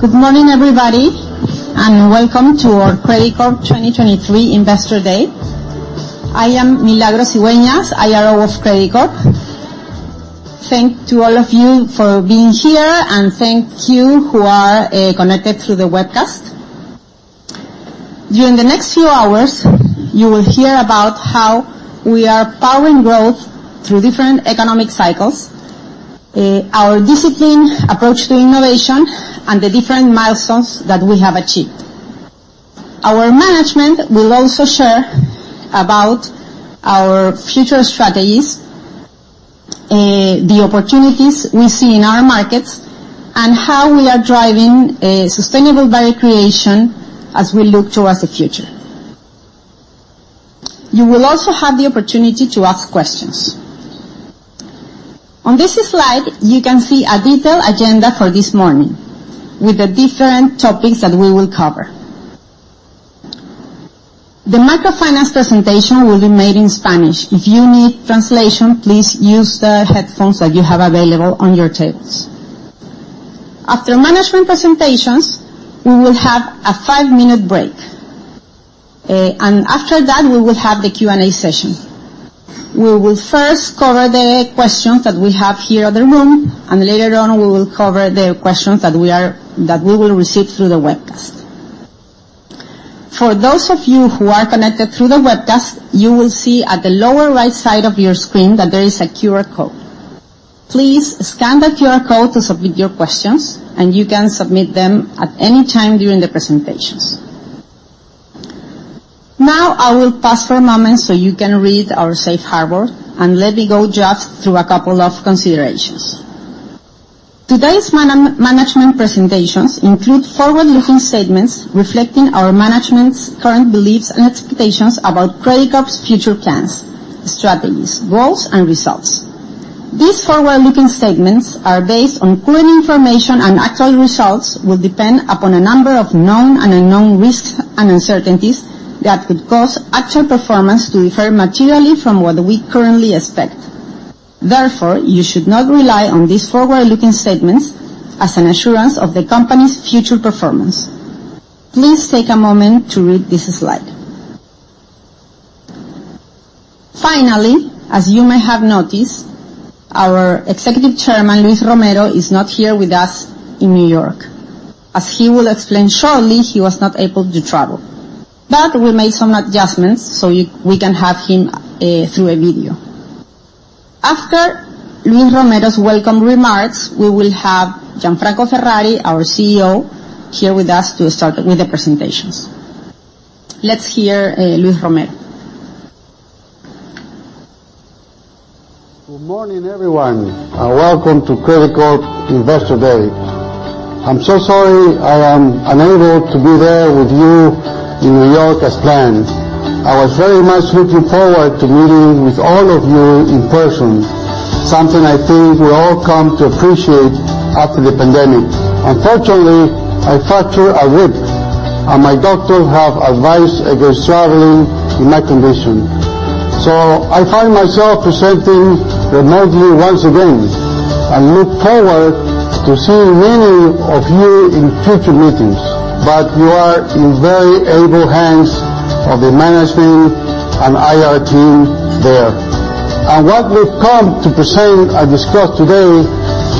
Good morning, everybody. Welcome to our Credicorp 2023 Investor Day. I am Milagros Cigüeñas, IRO of Credicorp. Thank to all of you for being here. Thank you who are connected through the webcast. During the next few hours, you will hear about how we are powering growth through different economic cycles, our discipline approach to innovation, and the different milestones that we have achieved. Our management will also share about our future strategies, the opportunities we see in our markets, and how we are driving sustainable value creation as we look towards the future. You will also have the opportunity to ask questions. On this slide, you can see a detailed agenda for this morning, with the different topics that we will cover. The microfinance presentation will be made in Spanish. If you need translation, please use the headphones that you have available on your tables. After management presentations, we will have a five-minute break, and after that, we will have the Q&A session. We will first cover the questions that we have here at the room, and later on, we will cover the questions that we will receive through the webcast. For those of you who are connected through the webcast, you will see at the lower right side of your screen that there is a QR code. Please scan the QR code to submit your questions, and you can submit them at any time during the presentations. Now, I will pause for a moment so you can read our safe harbor, and let me go just through a couple of considerations. Today's management presentations include forward-looking statements reflecting our management's current beliefs and expectations about Credicorp's future plans, strategies, goals, and results. These forward-looking statements are based on current information. Actual results will depend upon a number of known and unknown risks and uncertainties that could cause actual performance to differ materially from what we currently expect. Therefore, you should not rely on these forward-looking statements as an assurance of the company's future performance. Please take a moment to read this slide. Finally, as you may have noticed, our Executive Chairman, Luis Romero, is not here with us in New York. As he will explain shortly, he was not able to travel, but we made some adjustments, so we can have him through a video. After Luis Romero's welcome remarks, we will have Gianfranco Ferrari, our CEO, here with us to start with the presentations. Let's hear Luis Romero. Good morning, everyone, welcome to Credicorp Investor Day. I'm so sorry I am unable to be there with you in New York as planned. I was very much looking forward to meeting with all of you in person, something I think we all come to appreciate after the pandemic. Unfortunately, I fractured a rib, and my doctors have advised against traveling in my condition, so I find myself presenting remotely once again and look forward to seeing many of you in future meetings. You are in very able hands of the management and IR team there. What we've come to present and discuss today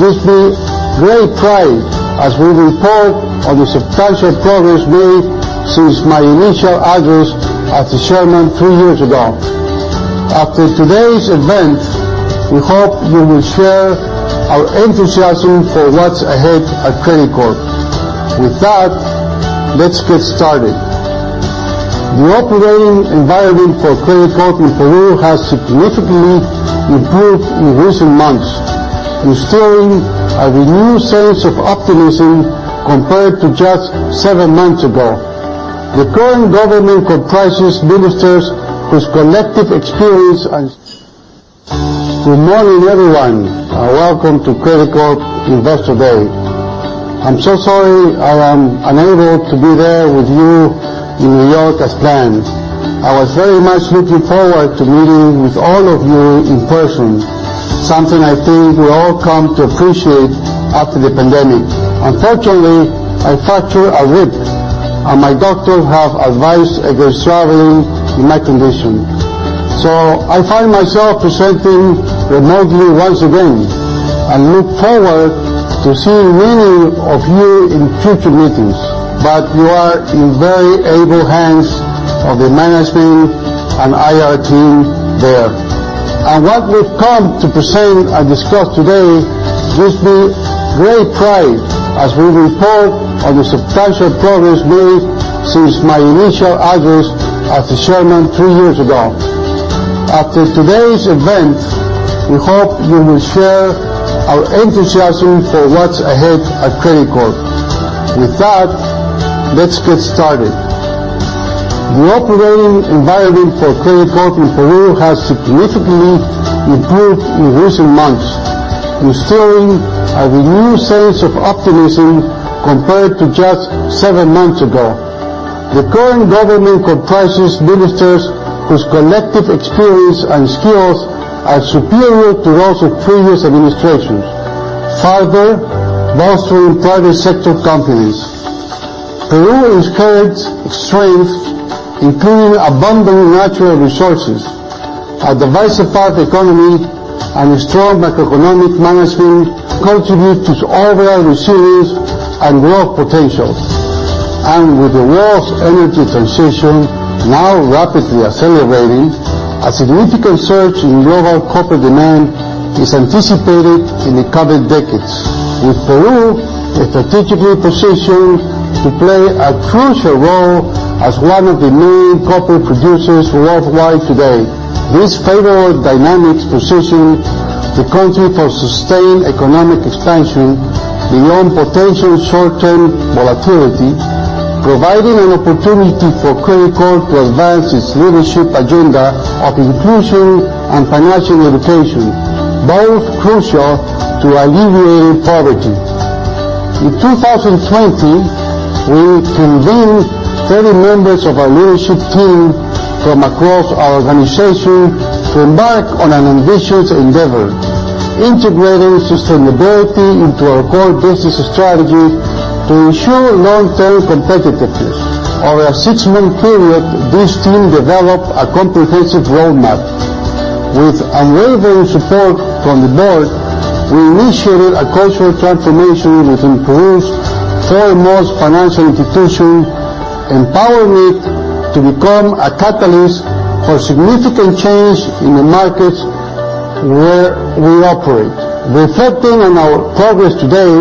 gives me great pride as we report on the substantial progress made since my initial address as the chairman three years ago. After today's event, we hope you will share our enthusiasm for what's ahead at Credicorp. With that, let's get started. The operating environment for Credicorp in Peru has significantly improved in recent months, instilling a renewed sense of optimism compared to just seven months ago. The current government comprises ministers whose collective experience. Good morning, everyone, and welcome to Credicorp Investor Day. I'm so sorry I am unable to be there with you in New York as planned. I was very much looking forward to meeting with all of you in person, something I think we all come to appreciate after the pandemic. Unfortunately, I fractured a rib, and my doctors have advised against traveling in my condition. I find myself presenting remotely once again and look forward to seeing many of you in future meetings. You are in very able hands of the management and IR team there. What we've come to present and discuss today gives me great pride as we report on the substantial progress made since my initial address as the chairman three years ago. After today's event, we hope you will share our enthusiasm for what's ahead at Credicorp. With that, let's get started. The operating environment for Credicorp in Peru has significantly improved in recent months, instilling a renewed sense of optimism compared to just seven months ago. The current government comprises ministers whose collective experience and skills are superior to those of previous administrations, further bolstering private sector confidence. Peru encourages strength, including abundant natural resources. A diversified economy and a strong macroeconomic management contribute to overall resilience and growth potential. With the world's energy transition now rapidly accelerating, a significant surge in global copper demand is anticipated in the coming decades, with Peru strategically positioned to play a crucial role as one of the main copper producers worldwide today. These favorable dynamics position the country for sustained economic expansion beyond potential short-term volatility, providing an opportunity for Credicorp to advance its leadership agenda of inclusion and financial education, both crucial to alleviating poverty. In 2020, we convened 30 members of our leadership team from across our organization to embark on an ambitious endeavor, integrating sustainability into our core business strategy to ensure long-term competitiveness. Over a six-month period, this team developed a comprehensive roadmap. With unwavering support from the board, we initiated a cultural transformation within Peru's foremost financial institution, empowering it to become a catalyst for significant change in the markets where we operate. Reflecting on our progress today,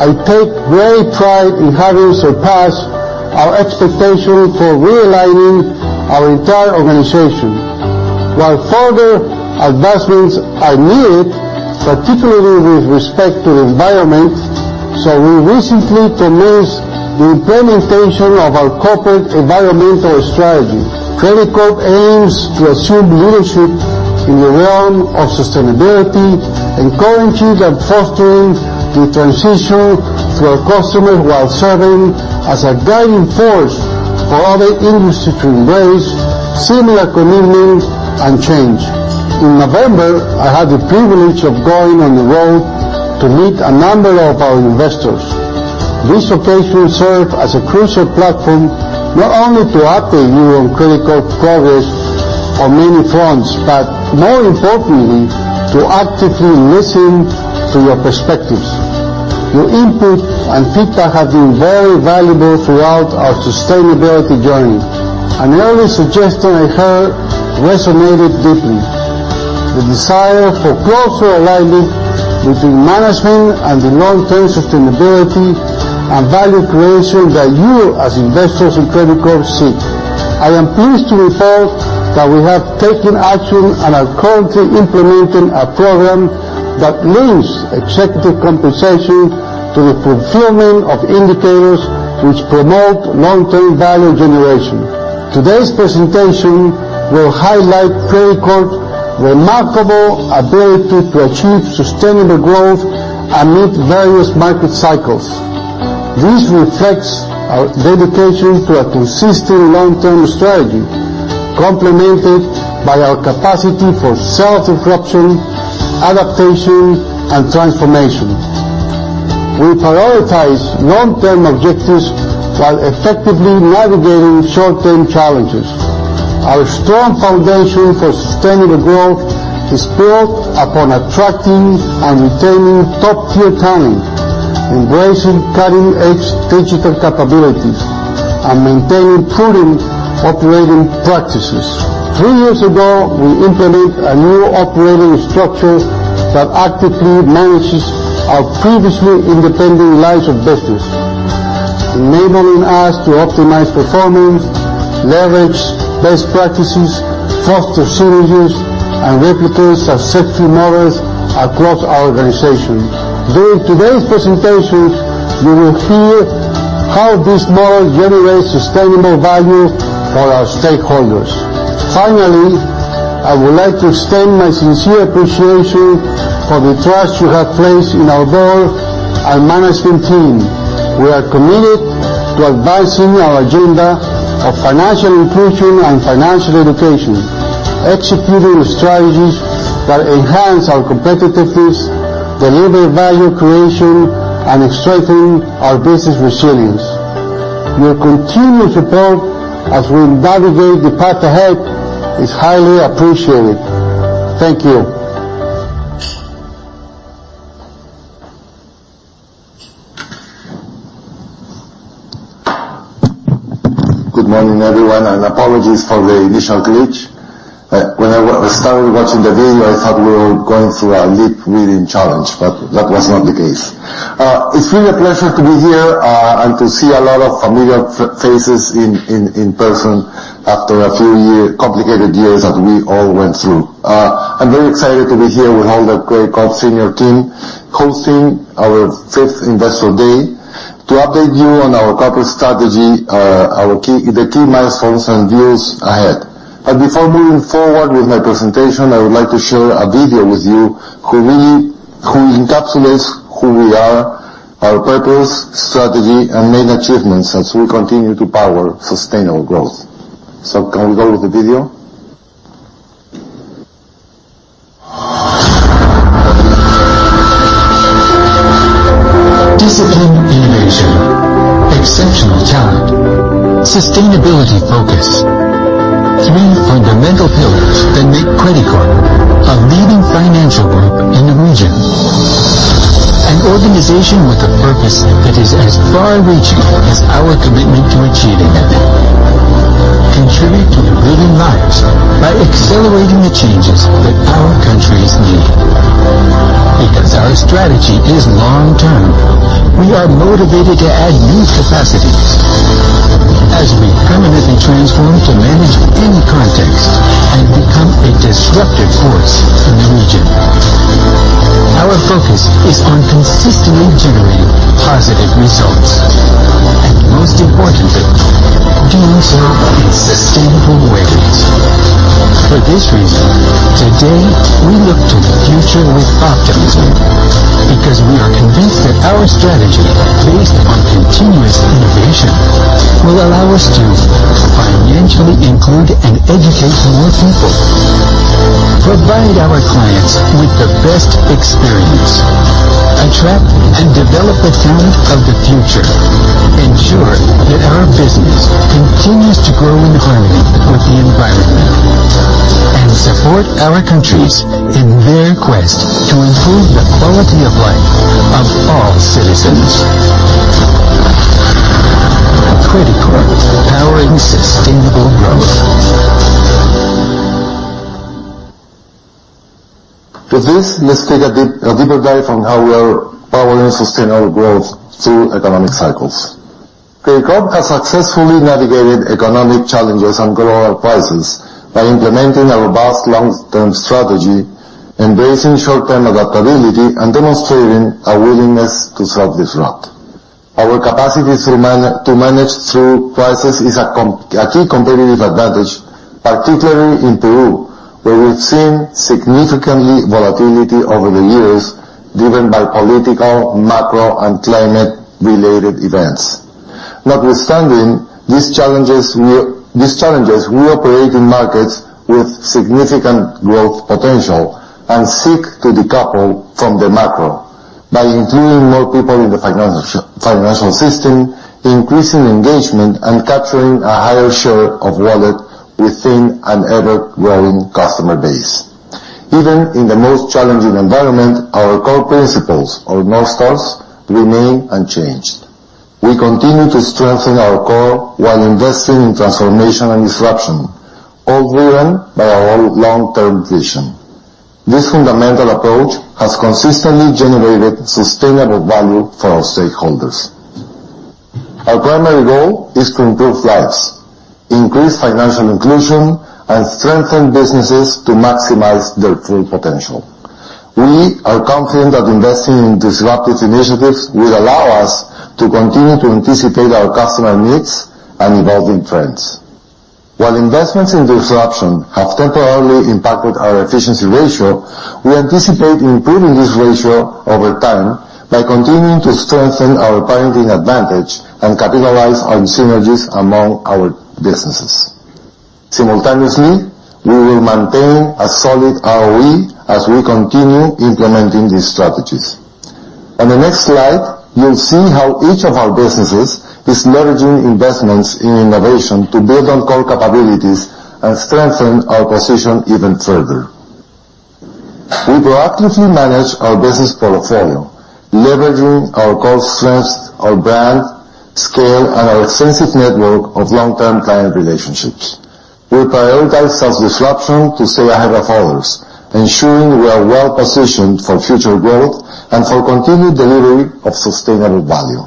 I take great pride in having surpassed our expectations for realigning our entire organization, while further advancements are needed, particularly with respect to the environment. We recently commenced the implementation of our corporate environmental strategy. Credicorp aims to assume leadership in the realm of sustainability, encouraging and fostering the transition to our customers, while serving as a guiding force for other industries to embrace similar commitment and change. In November, I had the privilege of going on the road to meet a number of our investors. This occasion served as a crucial platform, not only to update you on Credicorp progress on many fronts, but more importantly, to actively listen to your perspectives. Your input and feedback have been very valuable throughout our sustainability journey. An early suggestion I heard resonated deeply, the desire for closer alignment between management and the long-term sustainability and value creation that you, as investors in Credicorp, seek. I am pleased to report that we have taken action and are currently implementing a program that links executive compensation to the fulfillment of indicators which promote long-term value generation. Today's presentation will highlight Credicorp remarkable ability to achieve sustainable growth amid various market cycles. This reflects our dedication to a consistent long-term strategy, complemented by our capacity for self-disruption, adaptation, and transformation. We prioritize long-term objectives while effectively navigating short-term challenges. Our strong foundation for sustainable growth is built upon attracting and retaining top-tier talent, embracing cutting-edge digital capabilities, and maintaining prudent operating practices. Three years ago, we implemented a new operating structure that actively manages our previously independent lines of business, enabling us to optimize performance, leverage best practices, foster synergies, and replicate successful models across our organization. During today's presentation, you will hear how this model generates sustainable value for our stakeholders. Finally, I would like to extend my sincere appreciation for the trust you have placed in our board and management team. We are committed to advancing our agenda of financial inclusion and financial education, executing strategies that enhance our competitiveness, deliver value creation, and strengthen our business resilience. Your continued support as we navigate the path ahead is highly appreciated. Thank you. Good morning, everyone. Apologies for the initial glitch. When I started watching the video, I thought we were going through a lip-reading challenge. That was not the case. It's really a pleasure to be here to see a lot of familiar faces in person after a few complicated years that we all went through. I'm very excited to be here with all the Credicorp senior team, hosting our fifth Investor Day, to update you on our corporate strategy, the key milestones and views ahead. Before moving forward with my presentation, I would like to share a video with you, who really encapsulates who we are, our purpose, strategy, and main achievements as we continue to power sustainable growth. Can we go with the video? Disciplined innovation, exceptional talent, sustainability focus. Three fundamental pillars that make Credicorp a leading financial group in the region. An organization with a purpose that is as far-reaching as our commitment to achieving it: contribute to improving lives by accelerating the changes that our countries need. Because our strategy is long-term, we are motivated to add new capacities, as we permanently transform to manage any context and become a disruptive force in the region. Our focus is on consistently generating positive results, and most importantly, doing so in sustainable ways. For this reason, today, we look to the future with optimism, because we are convinced that our strategy, based on continuous innovation, will allow us to financially include and educate more people, provide our clients with the best experience, attract and develop the talent of the future, ensure that our business continues to grow in harmony with the environment, and support our countries in their quest to improve the quality of life of all citizens. Credicorp, powering sustainable growth. With this, let's take a deeper dive on how we are powering sustainable growth through economic cycles. Credicorp has successfully navigated economic challenges and global crisis by implementing a robust long-term strategy, embracing short-term adaptability, and demonstrating a willingness to self-disrupt. Our capacity to manage through crisis is a key competitive advantage, particularly in Peru, where we've seen significantly volatility over the years, driven by political, macro, and climate-related events. Notwithstanding these challenges, we operate in markets with significant growth potential and seek to decouple from the macro by including more people in the financial system, increasing engagement, and capturing a higher share of wallet within an ever-growing customer base. Even in the most challenging environment, our core principles, our North Stars, remain unchanged. We continue to strengthen our core while investing in transformation and disruption, all driven by our long-term vision. This fundamental approach has consistently generated sustainable value for our stakeholders. Our primary goal is to improve lives, increase financial inclusion, and strengthen businesses to maximize their full potential. We are confident that investing in disruptive initiatives will allow us to continue to anticipate our customer needs and evolving trends. While investments in disruption have temporarily impacted our efficiency ratio, we anticipate improving this ratio over time by continuing to strengthen our parenting advantage and capitalize on synergies among our businesses. Simultaneously, we will maintain a solid ROE as we continue implementing these strategies. On the next slide, you'll see how each of our businesses is leveraging investments in innovation to build on core capabilities and strengthen our position even further. We proactively manage our business portfolio, leveraging our core strengths, our brand, scale, and our extensive network of long-term client relationships. We prioritize self-disruption to stay ahead of others, ensuring we are well-positioned for future growth and for continued delivery of sustainable value.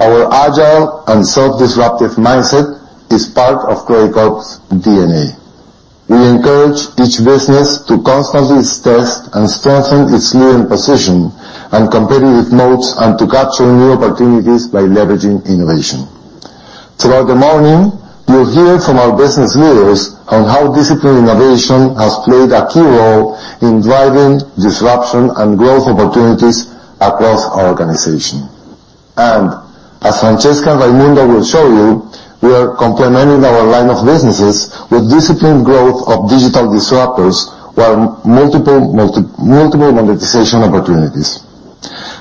Our agile and self-disruptive mindset is part of Credicorp's DNA. We encourage each business to constantly test and strengthen its leading position and competitive modes, and to capture new opportunities by leveraging innovation. Throughout the morning, you'll hear from our business leaders on how disciplined innovation has played a key role in driving disruption and growth opportunities across our organization. As Francesca Raimundo will show you, we are complementing our line of businesses with disciplined growth of digital disruptors, while multiple monetization opportunities.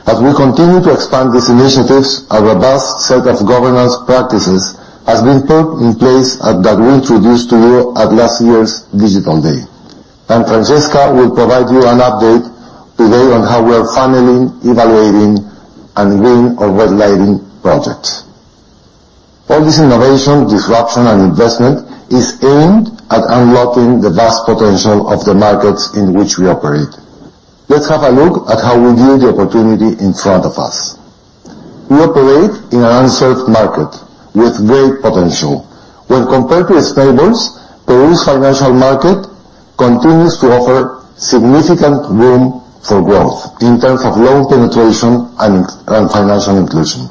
As we continue to expand these initiatives, our robust set of governance practices has been put in place that we introduced to you at last year's Digital Day. Francesca will provide you an update today on how we are funneling, evaluating, and green- or red-lighting projects. All this innovation, disruption, and investment is aimed at unlocking the vast potential of the markets in which we operate. Let's have a look at how we view the opportunity in front of us. We operate in an unserved market with great potential. When compared to its neighbors, Peru's financial market continues to offer significant room for growth in terms of loan penetration and financial inclusion....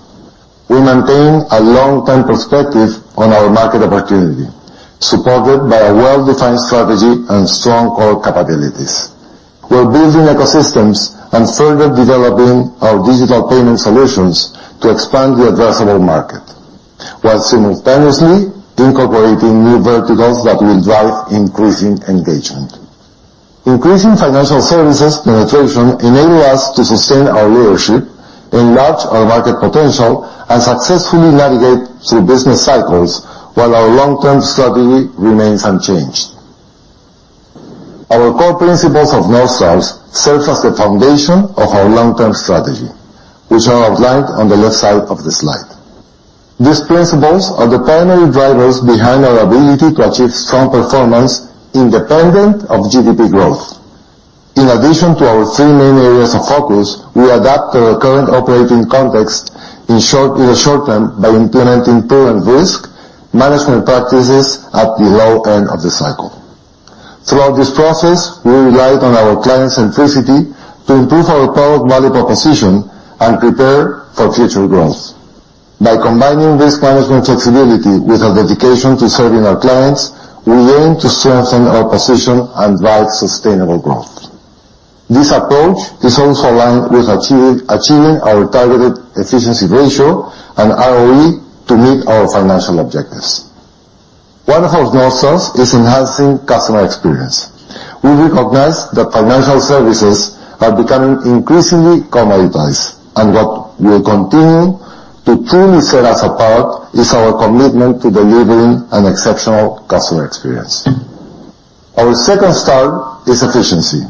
We maintain a long-term perspective on our market opportunity, supported by a well-defined strategy and strong core capabilities. We're building ecosystems and further developing our digital payment solutions to expand the addressable market, while simultaneously incorporating new verticals that will drive increasing engagement. Increasing financial services penetration enable us to sustain our leadership, enlarge our market potential, and successfully navigate through business cycles, while our long-term strategy remains unchanged. Our core principles of North Stars serves as the foundation of our long-term strategy, which are outlined on the left side of the slide. These principles are the primary drivers behind our ability to achieve strong performance independent of GDP growth. In addition to our three main areas of focus, we adapt to the current operating context, in short, in the short term, by implementing prudent risk management practices at the low end of the cycle. Throughout this process, we relied on our client centricity to improve our product value proposition and prepare for future growth. By combining risk management flexibility with our dedication to serving our clients, we aim to strengthen our position and drive sustainable growth. This approach is also aligned with achieving our targeted efficiency ratio and ROE to meet our financial objectives. One of our North Stars is enhancing customer experience. We recognize that financial services are becoming increasingly commoditized, and what will continue to truly set us apart is our commitment to delivering an exceptional customer experience. Our second star is efficiency.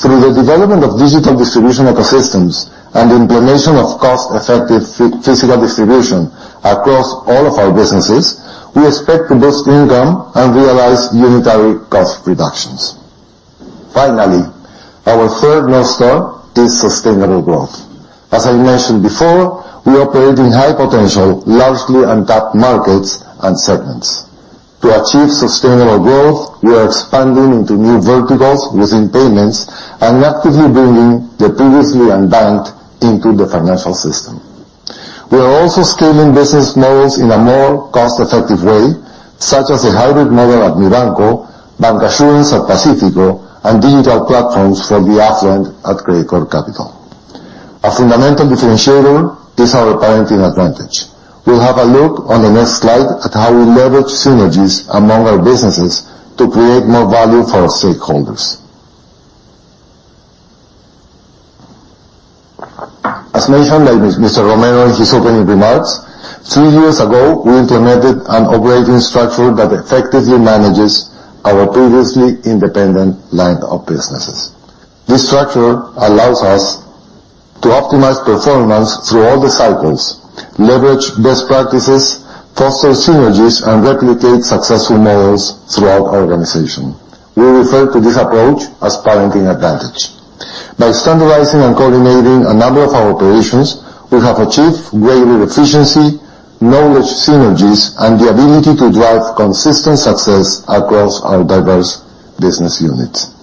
Through the development of digital distribution ecosystems and the implementation of cost-effective physical distribution across all of our businesses, we expect to boost income and realize unitary cost reductions. Finally, our third North Star is sustainable growth. As I mentioned before, we operate in high-potential, largely untapped markets and segments. To achieve sustainable growth, we are expanding into new verticals within payments and actively bringing the previously unbanked into the financial system. We are also scaling business models in a more cost-effective way, such as the hybrid model at Mibanco, bancassurance at Pacífico Seguros, and digital platforms for the affluent at Credicorp Capital. A fundamental differentiator is our parenting advantage. We'll have a look on the next slide at how we leverage synergies among our businesses to create more value for our stakeholders. As mentioned by Mr. Romero in his opening remarks, three years ago, we implemented an operating structure that effectively manages our previously independent line of businesses. This structure allows us to optimize performance through all the cycles, leverage best practices, foster synergies, and replicate successful models throughout our organization. We refer to this approach as parenting advantage. By standardizing and coordinating a number of our operations, we have achieved greater efficiency, knowledge synergies, and the ability to drive consistent success across our diverse business units.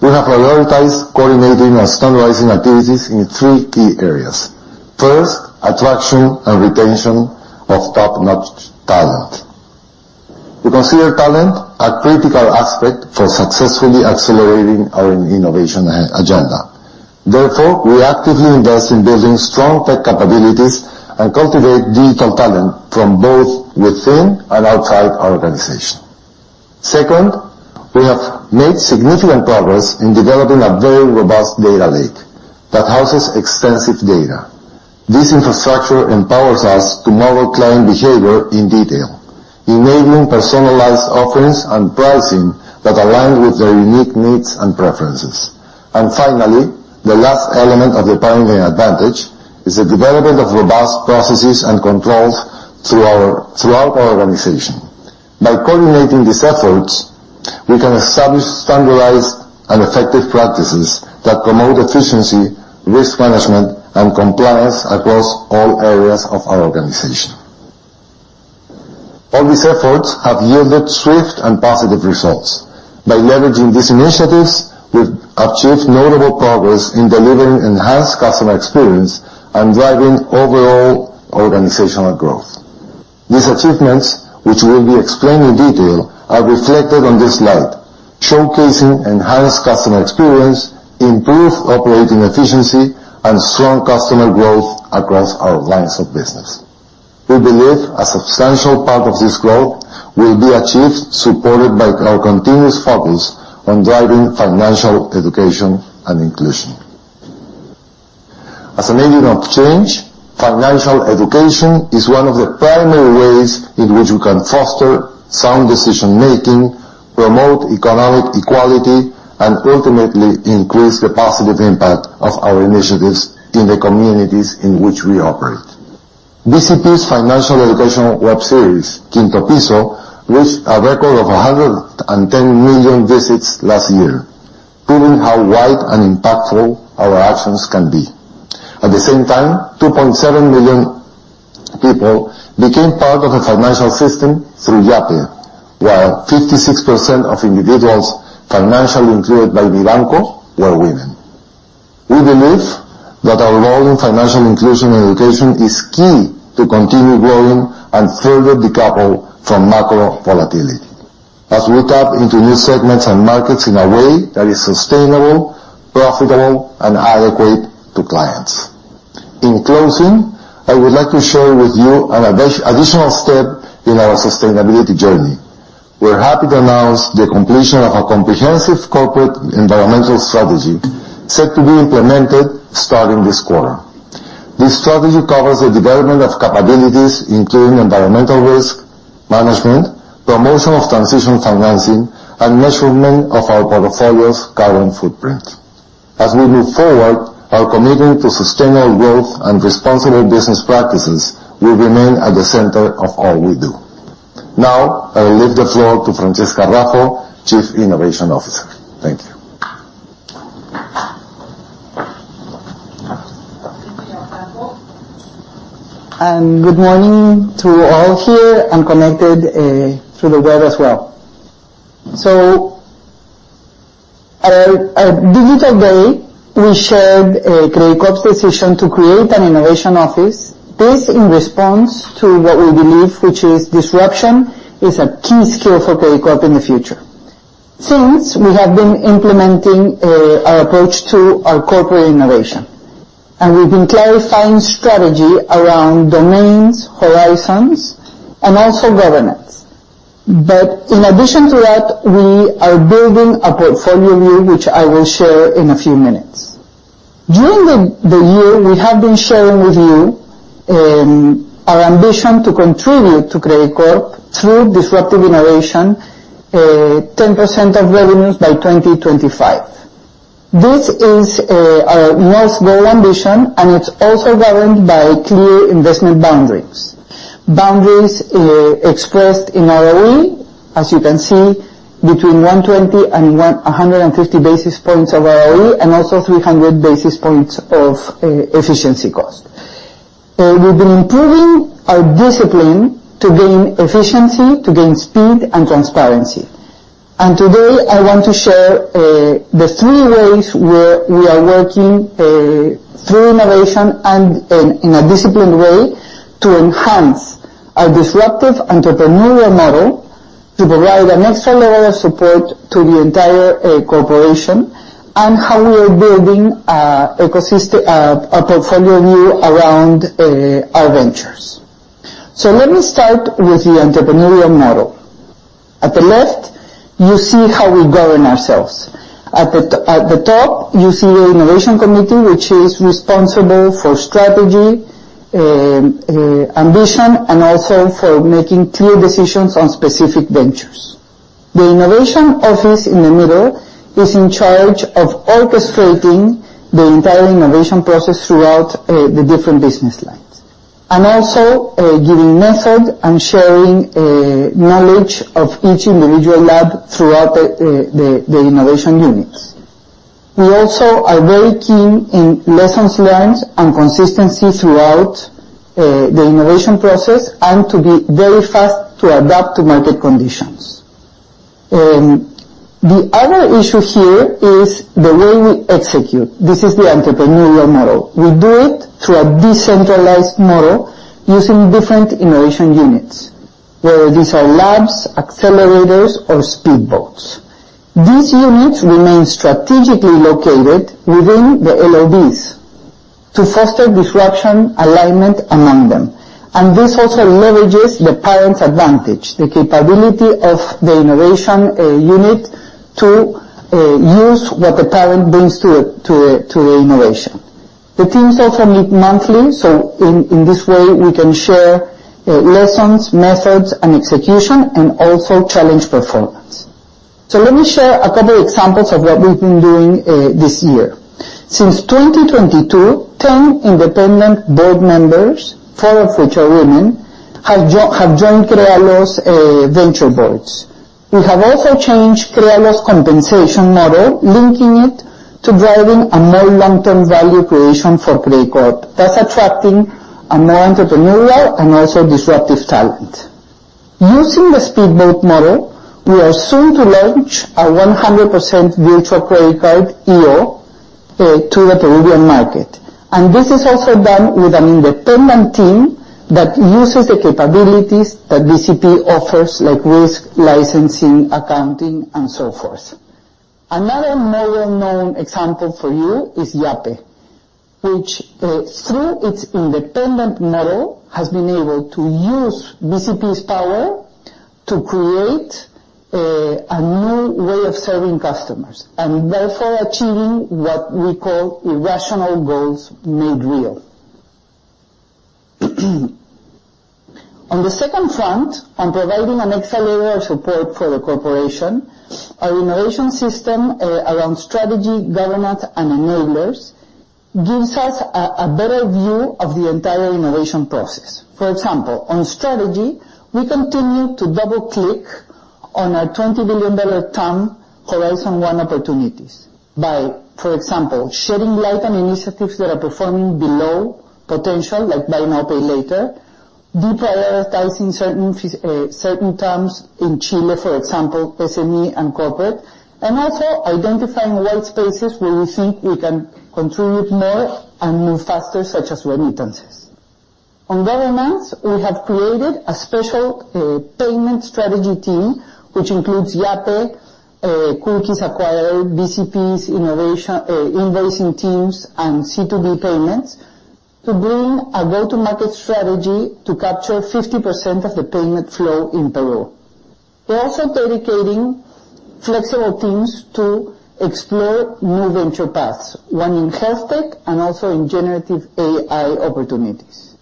We have prioritized coordinating and standardizing activities in three key areas. First, attraction and retention of top-notch talent. We consider talent a critical aspect for successfully accelerating our innovation agenda. Therefore, we actively invest in building strong tech capabilities and cultivate digital talent from both within and outside our organization. Second, we have made significant progress in developing a very robust data lake that houses extensive data. This infrastructure empowers us to model client behavior in detail, enabling personalized offerings and pricing that align with their unique needs and preferences. Finally, the last element of the parenting advantage is the development of robust processes and controls throughout our organization. By coordinating these efforts, we can establish standardized and effective practices that promote efficiency, risk management, and compliance across all areas of our organization. All these efforts have yielded swift and positive results. By leveraging these initiatives, we've achieved notable progress in delivering enhanced customer experience and driving overall organizational growth. These achievements, which will be explained in detail, are reflected on this slide, showcasing enhanced customer experience, improved operating efficiency, and strong customer growth across our lines of business. We believe a substantial part of this growth will be achieved, supported by our continuous focus on driving financial education and inclusion. As an agent of change, financial education is one of the primary ways in which we can foster sound decision-making, promote economic equality, and ultimately increase the positive impact of our initiatives in the communities in which we operate. BCP's financial educational web series, Quinto Piso, reached a record of 110 million visits last year, proving how wide and impactful our actions can be. At the same time, 2.7 million people became part of the financial system through Yape, while 56% of individuals financially included by Mibanco were women. We believe that our role in financial inclusion and education is key to continue growing and further decouple from macro volatility, as we tap into new segments and markets in a way that is sustainable, profitable, and adequate to clients. In closing, I would like to share with you an additional step in our sustainability journey. We're happy to announce the completion of a comprehensive corporate environmental strategy, set to be implemented starting this quarter. This strategy covers the development of capabilities, including environmental risk management, promotion of transition financing, and measurement of our portfolio's carbon footprint. As we move forward, our commitment to sustainable growth and responsible business practices will remain at the center of all we do. Now, I will leave the floor to Francesca Raffo, Chief Innovation Officer. Thank you. Good morning to all here and connected through the web as well. At our Digital Day, we shared Credicorp's decision to create an innovation office. This in response to what we believe, which is disruption, is a key skill for Credicorp in the future. Since, we have been implementing our approach to our corporate innovation, and we've been clarifying strategy around domains, horizons, and also governance. In addition to that, we are building a portfolio view, which I will share in a few minutes. During the year, we have been sharing with you our ambition to contribute to Credicorp through disruptive innovation, 10% of revenues by 2025. This is our North Star ambition, and it's also governed by clear investment boundaries. Boundaries, expressed in ROE, as you can see, between 120 and 150 basis points of ROE, and also 300 basis points of efficiency cost. We've been improving our discipline to gain efficiency, to gain speed and transparency. Today, I want to share the three ways we are working through innovation and in a disciplined way to enhance our disruptive entrepreneurial model, to provide an extra level of support to the entire corporation, and how we are building a ecosystem, a portfolio view around our ventures. Let me start with the entrepreneurial model. At the left, you see how we govern ourselves. At the top, you see the innovation committee, which is responsible for strategy, ambition, and also for making clear decisions on specific ventures. The innovation office in the middle is in charge of orchestrating the entire innovation process throughout the different business lines, and also giving method and sharing knowledge of each individual lab throughout the innovation units. We also are very keen in lessons learned and consistency throughout the innovation process, and to be very fast to adapt to market conditions. The other issue here is the way we execute. This is the entrepreneurial model. We do it through a decentralized model using different innovation units, whether these are labs, accelerators, or speed boats. These units remain strategically located within the LOBs to foster disruption, alignment among them. This also leverages the parent's advantage, the capability of the innovation unit to use what the parent brings to the innovation. The teams also meet monthly, in this way, we can share lessons, methods, and execution, and also challenge performance. Let me share a couple examples of what we've been doing this year. Since 2022, 10 independent board members, four of which are women, have joined Krealo's venture boards. We have also changed Krealo's compensation model, linking it to driving a more long-term value creation for Credicorp, thus attracting a more entrepreneurial and also disruptive talent. Using the speedboat model, we are soon to launch our 100% virtual credit card, iO, to the Peruvian market. This is also done with an independent team that uses the capabilities that BCP offers, like risk, licensing, accounting, and so forth. Another more well-known example for you is Yape, which, through its independent model, has been able to use BCP's power to create a new way of serving customers, and therefore achieving what we call irrational goals made real. On the second front, on providing an extra layer of support for the corporation, our innovation system around strategy, governance, and enablers gives us a better view of the entire innovation process. For example, on strategy, we continue to double-click on our $20 billion TAM Horizon 1 opportunities by, for example, shedding light on initiatives that are performing below potential, like buy now, pay later, deprioritizing certain terms in Chile, for example, SME and corporate, and also identifying white spaces where we think we can contribute more and move faster, such as remittances. On governments, we have created a special payment strategy team, which includes Yape, QR acquiring, BCP's innovation invoicing teams, and C2B payments, to bring a go-to-market strategy to capture 50% of the payment flow in Peru. We're also dedicating flexible teams to explore new venture paths, one in health tech and also in generative AI opportunities.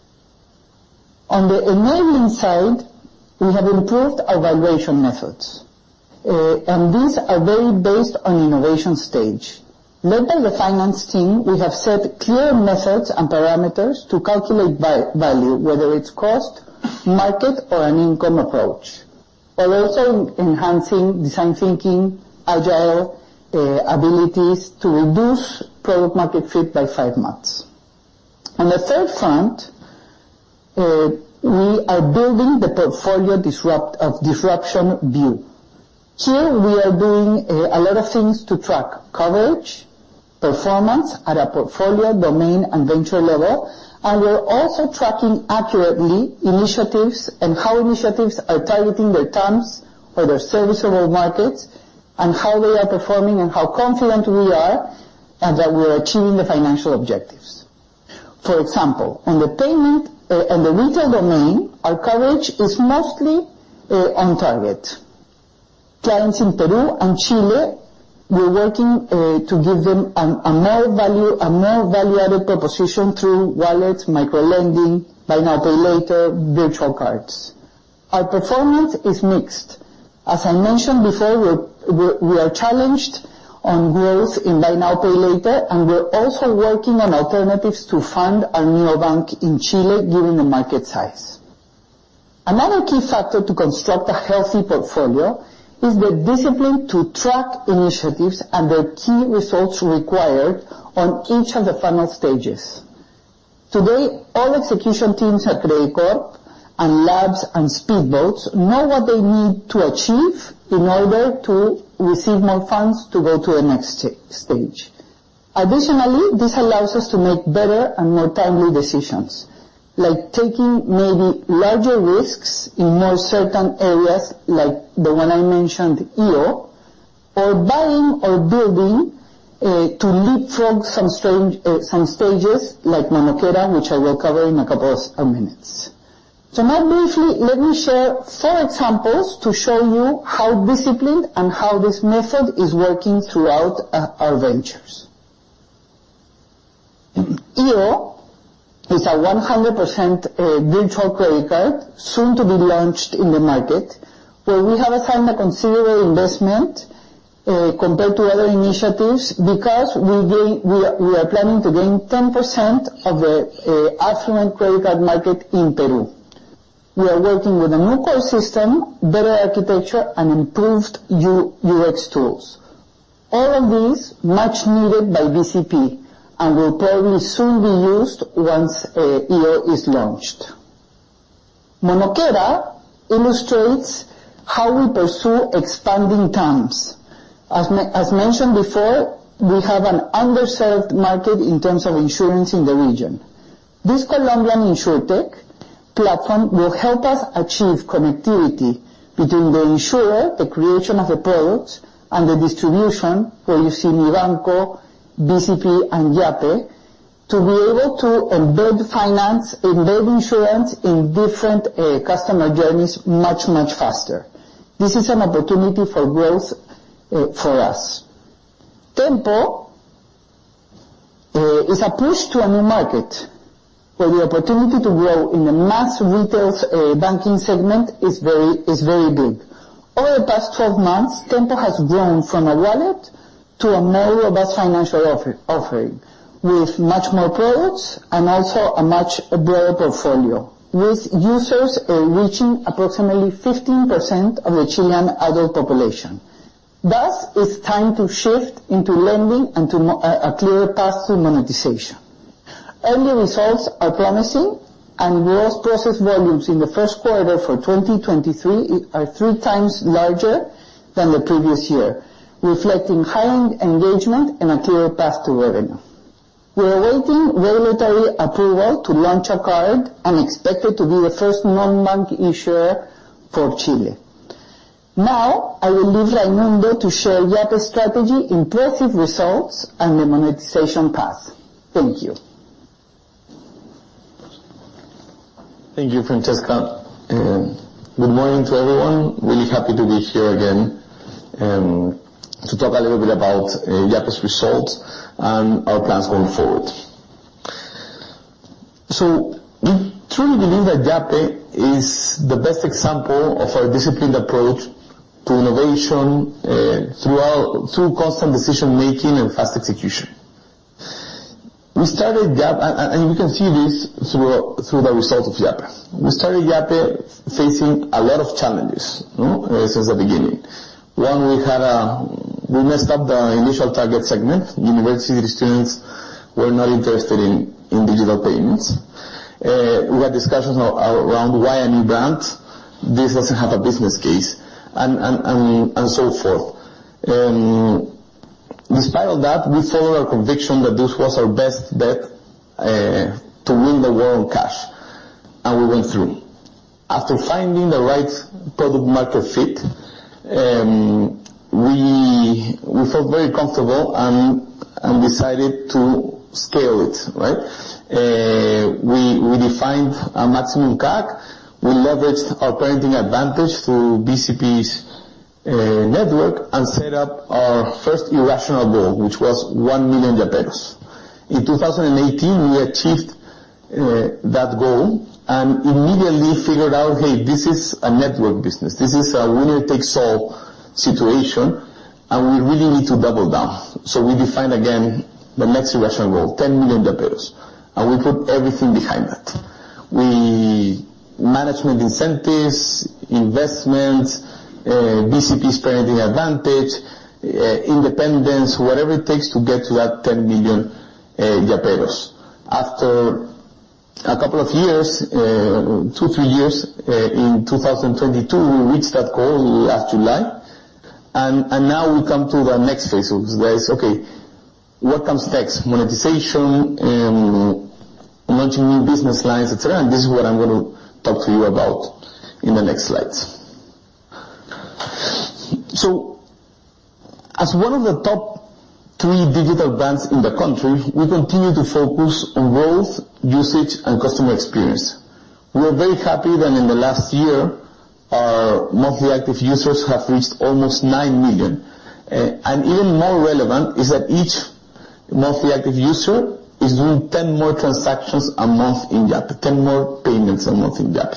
On the enabling side, we have improved our valuation methods, these are very based on innovation stage. Led by the finance team, we have set clear methods and parameters to calculate value, whether it's cost, market, or an income approach. We're also enhancing design thinking, agile abilities to reduce product market fit by 5 months. On the third front, we are building the portfolio of disruption view. Here, we are doing a lot of things to track coverage, performance at a portfolio, domain, and venture level, and we're also tracking accurately initiatives and how initiatives are targeting their terms or their serviceable markets, and how they are performing, and how confident we are, and that we're achieving the financial objectives. For example, on the payment, on the retail domain, our coverage is mostly on target. Clients in Peru and Chile, we're working to give them a more value-added proposition through wallet, micro-lending, buy now, pay later, virtual cards. Our performance is mixed. As I mentioned before, we are challenged on growth in buy now, pay later, and we're also working on alternatives to fund our neobank in Chile given the market size. Another key factor to construct a healthy portfolio is the discipline to track initiatives and the key results required on each of the funnel stages. Today, all execution teams at Credicorp and labs and speed boats know what they need to achieve in order to receive more funds to go to the next stage. Additionally, this allows us to make better and more timely decisions, like taking maybe larger risks in more certain areas, like the one I mentioned, iO, or buying or building to leapfrog some strange stages like Monokera, which I will cover in 2 minutes. Now, briefly, let me share 4 examples to show you how disciplined and how this method is working throughout our ventures. iO is a 100% virtual credit card, soon to be launched in the market, where we have found a considerable investment compared to other initiatives, because we are planning to gain 10% of the affluent credit card market in Peru. We are working with a new core system, better architecture, and improved UX tools. All of these much needed by BCP, will probably soon be used once iO is launched. Monokera illustrates how we pursue expanding terms. As mentioned before, we have an underserved market in terms of insurance in the region. This Colombian Insurtech platform will help us achieve connectivity between the insurer, the creation of the product, and the distribution, where you see Mibanco, BCP and Yape, to be able to embed finance, embed insurance in different customer journeys, much faster. This is an opportunity for growth for us. Tempo is a push to a new market, where the opportunity to grow in the mass retails banking segment is very big. Over the past 12 months, Tempo has grown from a wallet to a more robust financial offer, offering, with much more products and also a much broader portfolio, with users reaching approximately 15% of the Chilean adult population. Thus, it's time to shift into lending and to a clearer path to monetization. Early results are promising, and gross process volumes in the Q1 for 2023 are three times larger than the previous year, reflecting high-end engagement and a clear path to revenue. We are awaiting regulatory approval to launch a card and expected to be the first non-bank issuer for Chile. I will leave Raimundo to share Yape's strategy, impressive results, and the monetization path. Thank you. Thank you, Francesca. Good morning to everyone. Really happy to be here again, to talk a little bit about Yape's results and our plans going forward. We truly believe that Yape is the best example of our disciplined approach to innovation, through constant decision-making and fast execution. We started Yape, and you can see this through the results of Yape. We started Yape facing a lot of challenges, you know, since the beginning. One, we messed up the initial target segment. University students were not interested in digital payments. We had discussions around why a new brand, this doesn't have a business case, and so forth. In spite of that, we followed our conviction that this was our best bet to win the War on Cash, and we went through. After finding the right product market fit, we felt very comfortable and decided to scale it, right? We defined a maximum CAC. We leveraged our parenting advantage through BCP's network and set up our first irrational goal, which was 1 million Yaperos. In 2018, we achieved that goal and immediately figured out, hey, this is a network business. This is a winner-takes-all situation, and we really need to double down. We defined again the next irrational goal, 10 million Yaperos, and we put everything behind that. Management incentives, investments, BCP's parenting advantage, independence, whatever it takes to get to that 10 million Yaperos. After a couple of years, 2, 3 years, in 2022, we reached that goal last July, and now we come to the next phase, where it's: Okay, what comes next? Monetization, launching new business lines, et cetera, and this is what I'm going to talk to you about in the next slides. As one of the top 3 digital banks in the country, we continue to focus on growth, usage, and customer experience. We're very happy that in the last year, our monthly active users have reached almost 9 million. Even more relevant is that each monthly active user is doing 10 more transactions a month in Yape, 10 more payments a month in Yape.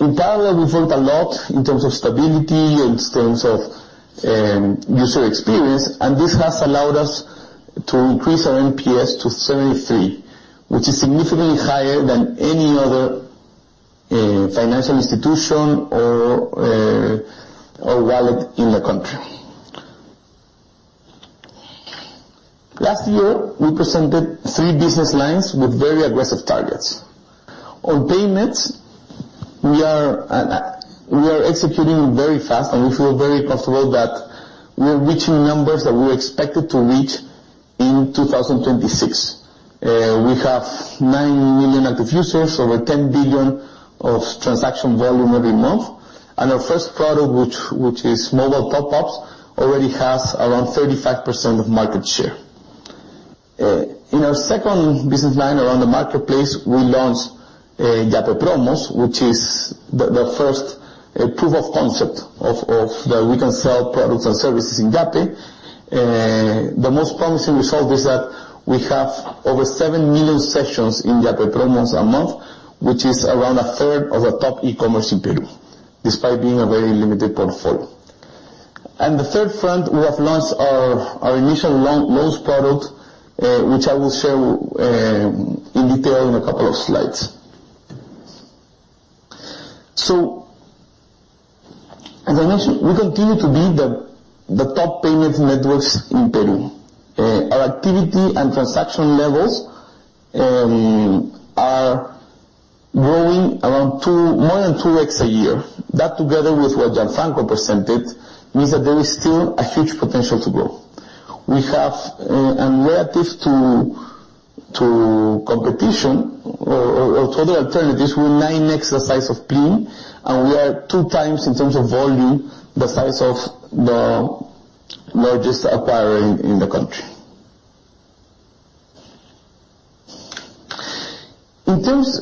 In parallel, we've worked a lot in terms of stability, in terms of user experience, and this has allowed us to increase our NPS to 33, which is significantly higher than any other financial institution or wallet in the country. Last year, we presented three business lines with very aggressive targets. On payments, we are executing very fast, and we feel very comfortable that we're reaching numbers that we're expected to reach in 2026. We have 9 million active users, over PEN 10 billion of transaction volume every month, and our first product, which is mobile top ups, already has around 35% of market share. In our second business line around the marketplace, we launched Yape Promos, which is the first proof of concept that we can sell products and services in Yape. The most promising result is that we have over 7 million sessions in Yape Promos a month, which is around a third of the top e-commerce in Peru, despite being a very limited portfolio. On the third front, we have launched our initial loans product, which I will show in detail in a couple of slides. As I mentioned, we continue to be the top payment networks in Peru. Our activity and transaction levels are growing around more than 2x a year. That, together with what Gianfranco presented, means that there is still a huge potential to grow. We have, relative to competition or to other alternatives, we're 9x the size of Plin. We are 2 times, in terms of volume, the size of the largest acquirer in the country.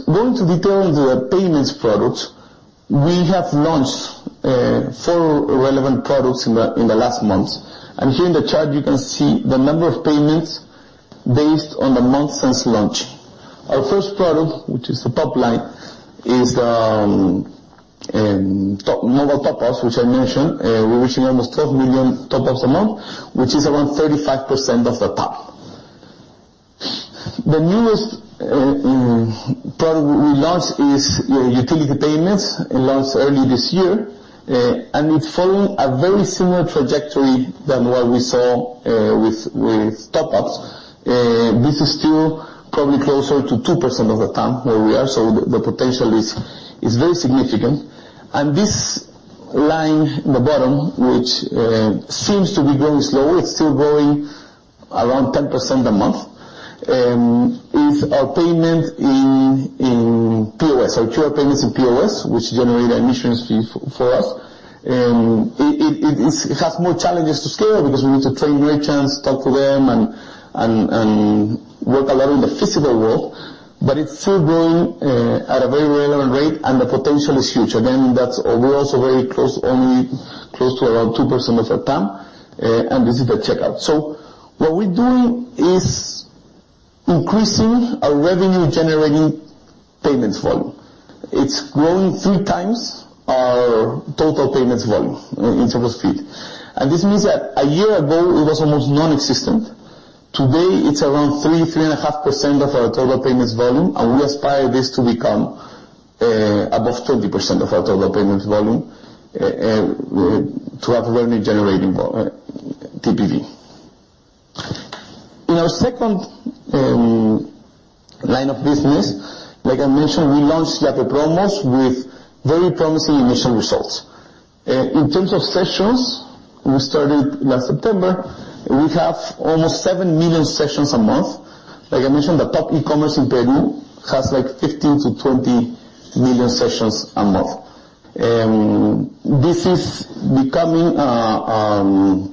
Going to detail the payments products, we have launched four relevant products in the last months. Here in the chart, you can see the number of payments based on the months since launch. Our first product, which is the top line, is the top, mobile top ups, which I mentioned. We're reaching almost 12 million top ups a month, which is around 35% of the top. The newest product we launched is utility payments. It launched early this year, and it's following a very similar trajectory than what we saw with top ups. This is still probably closer to 2% of the TAM, where we are, the potential is very significant. This line in the bottom, which seems to be growing slower, it's still growing around 10% a month, is our payment in POS, our pure payments in POS, which generate a emissions fee for us. It has more challenges to scale because we need to train merchants, talk to them, and work a lot in the physical world, but it's still growing at a very relevant rate, and the potential is huge. We're also very close, only close to around 2% of the TAM, and this is the checkout. What we're doing is increasing our revenue-generating products payments volume. It's growing 3 times our total payments volume, in terms of fee. This means that a year ago, it was almost non-existent. Today, it's around 3.5% of our total payments volume, and we aspire this to become above 20% of our total payments volume to have revenue generating vol, TPV. In our second line of business, like I mentioned, we launched Yape Promos with very promising initial results. In terms of sessions, we started last September, we have almost 7 million sessions a month. Like I mentioned, the top e-commerce in Peru has, like, 15-20 million sessions a month. This is becoming a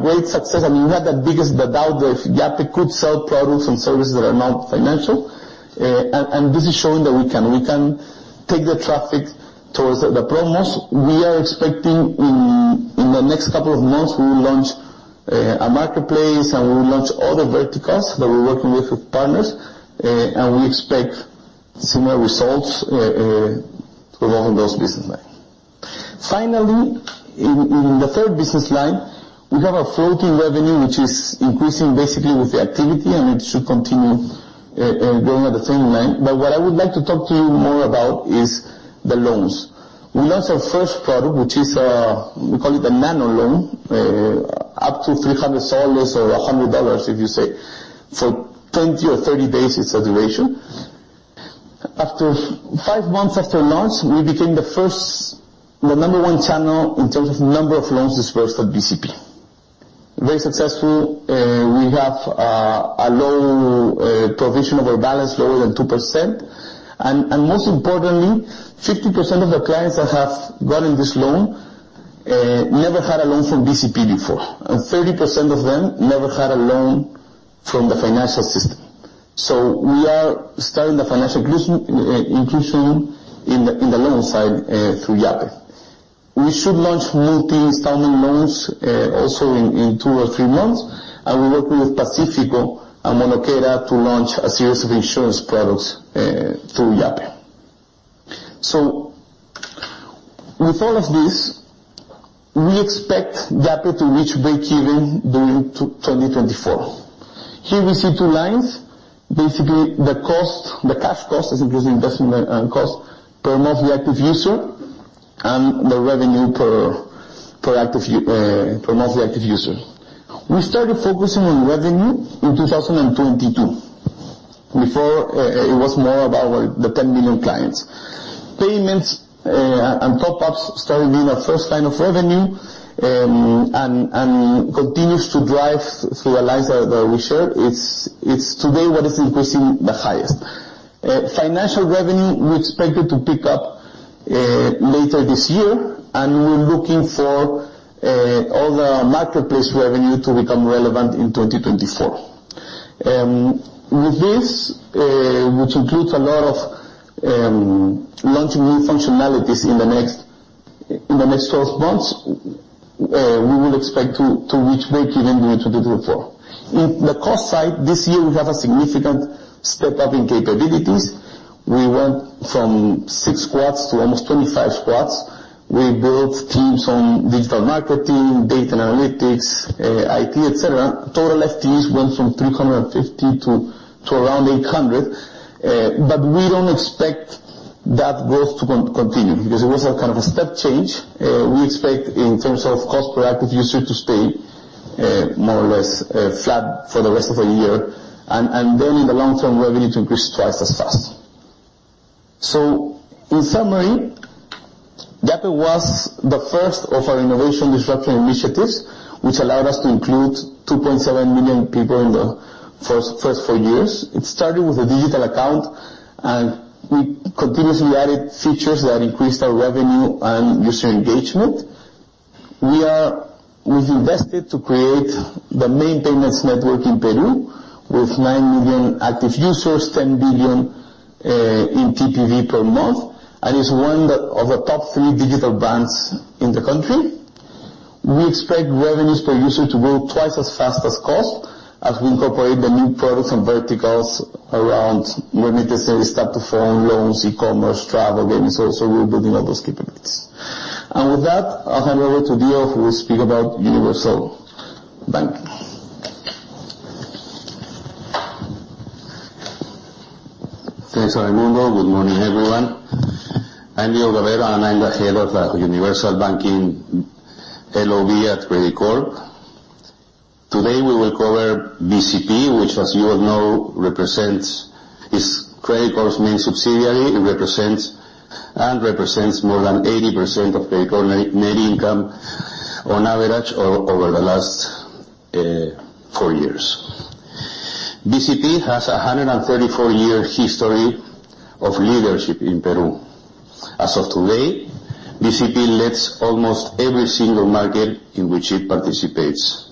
great success. I mean, we had the biggest doubt that Yape could sell products and services that are not financial, and this is showing that we can. We can take the traffic towards the promos. We are expecting in the next couple of months, we will launch a marketplace, and we will launch other verticals that we're working with partners, and we expect similar results for all of those business lines. Finally, in the third business line, we have a floating revenue, which is increasing basically with the activity, and it should continue going at the same line. What I would like to talk to you more about is the loans. We launched our first product, which is, we call it the nano loan, up to 300 soles or $100, if you say, for 20 or 30 days, its duration. After 5 months after launch, we became the first, the number 1 channel in terms of number of loans disbursed at BCP. Very successful. We have a low provision of our balance, lower than 2%. Most importantly, 50% of the clients that have gotten this loan, never had a loan from BCP before, and 30% of them never had a loan from the financial system. We are starting the financial inclusion in the loan side, through Yape. We should launch multi-installment loans, also in 2 or 3 months, and we work with Pacífico and Monokera to launch a series of insurance products through Yape. With all of this, we expect Yape to reach breakeven during 2024. Here we see 2 lines, basically the cost, the cash cost, as it is investment, and cost per monthly active user, and the revenue per active per monthly active user. We started focusing on revenue in 2022. Before, it was more about the 10 million clients. Payments and top ups started being our first line of revenue, and continues to drive through the lines that we share. It's today what is increasing the highest. Financial revenue, we expect it to pick up later this year, and we're looking for all the marketplace revenue to become relevant in 2024. With this, which includes a lot of launching new functionalities in the next 12 months, we will expect to reach breakeven in 2024. In the cost side, this year, we've had a significant step-up in capabilities. We went from 6 squads to almost 25 squads. We built teams on digital marketing, data analytics, IT, et cetera. Total FTEs went from 350 to around 800, but we don't expect that growth to continue because it was a kind of a step change. We expect in terms of cost per active user to stay more or less flat for the rest of the year, and then in the long term, revenue to increase twice as fast. In summary, Yape was the first of our innovation disruption initiatives, which allowed us to include 2.7 million people in the first 4 years. It started with a digital account, and we continuously added features that increased our revenue and user engagement. We've invested to create the main payments network in Peru, with 9 million active users, $10 billion in TPV per month, and it's one of the top 3 digital banks in the country. We expect revenues per user to grow twice as fast as cost, as we incorporate the new products and verticals around remitter, start to form loans, e-commerce, travel, gaming. We're building all those capabilities. With that, I'll hand over to Dio, who will speak about Universal Bank. Thanks, Raimundo. Good morning, everyone. I'm Diego Cavero, and I'm the head of the Universal Banking LOB at Credicorp. Today, we will cover BCP, which, as you all know, represents Credicorp's main subsidiary. It represents more than 80% of Credicorp net income on average, over the last 4 years. BCP has a 134-year history of leadership in Peru. As of today, BCP leads almost every single market in which it participates.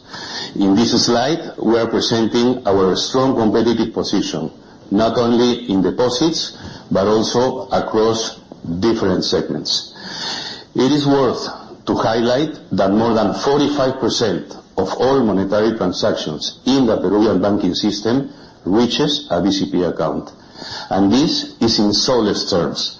In this slide, we are presenting our strong competitive position, not only in deposits, but also across different segments. It is worth to highlight that more than 45% of all monetary transactions in the Peruvian banking system reaches a BCP account, and this is in soles terms.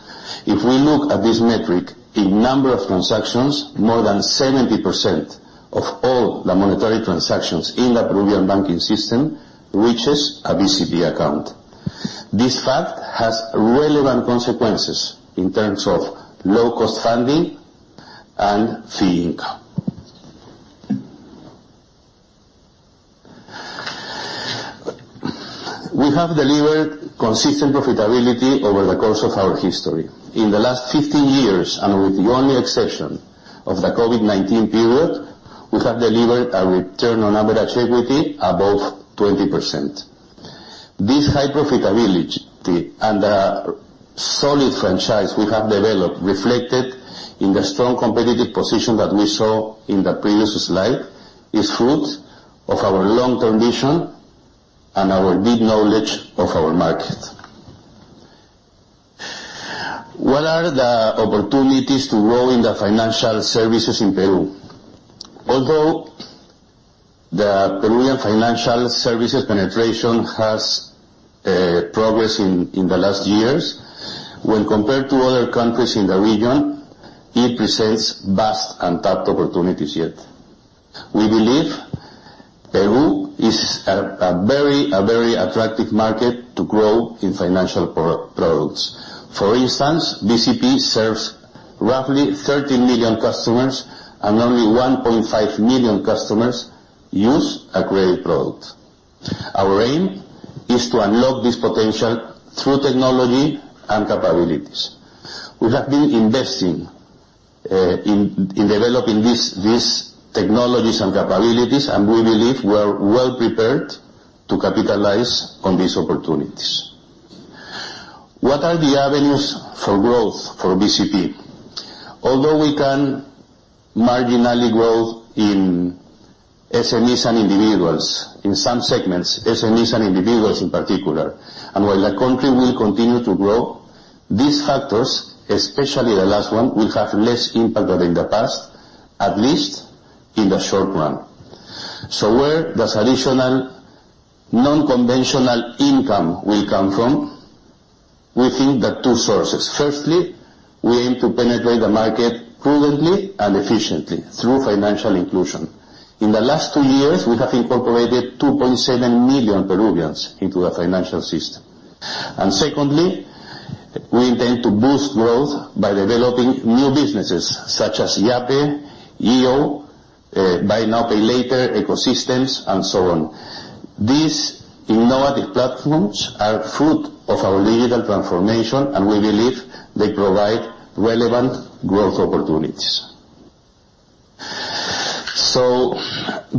If we look at this metric, in number of transactions, more than 70% of all the monetary transactions in the Peruvian banking system reaches a BCP account. This fact has relevant consequences in terms of low-cost funding and fee income. We have delivered consistent profitability over the course of our history. In the last 15 years, and with the only exception of the COVID-19 period, we have delivered a return on average equity above 20%. This high profitability, and the solid franchise we have developed, reflected in the strong competitive position that we saw in the previous slide, is fruit of our long-term vision and our deep knowledge of our market. What are the opportunities to grow in the financial services in Peru? Although the Peruvian financial services penetration has progressed in the last years, when compared to other countries in the region, it presents vast untapped opportunities yet. We believe Peru is a very attractive market to grow in financial products. For instance, BCP serves roughly 13 million customers, and only 1.5 million customers use a credit product. Our aim is to unlock this potential through technology and capabilities. We have been investing in developing these technologies and capabilities, and we believe we are well prepared to capitalize on these opportunities. What are the avenues for growth for BCP? Although we can marginally grow in SMEs and individuals, in some segments, SMEs and individuals in particular, and while the country will continue to grow, these factors, especially the last one, will have less impact than in the past, at least in the short run. Where does additional non-conventional income will come from? We think there are two sources. Firstly, we aim to penetrate the market prudently and efficiently through financial inclusion. In the last 2 years, we have incorporated 2.7 million Peruvians into the financial system. Secondly, we intend to boost growth by developing new businesses, such as Yape, iO, buy now, pay later ecosystems, and so on. These innovative platforms are fruit of our digital transformation, and we believe they provide relevant growth opportunities.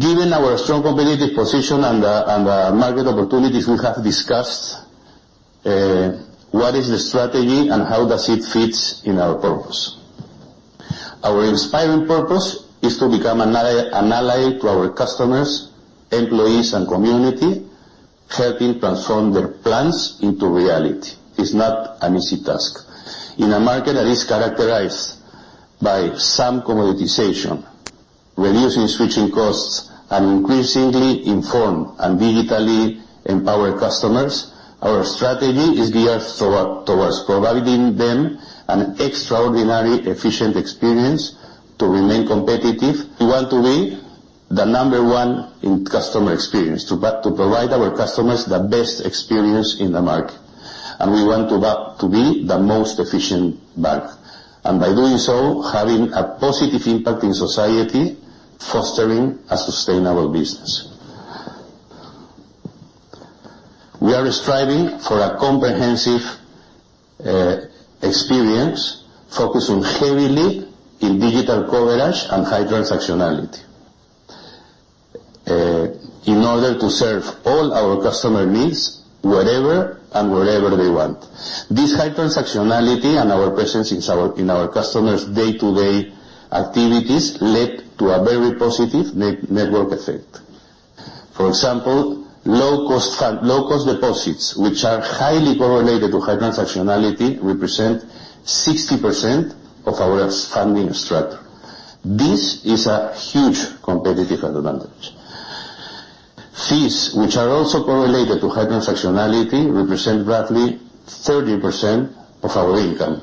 Given our strong competitive position and the market opportunities we have discussed, what is the strategy and how does it fits in our purpose? Our inspiring purpose is to become an ally to our customers, employees, and community, helping transform their plans into reality. It's not an easy task. In a market that is characterized by some commoditization, reducing switching costs, and increasingly informed and digitally empowered customers, our strategy is geared towards providing them an extraordinary, efficient experience to remain competitive. We want to be the number one in customer experience, to provide our customers the best experience in the market, and we want to be the most efficient bank. By doing so, having a positive impact in society, fostering a sustainable business. We are striving for a comprehensive experience, focusing heavily in digital coverage and high transactionality in order to serve all our customer needs, wherever and wherever they want. This high transactionality and our presence in our customers' day-to-day activities led to a very positive network effect. For example, low-cost fund, low-cost deposits, which are highly correlated to high transactionality, represent 60% of our funding structure. This is a huge competitive advantage. Fees, which are also correlated to high transactionality, represent roughly 30% of our income,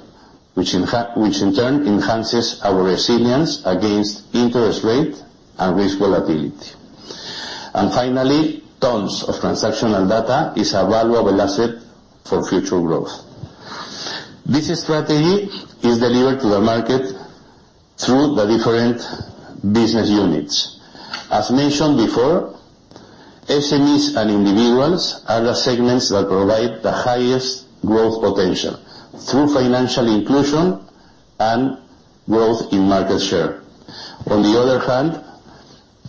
which, in turn, enhances our resilience against interest rate and risk volatility. Finally, tons of transactional data is a valuable asset for future growth. This strategy is delivered to the market through the different business units. As mentioned before, SMEs and individuals are the segments that provide the highest growth potential through financial inclusion and growth in market share. On the other hand,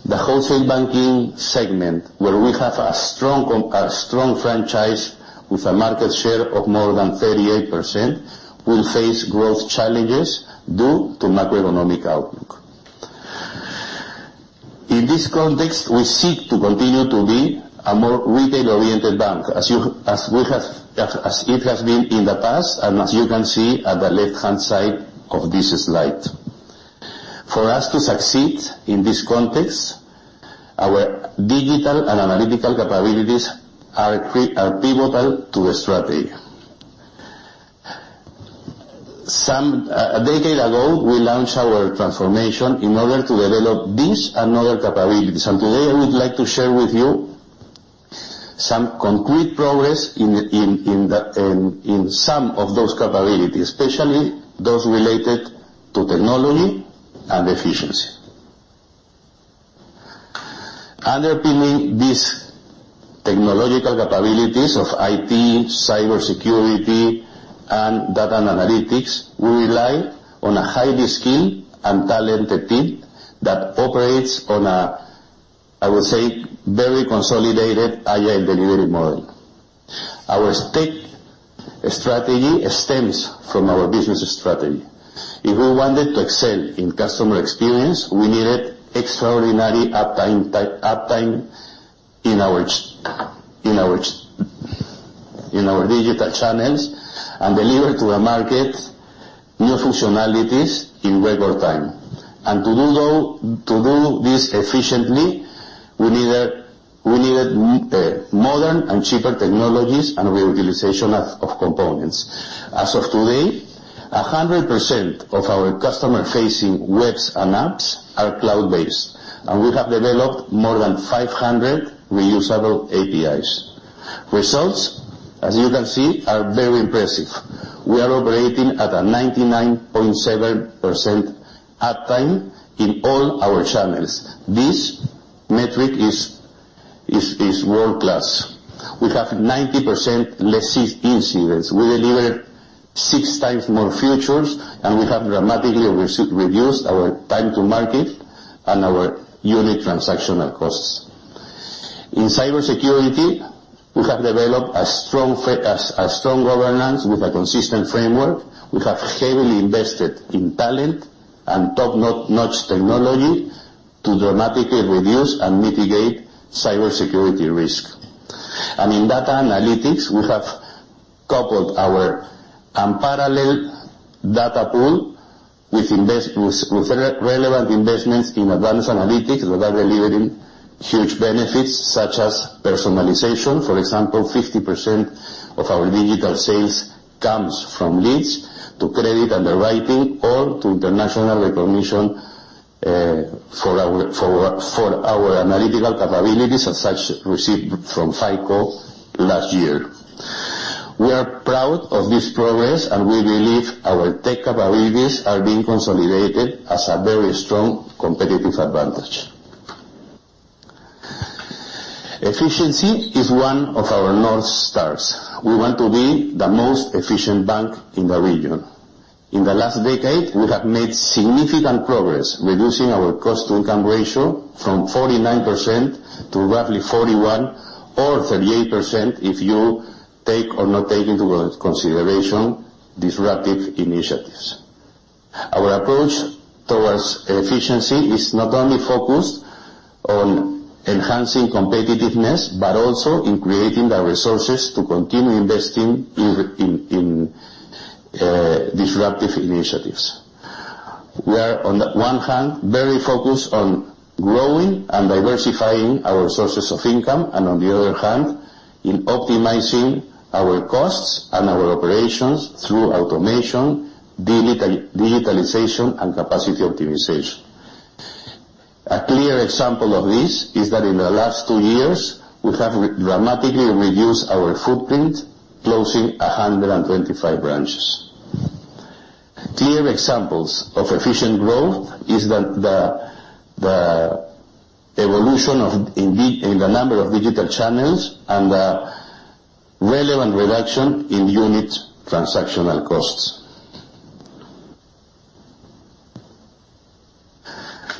the wholesale banking segment, where we have a strong franchise with a market share of more than 38%, will face growth challenges due to macroeconomic outlook. In this context, we seek to continue to be a more retail-oriented bank, as you, as we have, as it has been in the past, and as you can see on the left-hand side of this slide. For us to succeed in this context, our digital and analytical capabilities are pivotal to the strategy. Some, a decade ago, we launched our transformation in order to develop these and other capabilities. Today I would like to share with you some concrete progress in some of those capabilities, especially those related to technology and efficiency. Underpinning these technological capabilities of IT, cybersecurity, and data analytics, we rely on a highly skilled and talented team that operates on a, I would say, very consolidated, agile delivery model. Our tech strategy stems from our business strategy. If we wanted to excel in customer experience, we needed extraordinary uptime in our digital channels, and deliver to the market new functionalities in record time. To do this efficiently, we needed modern and cheaper technologies and reutilization of components. As of today, 100% of our customer-facing webs and apps are cloud-based, and we have developed more than 500 reusable APIs. Results, as you can see, are very impressive. We are operating at a 99.7% uptime in all our channels. This metric is world-class. We have 90% less incidents. We deliver 6 times more features, and we have dramatically reduced our time to market and our unit transactional costs. In cybersecurity, we have developed a strong governance with a consistent framework. We have heavily invested in talent and top-notch technology to dramatically reduce and mitigate cybersecurity risk. In data analytics, we have coupled our unparalleled data pool with relevant investments in advanced analytics that are delivering huge benefits, such as personalization. For example, 50% of our digital sales comes from leads to credit underwriting or to international recognition for our analytical capabilities, as such, received from FICO last year. We are proud of this progress. We believe our tech capabilities are being consolidated as a very strong competitive advantage. Efficiency is one of our North Stars. We want to be the most efficient bank in the region. In the last decade, we have made significant progress, reducing our cost-to-income ratio from 49% to roughly 41%, or 38%, if you take or not take into consideration disruptive initiatives. Our approach towards efficiency is not only focused on enhancing competitiveness, but also in creating the resources to continue investing in disruptive initiatives. We are, on the one hand, very focused on growing and diversifying our sources of income, and on the other hand, in optimizing our costs and our operations through automation, digitalization, and capacity optimization. A clear example of this is that in the last two years, we have dramatically reduced our footprint, closing 125 branches. Clear examples of efficient growth is the evolution of in the number of digital channels and the relevant reduction in unit transactional costs.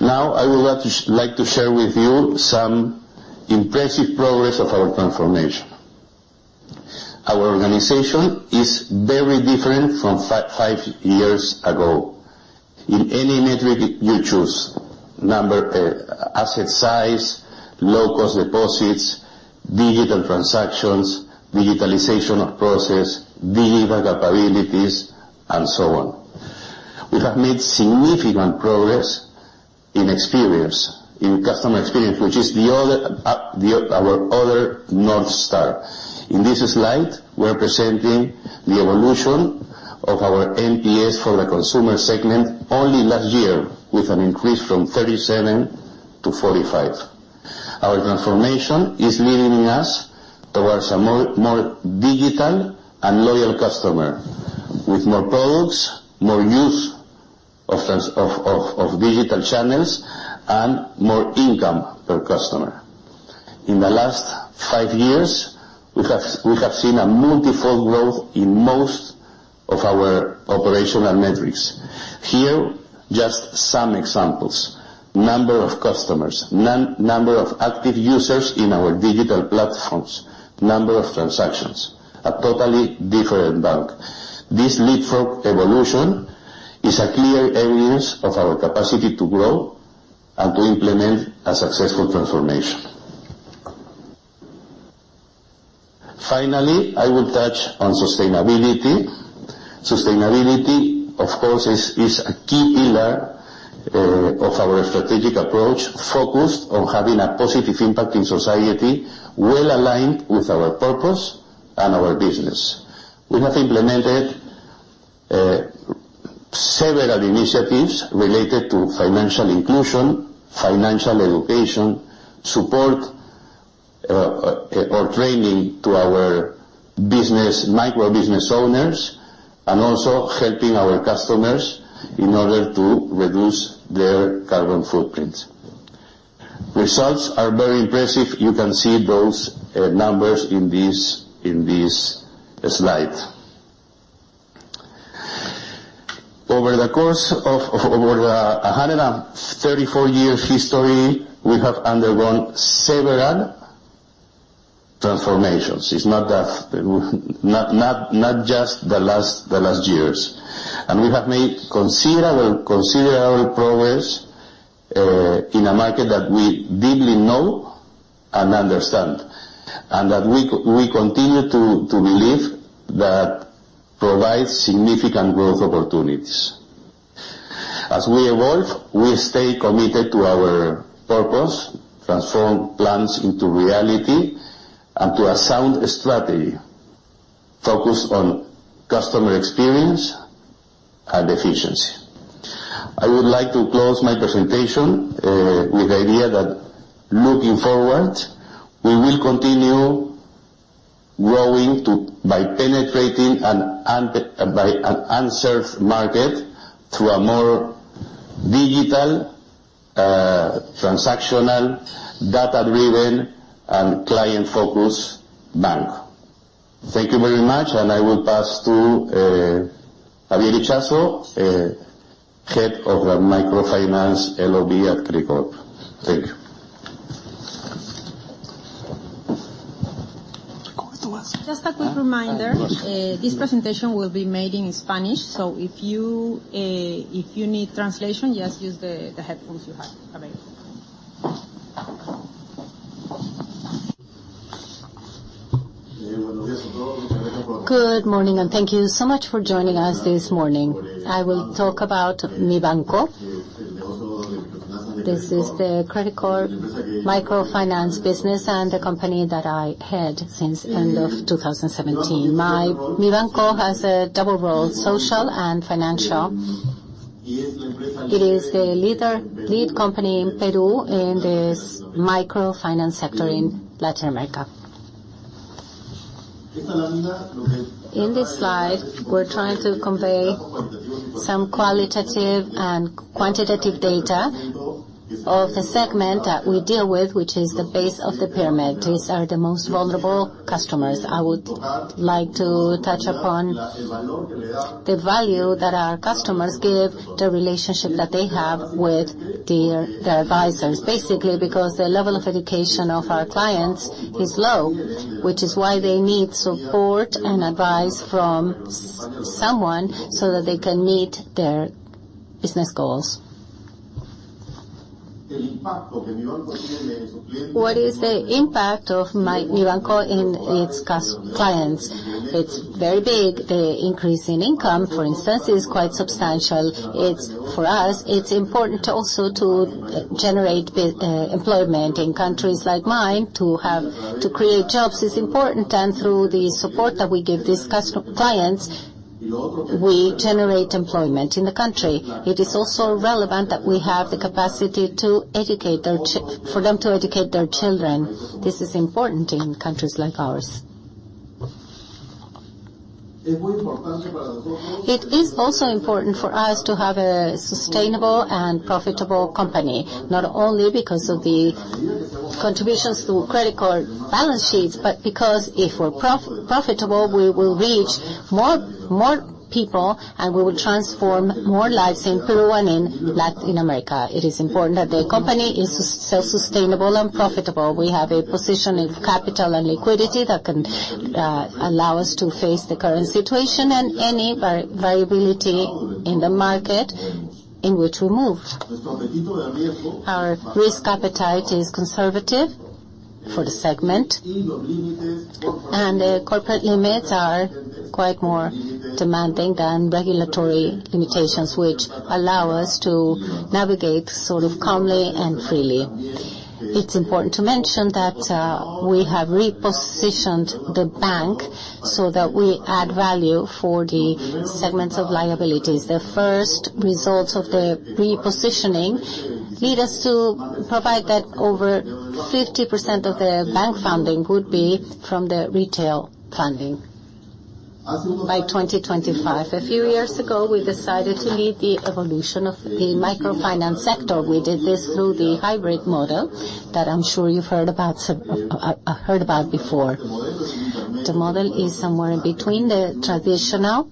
I would like to share with you some impressive progress of our transformation. Our organization is very different from five years ago. In any metric you choose, number, asset size, low-cost deposits, digital transactions, digitalization of process, digital capabilities, and so on. We have made significant progress in experience, in customer experience, which is the other, our other North Star. In this slide, we're presenting the evolution of our NPS for the consumer segment only last year, with an increase from 37 to 45. Our transformation is leading us towards a more digital and loyal customer, with more products, more use of digital channels, and more income per customer. In the last five years, we have seen a multifold growth in most of our operational metrics. Here, just some examples: number of customers, number of active users in our digital platforms, number of transactions, a totally different bank. This leapfrog evolution is a clear evidence of our capacity to grow and to implement a successful transformation. Finally, I will touch on sustainability. Sustainability, of course, is a key pillar of our strategic approach, focused on having a positive impact in society, well-aligned with our purpose and our business. We have implemented several initiatives related to financial inclusion, financial education, support or training to our business, microbusiness owners, and also helping our customers in order to reduce their carbon footprint. Results are very impressive. You can see those numbers in this slide. Over the course of over 134 years history, we have undergone several transformations. It's not just the last years. We have made considerable progress in a market that we deeply know and understand, and that we continue to believe that provides significant growth opportunities. As we evolve, we stay committed to our purpose, transform plans into reality, and to a sound strategy focused on customer experience and efficiency. I would like to close my presentation with the idea that looking forward, we will continue growing by penetrating an unserved market through a more digital, transactional, data-driven, and client-focused bank. Thank you very much. I will pass to Javier Ichazo, Head of the Microfinance LOB at Credicorp. Thank you. Just a quick reminder, this presentation will be made in Spanish, so if you, if you need translation, just use the headphones you have available. Good morning. Thank you so much for joining us this morning. I will talk about Mibanco. This is the Credicorp Microfinance business, the company that I head since end of 2017. Mibanco has a double role, social and financial. It is the lead company in Peru, in this microfinance sector in Latin America. In this slide, we're trying to convey some qualitative and quantitative data of the segment that we deal with, which is the base of the pyramid. These are the most vulnerable customers. I would like to touch upon the value that our customers give, the relationship that they have with their advisors. Basically, because the level of education of our clients is low, which is why they need support and advice from someone, so that they can meet their business goals. What is the impact of Mibanco in its clients? It's very big. The increase in income, for instance, is quite substantial. For us, it's important to also to generate employment in countries like mine. To create jobs is important. Through the support that we give these clients, we generate employment in the country. It is also relevant that we have the capacity to educate their children. This is important in countries like ours. It is also important for us to have a sustainable and profitable company, not only because of the contributions to Credicorp balance sheets, but because if we're profitable, we will reach more people. We will transform more lives in Peru and in Latin America. It is important that the company is sustainable and profitable. We have a position in capital and liquidity that can allow us to face the current situation and any variability in the market in which we move. Our risk appetite is conservative for the segment. The corporate limits are quite more demanding than regulatory limitations, which allow us to navigate sort of calmly and freely. It's important to mention that we have repositioned the bank so that we add value for the segments of liabilities. The first results of the repositioning lead us to provide that over 50% of the bank funding would be from the retail funding by 2025. A few years ago, we decided to lead the evolution of the microfinance sector. We did this through the hybrid model, that I'm sure you've heard about before. The model is somewhere in between the traditional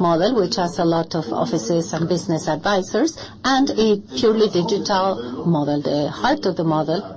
model, which has a lot of offices and business advisors, and a purely digital model. The heart of the model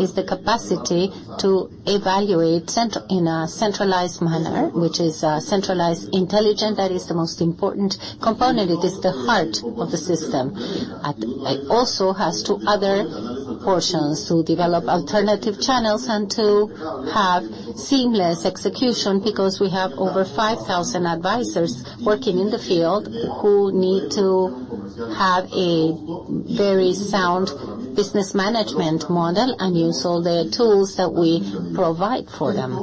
is the capacity to evaluate central, in a centralized manner, which is centralized intelligent. That is the most important component. It is the heart of the system. It also has two other portions, to develop alternative channels and to have seamless execution, because we have over 5,000 advisors working in the field, who need to have a very sound business management model and use all the tools that we provide for them.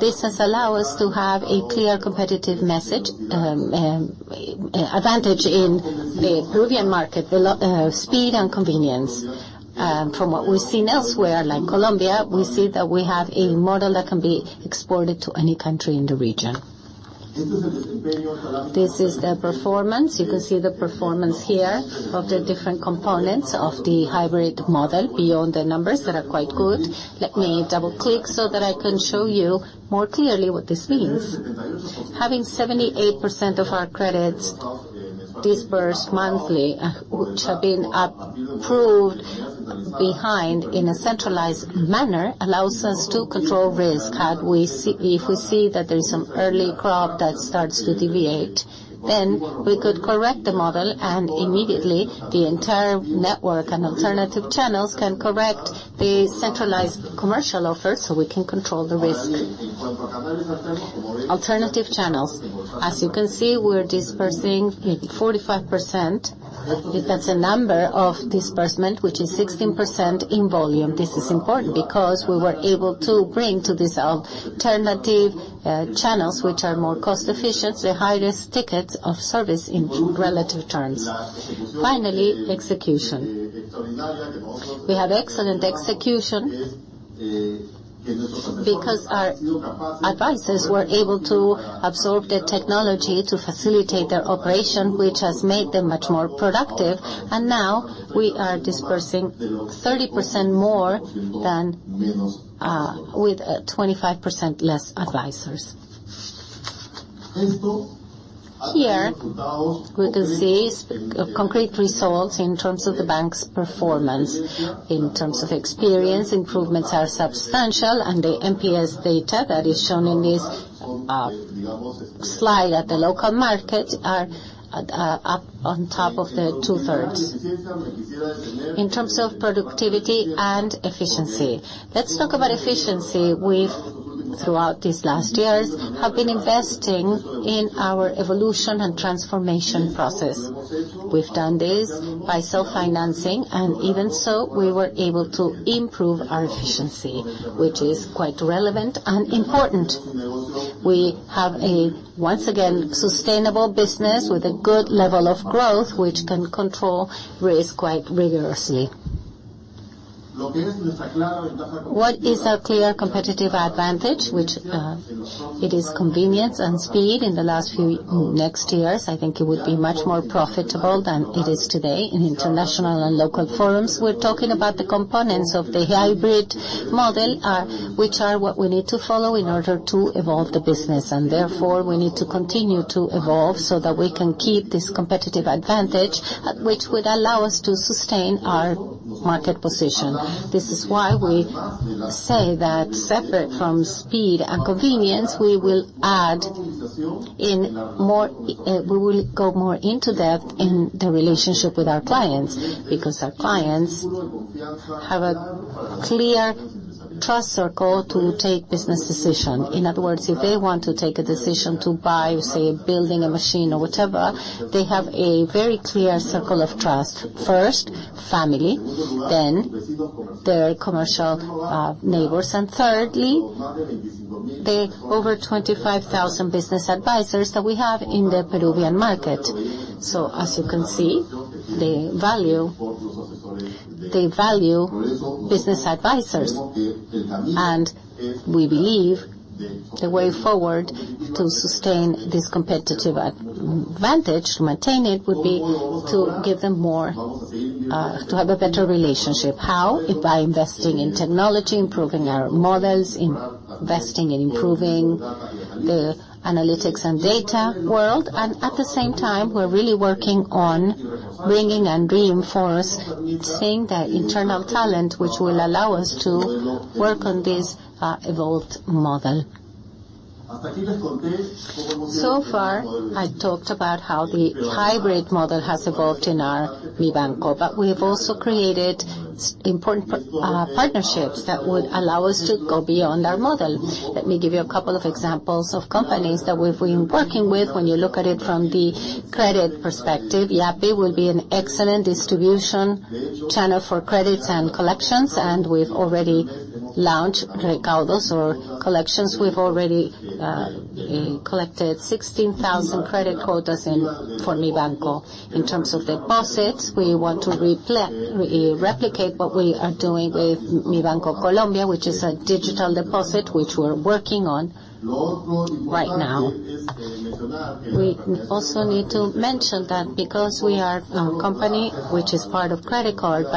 This has allowed us to have a clear competitive message, advantage in the Peruvian market, the speed and convenience. From what we've seen elsewhere, like Colombia, we see that we have a model that can be exported to any country in the region. This is the performance. You can see the performance here of the different components of the hybrid model, beyond the numbers that are quite good. Let me double-click so that I can show you more clearly what this means. Having 78% of our credits disbursed monthly, which have been approved behind in a centralized manner, allows us to control risk. If we see that there is some early crop that starts to deviate, then we could correct the model, and immediately, the entire network and alternative channels can correct the centralized commercial offer, so we can control the risk. Alternative channels. As you can see, we're disbursing 45%. If that's a number of disbursement, which is 16% in volume, this is important because we were able to bring to these alternative channels, which are more cost efficient, the highest tickets of service in relative terms. Execution. We have excellent execution because our advisors were able to absorb the technology to facilitate their operation, which has made them much more productive, now we are disbursing 30% more than with 25% less advisors. Here, we can see concrete results in terms of the bank's performance. In terms of experience, improvements are substantial, and the NPS data that is shown in this slide at the local market are up on top of the 2/3. In terms of productivity and efficiency, let's talk about efficiency. We've, throughout these last years, have been investing in our evolution and transformation process. We've done this by self-financing, and even so, we were able to improve our efficiency, which is quite relevant and important. We have a, once again, sustainable business with a good level of growth, which can control risk quite rigorously. What is our clear competitive advantage? Which it is convenience and speed. In the last few, next years, I think it would be much more profitable than it is today. In international and local forums, we're talking about the components of the hybrid model are, which are what we need to follow in order to evolve the business, and therefore, we need to continue to evolve so that we can keep this competitive advantage, which would allow us to sustain our market position. This is why we say that separate from speed and convenience, we will add in more, we will go more into depth in the relationship with our clients, because our clients have a clear trust circle to take business decision. In other words, if they want to take a decision to buy, say, building a machine or whatever, they have a very clear circle of trust. First, family, then their commercial neighbors, and thirdly, the over 25,000 business advisors that we have in the Peruvian market. As you can see, they value business advisors, and we believe the way forward to sustain this competitive advantage, to maintain it, would be to give them more, to have a better relationship. How? By investing in technology, improving our models, investing in improving the analytics and data world, at the same time, we're really working on bringing and reinforcing the internal talent, which will allow us to work on this evolved model. So far, I talked about how the hybrid model has evolved in our Mibanco, we have also created important partnerships that would allow us to go beyond our model. Let me give you a couple of examples of companies that we've been working with. When you look at it from the credit perspective, Yape will be an excellent distribution channel for credits and collections, and we've already launched Recaudos or collections. We've already collected 16,000 credit quotas for Mibanco. In terms of deposits, we want to replicate what we are doing with Mibanco Colombia, which is a digital deposit, which we're working on right now. We also need to mention that because we are a company which is part of Credicorp,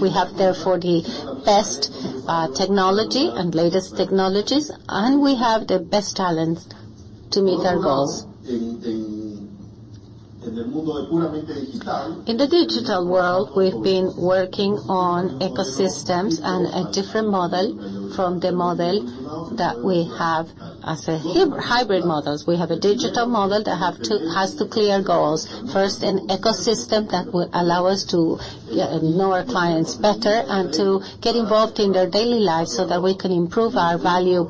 we have, therefore, the best technology and latest technologies, and we have the best talents to meet our goals. In the digital world, we've been working on ecosystems and a different model from the model that we have as a hybrid models. We have a digital model that has two clear goals. An ecosystem that will allow us to know our clients better, and to get involved in their daily lives so that we can improve our value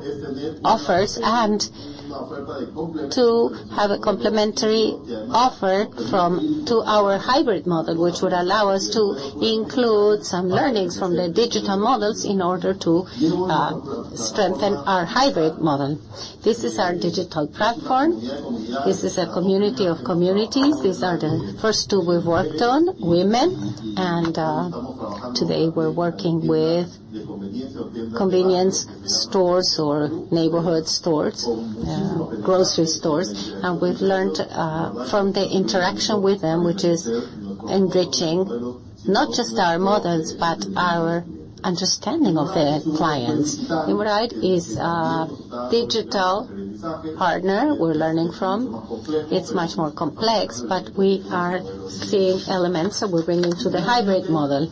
offers, and to have a complementary offer to our hybrid model, which would allow us to include some learnings from the digital models in order to strengthen our hybrid model. This is our digital platform. This is a community of communities. These are the first two we've worked on, women, and today we're working with convenience stores or neighborhood stores, grocery stores. We've learned from the interaction with them, which is enriching not just our models, but our understanding of the clients. Nimberait is our digital partner we're learning from. It's much more complex, but we are seeing elements that we're bringing to the hybrid model.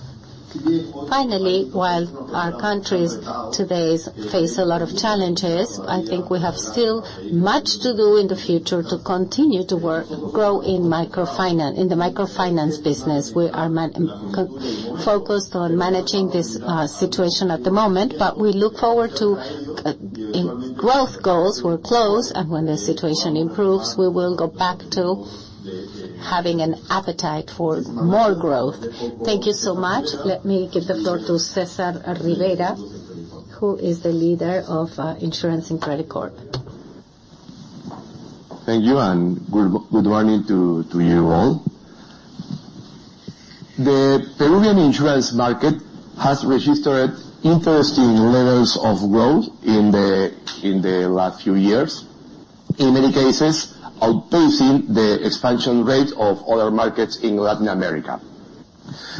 Finally, while our countries today face a lot of challenges, I think we have still much to do in the future to continue to grow in microfinance, in the microfinance business. We are focused on managing this situation at the moment, but we look forward to in growth goals. We're close, when the situation improves, we will go back to having an appetite for more growth. Thank you so much. Let me give the floor to Cesar Rivera, who is the leader of Insurance and Credicorp. Thank you. Good morning to you all. The Peruvian insurance market has registered interesting levels of growth in the last few years. In many cases, outpacing the expansion rate of other markets in Latin America.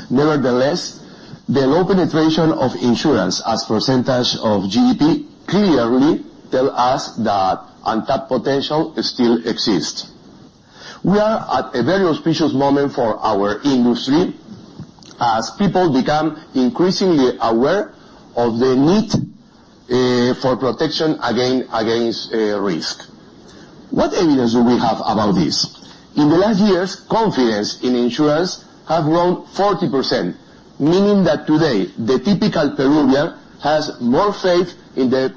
Nevertheless, the low penetration of insurance as % of GDP clearly tell us that untapped potential still exists. We are at a very auspicious moment for our industry as people become increasingly aware of the need for protection against risk. What evidence do we have about this? In the last years, confidence in insurance have grown 40%, meaning that today, the typical Peruvian has more faith in the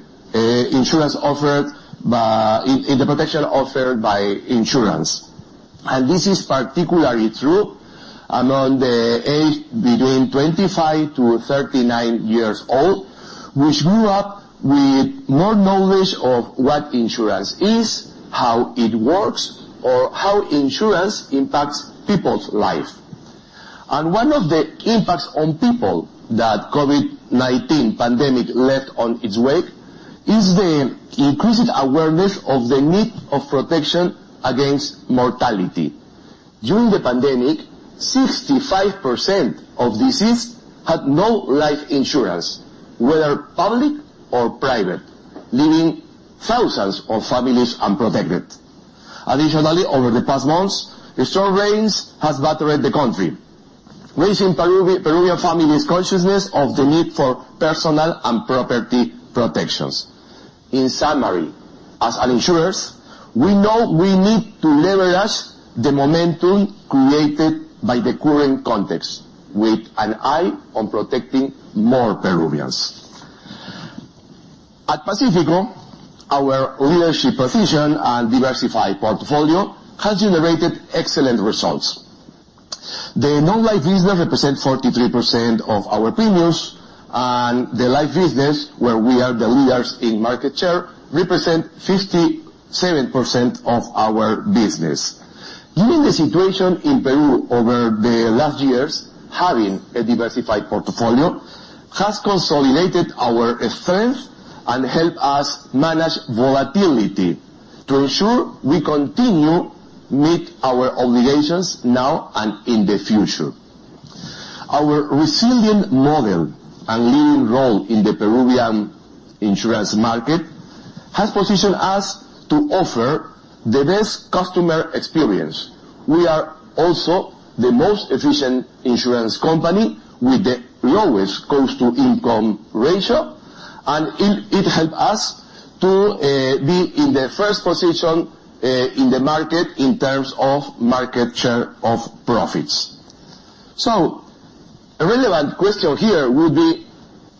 protection offered by insurance. This is particularly true among the age between 25 to 39 years old, which grew up with more knowledge of what insurance is, how it works, or how insurance impacts people's life. One of the impacts on people that COVID-19 pandemic left on its wake, is the increased awareness of the need of protection against mortality. During the pandemic, 65% of deceased had no life insurance, whether public or private, leaving thousands of families unprotected. Over the past months, the strong rains has battered the country, raising Peruvian families consciousness of the need for personal and property protections. In summary, as an insurers, we know we need to leverage the momentum created by the current context, with an eye on protecting more Peruvians. At Pacífico, our leadership position and diversified portfolio has generated excellent results. The non-life business represent 43% of our premiums, and the life business, where we are the leaders in market share, represent 57% of our business. Given the situation in Peru over the last years, having a diversified portfolio has consolidated our strength and help us manage volatility to ensure we continue meet our obligations now and in the future. Our resilient model and leading role in the Peruvian insurance market has positioned us to offer the best customer experience. We are also the most efficient insurance company with the lowest cost-to-income ratio, and it help us to be in the first position in the market in terms of market share of profits. A relevant question here would be: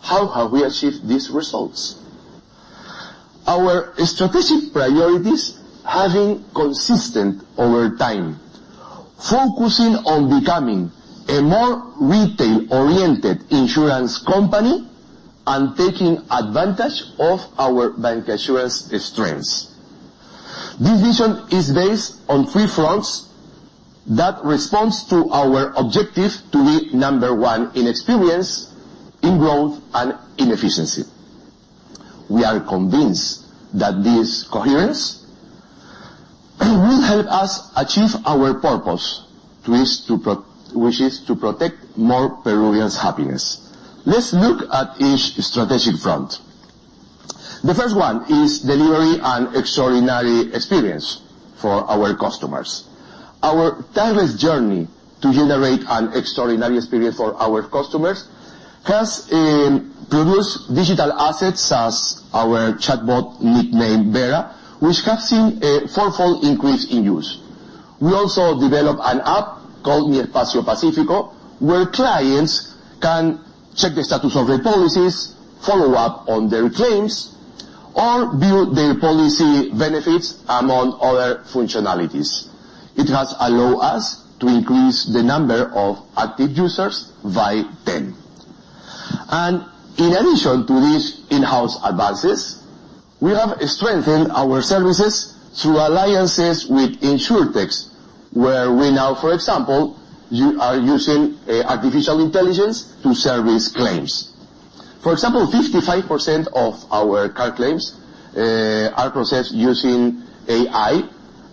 How have we achieved these results? Our strategic priorities have been consistent over time, focusing on becoming a more retail-oriented insurance company and taking advantage of our bank insurance strengths. This vision is based on three fronts that responds to our objective to be number 1 in experience, in growth and in efficiency. We are convinced that this coherence will help us achieve our purpose, which is to protect more Peruvians' happiness. Let's look at each strategic front. The first one is delivering an extraordinary experience for our customers. Our tireless journey to generate an extraordinary experience for our customers has produced digital assets, as our chatbot, nicknamed Clara, which have seen a fourfold increase in use. We also developed an app called Mi Espacio Pacífico, where clients can check the status of their policies, follow up on their claims, or view their policy benefits, among other functionalities. It has allowed us to increase the number of active users by 10. In addition to these in-house advances, we have strengthened our services through alliances with insurtech, where we now, for example, are using artificial intelligence to service claims. For example, 55% of our car claims are processed using AI,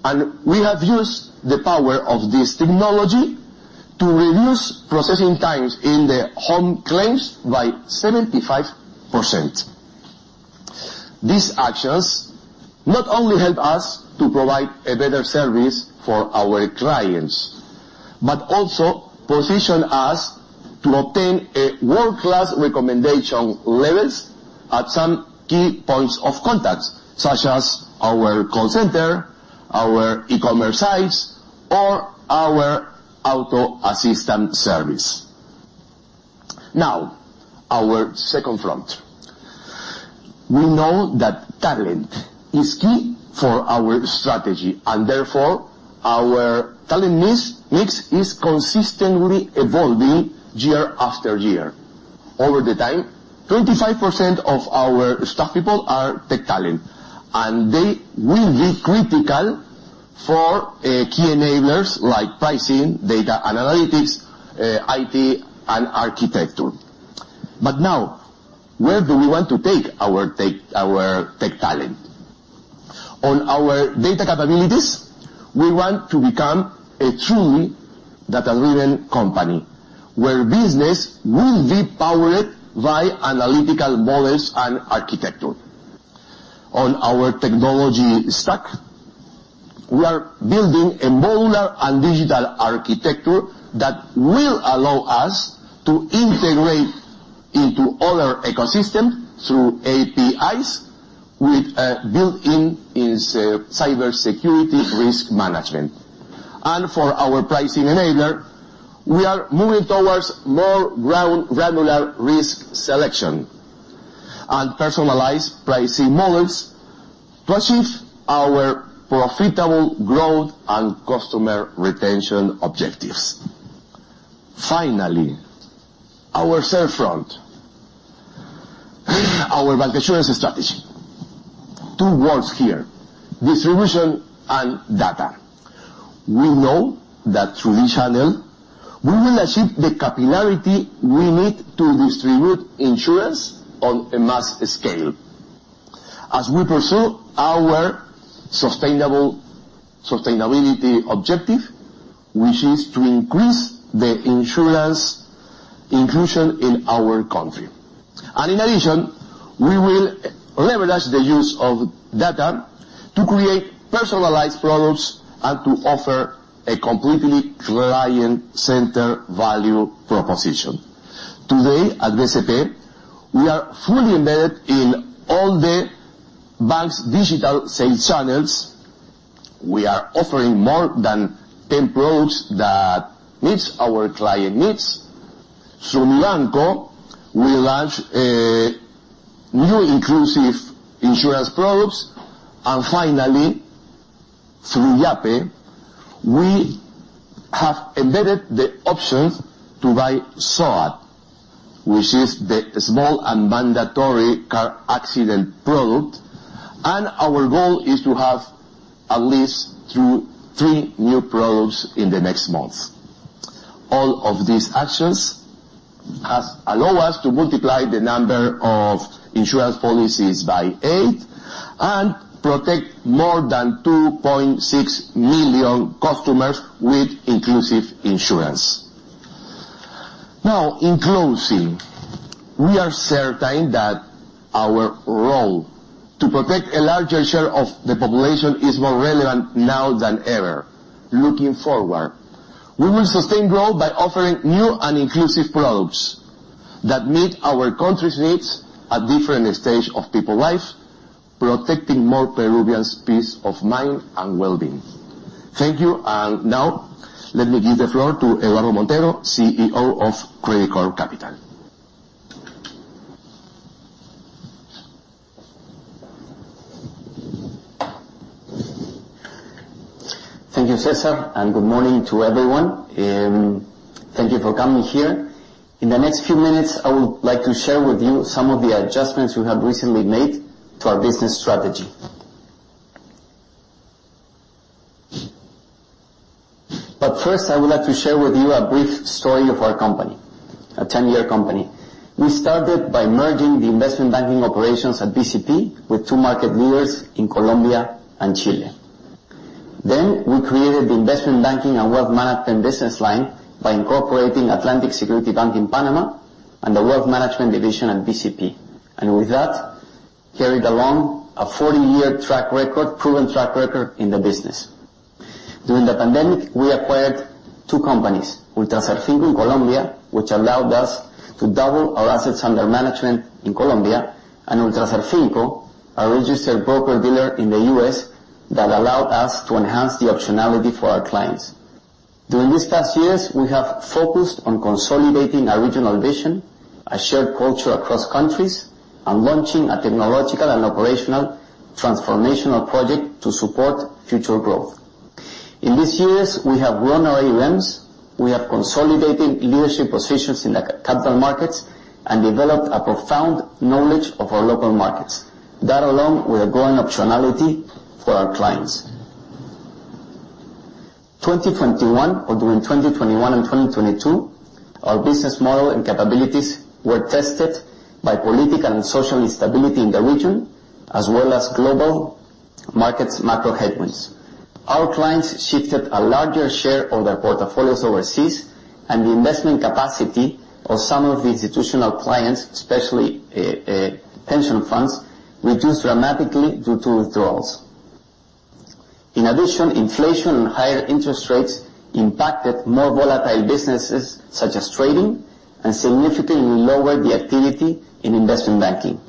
and we have used the power of this technology to reduce processing times in the home claims by 75%. These actions not only help us to provide a better service for our clients, but also position us to obtain world-class recommendation levels at some key points of contacts, such as our call center, our e-commerce sites, or our auto assistant service. Our second front. We know that talent is key for our strategy, and therefore, our talent mix is consistently evolving year after year. Over the time, 25% of our staff people are tech talent, and they will be critical for key enablers like pricing, data analytics, IT, and architecture. Where do we want to take our tech talent? On our data capabilities, we want to become a truly data-driven company, where business will be powered by analytical models and architecture. On our technology stack, we are building a modular and digital architecture that will allow us to integrate into other ecosystems through APIs, with a built-in cybersecurity risk management. For our pricing enabler, we are moving towards more granular risk selection and personalized pricing models to achieve our profitable growth and customer retention objectives. Finally, our third front, our bancassurance strategy. Two words here: distribution and data. We know that through this channel, we will achieve the capillarity we need to distribute insurance on a mass scale. As we pursue our sustainability objective, which is to increase the insurance inclusion in our country. In addition, we will leverage the use of data to create personalized products and to offer a completely client-centered value proposition. Today, at BCP, we are fully embedded in all the bank's digital sales channels. We are offering more than 10 products that meets our client needs. Through Monokera, we launch new inclusive insurance products. Finally, through Yape, we have embedded the options to buy SOAT, which is the small and mandatory car accident product, and our goal is to have at least 2, 3 new products in the next months. All of these actions has allow us to multiply the number of insurance policies by eight and protect more than 2.6 million customers with inclusive insurance. Now, in closing, we are certain that our role to protect a larger share of the population is more relevant now than ever. Looking forward, we will sustain growth by offering new and inclusive products that meet our country's needs at different stages of people life, protecting more Peruvians' peace of mind and well-being. Thank you, and now let me give the floor to Eduardo Montero, CEO of Credicorp Capital. Thank you, Cesar, and good morning to everyone. Thank you for coming here. In the next few minutes, I would like to share with you some of the adjustments we have recently made to our business strategy. First, I would like to share with you a brief story of our company, a 10-year company. We started by merging the investment banking operations at BCP with two market leaders in Colombia and Chile. We created the investment banking and wealth management business line by incorporating Atlantic Security Bank in Panama and the wealth management division at BCP, and with that, carried along a 40-year track record, proven track record in the business. During the pandemic, we acquired two companies: Ultraserfinco in Colombia, which allowed us to double our assets under management in Colombia, and Ultraserfinco, a registered broker-dealer in the U.S., that allowed us to enhance the optionality for our clients. During these past years, we have focused on consolidating our regional vision, a shared culture across countries, and launching a technological and operational transformational project to support future growth. In these years, we have grown our AUMs, we have consolidated leadership positions in the capital markets, and developed a profound knowledge of our local markets, that along with a growing optionality for our clients. 2021, or during 2021 and 2022, our business model and capabilities were tested by political and social instability in the region, as well as global markets macro headwinds. Our clients shifted a larger share of their portfolios overseas, the investment capacity of some of the institutional clients, especially pension funds, reduced dramatically due to withdrawals. In addition, inflation and higher interest rates impacted more volatile businesses, such as trading, and significantly lowered the activity in investment banking.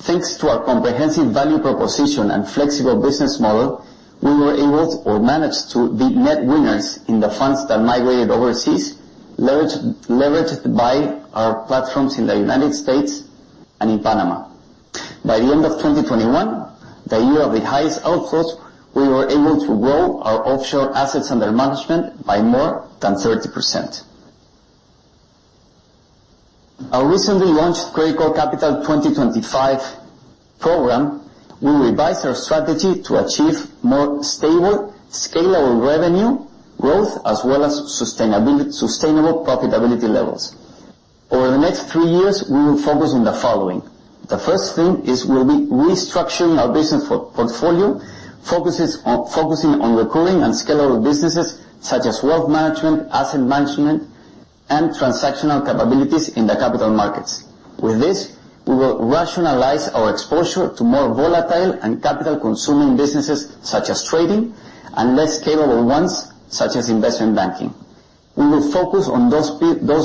Thanks to our comprehensive value proposition and flexible business model, we were able or managed to be net winners in the funds that migrated overseas, leveraged by our platforms in the United States and in Panama. By the end of 2021, the year of the highest outflows, we were able to grow our offshore assets under management by more than 30%. Our recently launched Credicorp Capital 2025 program will revise our strategy to achieve more stable, scalable revenue growth, as well as sustainable profitability levels. Over the next 3 years, we will focus on the following: The first thing is we'll be restructuring our business portfolio, focusing on recurring and scalable businesses, such as wealth management, asset management, and transactional capabilities in the capital markets. With this, we will rationalize our exposure to more volatile and capital-consuming businesses, such as trading, and less scalable ones, such as investment banking. We will focus on those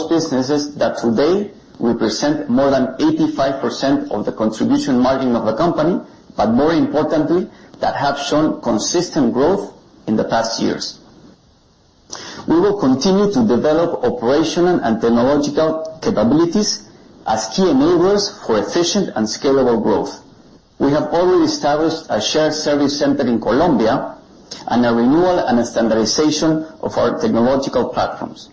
businesses that today represent more than 85% of the contribution margin of the company, but more importantly, that have shown consistent growth in the past years. We will continue to develop operational and technological capabilities as key enablers for efficient and scalable growth. We have already established a shared service center in Colombia, and a renewal and a standardization of our technological platforms.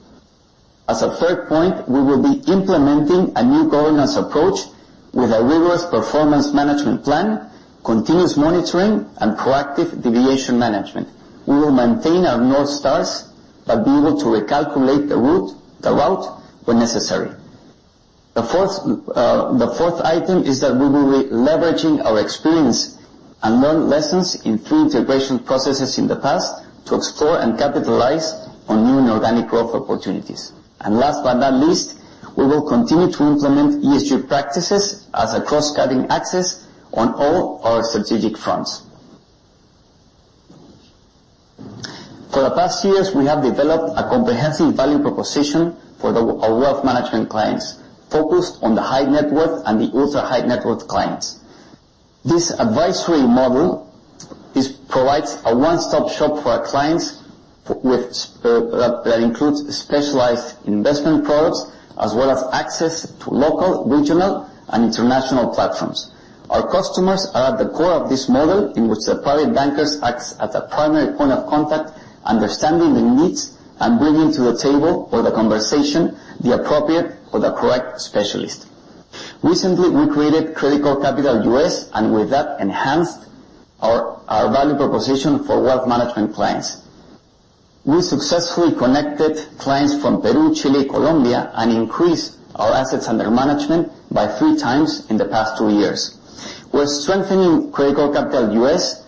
As a third point, we will be implementing a new governance approach with a rigorous performance management plan, continuous monitoring, and proactive deviation management. We will maintain our North Stars, but be able to recalculate the route when necessary. The fourth item is that we will be leveraging our experience and learn lessons in three integration processes in the past to explore and capitalize on new and organic growth opportunities. Last but not least, we will continue to implement ESG practices as a cross-cutting access on all our strategic fronts. For the past years, we have developed a comprehensive value proposition for our wealth management clients, focused on the high net worth and the ultra-high net worth clients. This advisory model provides a one-stop shop for our clients with, that includes specialized investment products, as well as access to local, regional, and international platforms. Our customers are at the core of this model, in which the private bankers act as a primary point of contact, understanding their needs and bringing to the table or the conversation, the appropriate or the correct specialist. Recently, we created Credicorp Capital USA, with that, enhanced our value proposition for wealth management clients. We successfully connected clients from Peru, Chile, Colombia, increased our assets under management by 3 times in the past 2 years. We're strengthening Credicorp Capital USA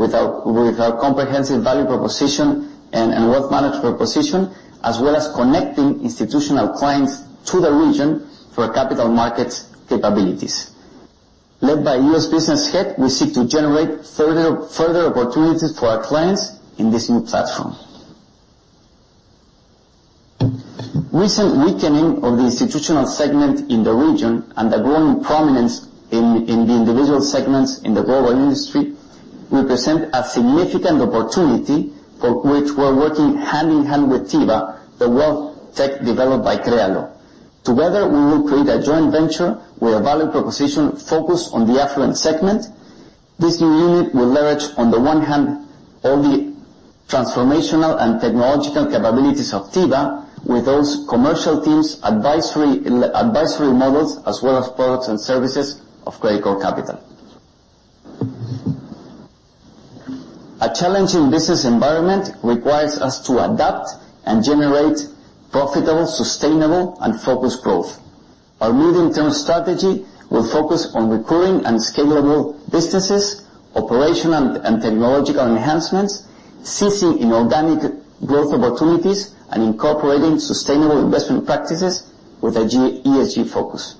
with our comprehensive value proposition and wealth management proposition, as well as connecting institutional clients to the region for capital markets capabilities. Led by U.S. business head, we seek to generate further opportunities for our clients in this new platform. Recent weakening of the institutional segment in the region, and the growing prominence in the individual segments in the global industry, represent a significant opportunity for which we're working hand-in-hand with tyba, the wealth tech developed by Krealo. Together, we will create a joint venture with a value proposition focused on the affluent segment. This new unit will leverage, on the one hand, all the transformational and technological capabilities of tyba, with those commercial teams, advisory models, as well as products and services of Credicorp Capital. A challenging business environment requires us to adapt and generate profitable, sustainable, and focused growth. Our medium-term strategy will focus on recurring and scalable businesses, operational and technological enhancements, seizing inorganic growth opportunities, and incorporating sustainable investment practices with a ESG focus.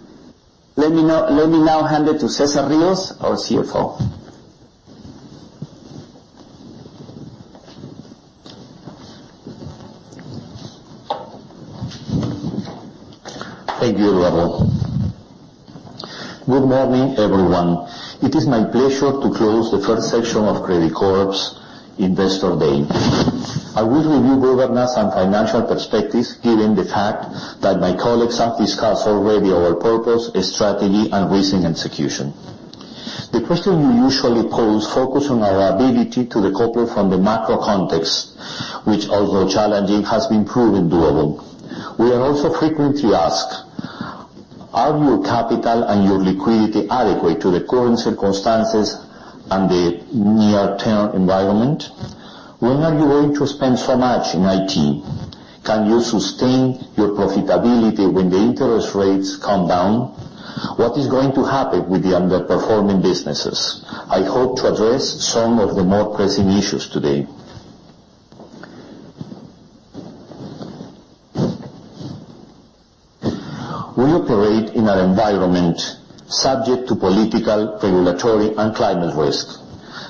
Let me now hand it to César Rîos, our CFO. Thank you, Eduardo. Good morning, everyone. It is my pleasure to close the first section of Credicorp's Investor Day. I will review governance and financial perspectives, given the fact that my colleagues have discussed already our purpose, strategy, and recent execution. The question you usually pose focus on our ability to recover from the macro context, which, although challenging, has been proven doable. We are also frequently asked: Are your capital and your liquidity adequate to the current circumstances and the near-term environment? When are you going to spend so much in IT? Can you sustain your profitability when the interest rates come down? What is going to happen with the underperforming businesses? I hope to address some of the more pressing issues today. We operate in an environment subject to political, regulatory, and climate risk.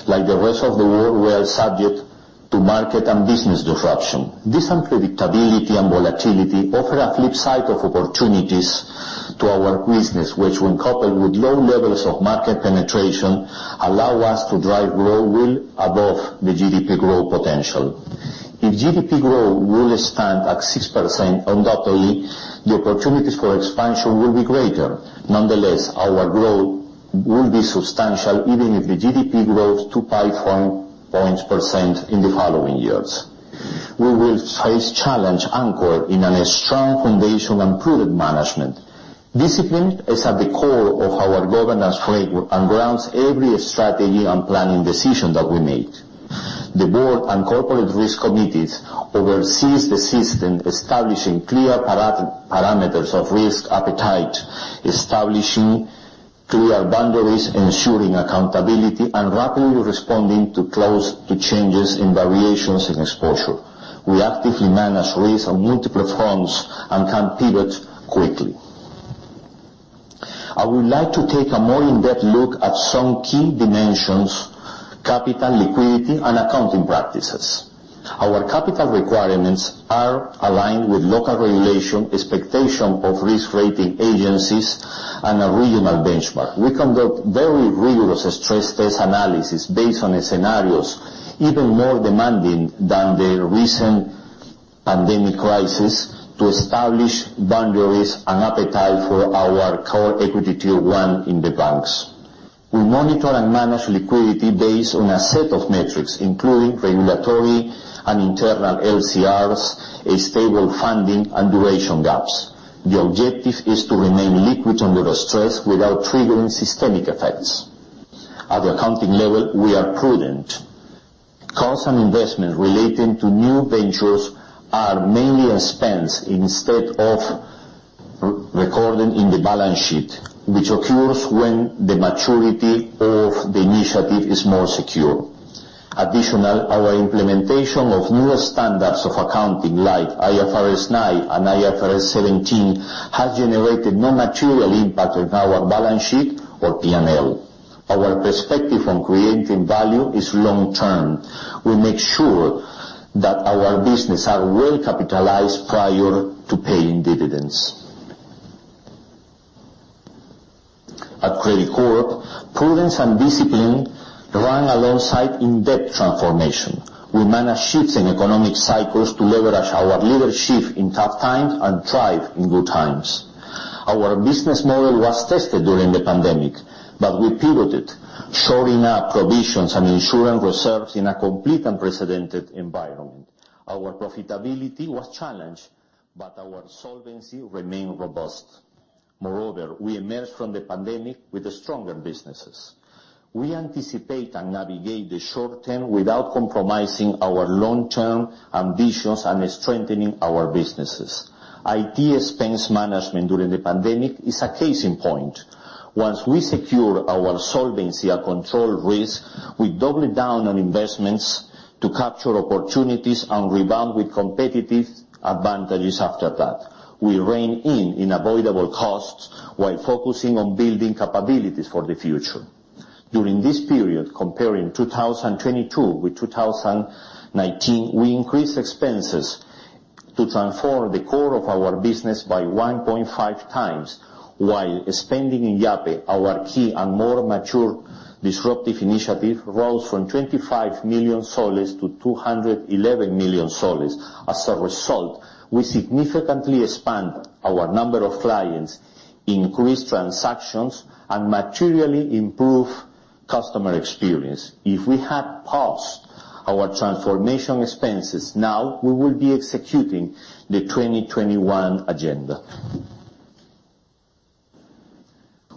Like the rest of the world, we are subject to market and business disruption. This unpredictability and volatility offer a flip side of opportunities to our business, which, when coupled with low levels of market penetration, allow us to drive growth well above the GDP growth potential. If GDP growth will stand at 6% undoubtedly, the opportunities for expansion will be greater. Nonetheless, our growth will be substantial, even if the GDP grows to 5.5% in the following years. We will face challenge anchored in an strong foundation and prudent management. Discipline is at the core of our governance framework and grounds every strategy and planning decision that we make. The board and corporate risk committees oversees the system, establishing clear parameters of risk appetite, establishing clear boundaries, ensuring accountability, and rapidly responding to changes and variations in exposure. We actively manage risk on multiple fronts and can pivot quickly. I would like to take a more in-depth look at some key dimensions: capital, liquidity, and accounting practices. Our capital requirements are aligned with local regulation, expectation of risk rating agencies, and a regional benchmark. We conduct very rigorous stress test analysis based on the scenarios, even more demanding than the recent pandemic crisis, to establish boundaries and appetite for our core equity Tier One in the banks. We monitor and manage liquidity based on a set of metrics, including regulatory and internal LCRs, a stable funding, and duration gaps. The objective is to remain liquid under stress without triggering systemic effects. At the accounting level, we are prudent. Costs and investments relating to new ventures are mainly expense instead of recording in the balance sheet, which occurs when the maturity of the initiative is more secure. Additional, our implementation of newer standards of accounting, like IFRS 9 and IFRS 17, has generated no material impact on our balance sheet or P&L. Our perspective on creating value is long-term. We make sure that our business are well capitalized prior to paying dividends. At Credicorp, prudence and discipline run alongside in-depth transformation. We manage shifts in economic cycles to leverage our leadership in tough times and thrive in good times. Our business model was tested during the pandemic, but we pivoted, shoring up provisions and ensuring reserves in a complete unprecedented environment. Our profitability was challenged, but our solvency remained robust. Moreover, we emerged from the pandemic with stronger businesses. We anticipate and navigate the short term without compromising our long-term ambitions and strengthening our businesses. IT expense management during the pandemic is a case in point. Once we secure our solvency and control risk, we doubled down on investments to capture opportunities and rebound with competitive advantages after that. We rein in unavoidable costs while focusing on building capabilities for the future. During this period, comparing 2022 with 2019, we increased expenses to transform the core of our business by 1.5 times, while spending in Yape, our key and more mature disruptive initiative, rose from PEN 25 million to PEN 211 million. As a result, we significantly expand our number of clients, increased transactions, and materially improved customer experience. If we had paused our transformation expenses, now we will be executing the 2021 agenda.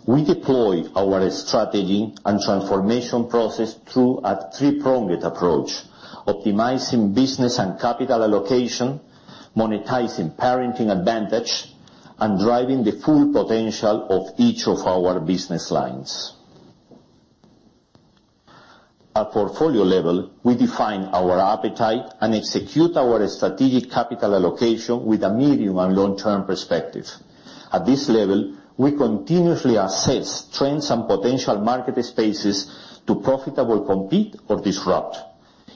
We deploy our strategy and transformation process through a three-pronged approach: optimizing business and capital allocation, monetizing parenting advantage, and driving the full potential of each of our business lines. At portfolio level, we define our appetite and execute our strategic capital allocation with a medium and long-term perspective. At this level, we continuously assess trends and potential market spaces to profitably compete or disrupt,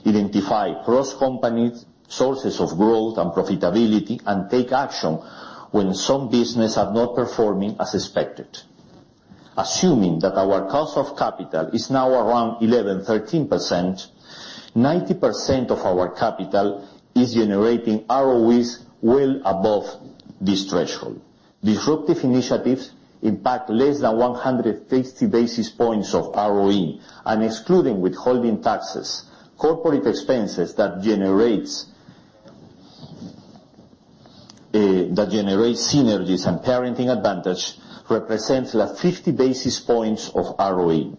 identify cross-company sources of growth and profitability, and take action when some businesses are not performing as expected. Assuming that our cost of capital is now around 11%-13%, 90% of our capital is generating ROEs well above this threshold. Disruptive initiatives impact less than 150 basis points of ROE, and excluding withholding taxes, corporate expenses that generates synergies and parenting advantage represents 50 basis points of ROE.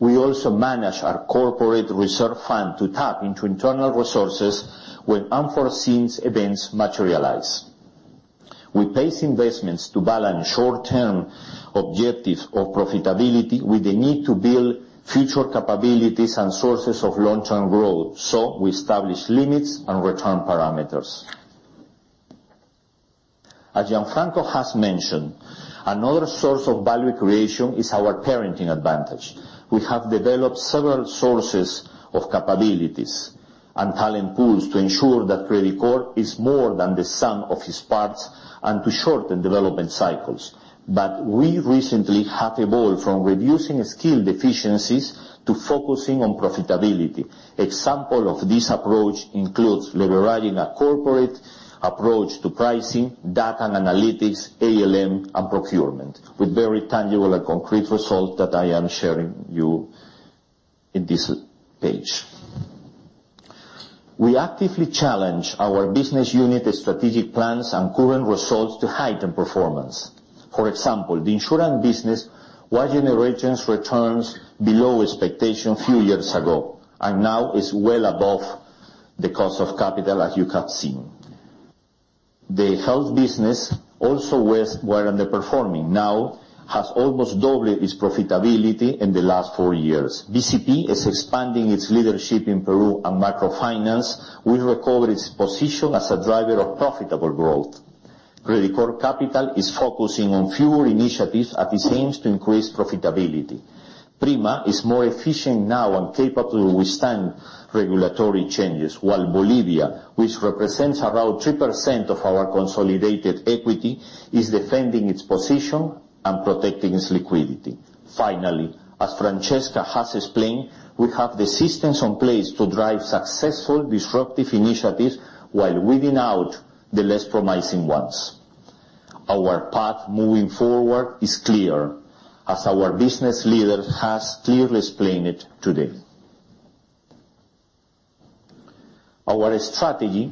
We also manage our corporate reserve fund to tap into internal resources when unforeseen events materialize. We pace investments to balance short-term objectives of profitability with the need to build future capabilities and sources of long-term growth. We establish limits and return parameters. As Gianfranco has mentioned, another source of value creation is our parenting advantage. We have developed several sources of capabilities and talent pools to ensure that Credicorp is more than the sum of its parts and to shorten development cycles. We recently have evolved from reducing skill deficiencies to focusing on profitability. Example of this approach includes leveraging a corporate approach to pricing, data and analytics, ALM, and procurement, with very tangible and concrete result that I am sharing you in this page. We actively challenge our business unit strategic plans and current results to heighten performance. For example, the insurance business was generating returns below expectation few years ago. Now is well above the cost of capital, as you have seen. The health business also was well underperforming. Now has almost doubled its profitability in the last four years. BCP is expanding its leadership in Peru. Microfinance will recover its position as a driver of profitable growth. Credicorp Capital is focusing on fewer initiatives as it aims to increase profitability. Prima is more efficient now and capable to withstand regulatory changes, while Bolivia, which represents around 3% of our consolidated equity, is defending its position and protecting its liquidity. Finally, as Francesca has explained, we have the systems in place to drive successful disruptive initiatives while weeding out the less promising ones. Our path moving forward is clear, as our business leader has clearly explained it today. Our strategy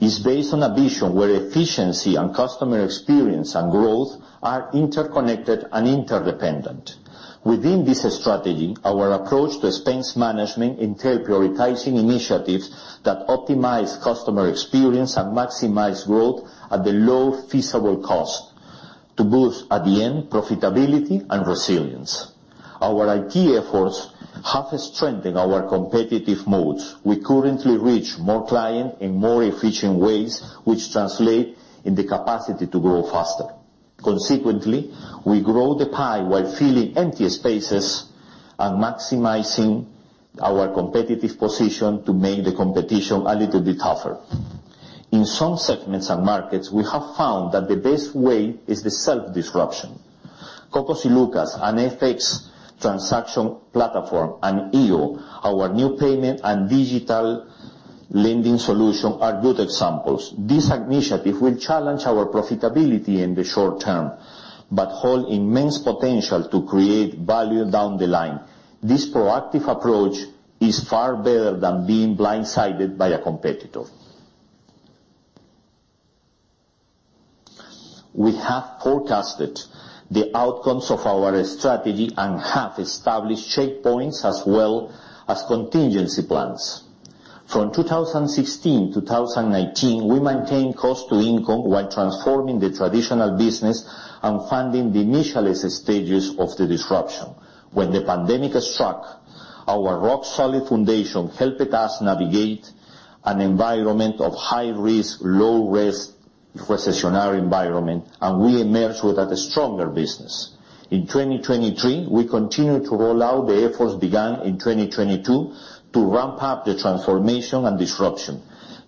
is based on a vision where efficiency and customer experience and growth are interconnected and interdependent. Within this strategy, our approach to expense management entail prioritizing initiatives that optimize customer experience and maximize growth at the low feasible cost to boost, at the end, profitability and resilience. Our IT efforts have strengthened our competitive modes. We currently reach more client in more efficient ways, which translate in the capacity to grow faster. Consequently, we grow the pie while filling empty spaces and maximizing our competitive position to make the competition a little bit tougher. In some segments and markets, we have found that the best way is the self-disruption. Cocos y Lucas, an FX transaction platform, and iO, our new payment and digital lending solution, are good examples. This initiative will challenge our profitability in the short term, but hold immense potential to create value down the line. This proactive approach is far better than being blindsided by a competitor. We have forecasted the outcomes of our strategy and have established checkpoints as well as contingency plans. From 2016 to 2019, we maintained cost-to-income while transforming the traditional business and funding the initial stages of the disruption. When the pandemic struck, our rock-solid foundation helped us navigate an environment of high risk, low risk, recessionary environment, and we emerged with a stronger business. In 2023, we continued to roll out the efforts began in 2022 to ramp up the transformation and disruption.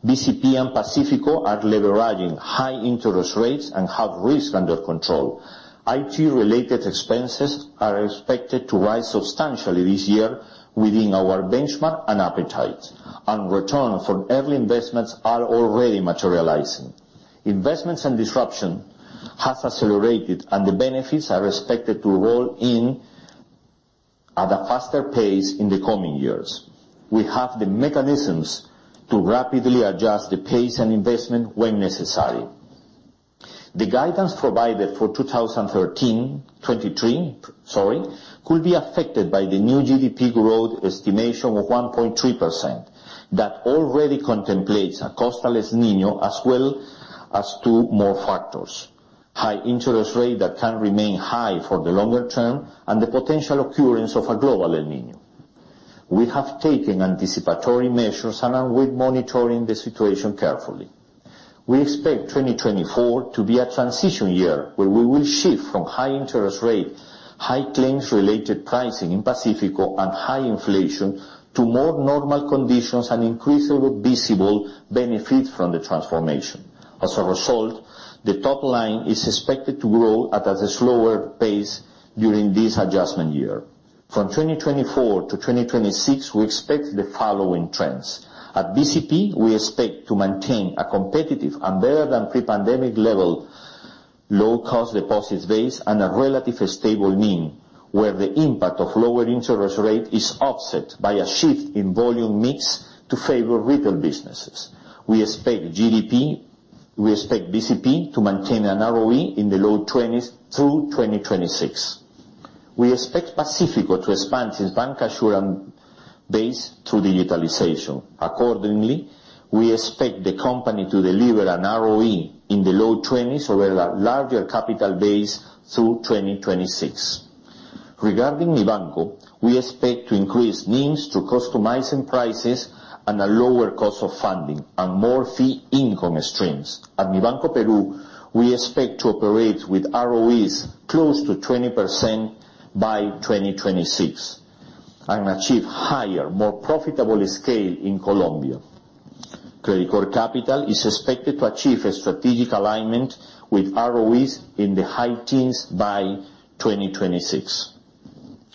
BCP and Pacífico are leveraging high interest rates and have risk under control. IT-related expenses are expected to rise substantially this year within our benchmark and appetite, and return from early investments are already materializing. Investments and disruption have accelerated, the benefits are expected to roll in at a faster pace in the coming years. We have the mechanisms to rapidly adjust the pace and investment when necessary. The guidance provided for 2023 could be affected by the new GDP growth estimation of 1.3%, that already contemplates a costless El Niño, as well as two more factors: high interest rate that can remain high for the longer term, and the potential occurrence of a global El Niño. We have taken anticipatory measures, are with monitoring the situation carefully. We expect 2024 to be a transition year, where we will shift from high interest rate, high claims-related pricing in Pacífico, and high inflation to more normal conditions and increasingly visible benefits from the transformation. As a result, the top line is expected to grow at a slower pace during this adjustment year. From 2024 to 2026, we expect the following trends. At BCP, we expect to maintain a competitive and better than pre-pandemic level, low cost deposits base, and a relative stable NIM, where the impact of lower interest rate is offset by a shift in volume mix to favor retail businesses. We expect BCP to maintain an ROE in the low 20s through 2026. We expect Pacifico to expand its bancassurance base through digitalization. Accordingly, we expect the company to deliver an ROE in the low 20s over a larger capital base through 2026. Regarding Mibanco, we expect to increase NIM to customize prices and a lower cost of funding and more fee income streams. At Mibanco Peru, we expect to operate with ROEs close to 20% by 2026, and achieve higher, more profitable scale in Colombia. Credicorp Capital is expected to achieve a strategic alignment with ROEs in the high teens by 2026.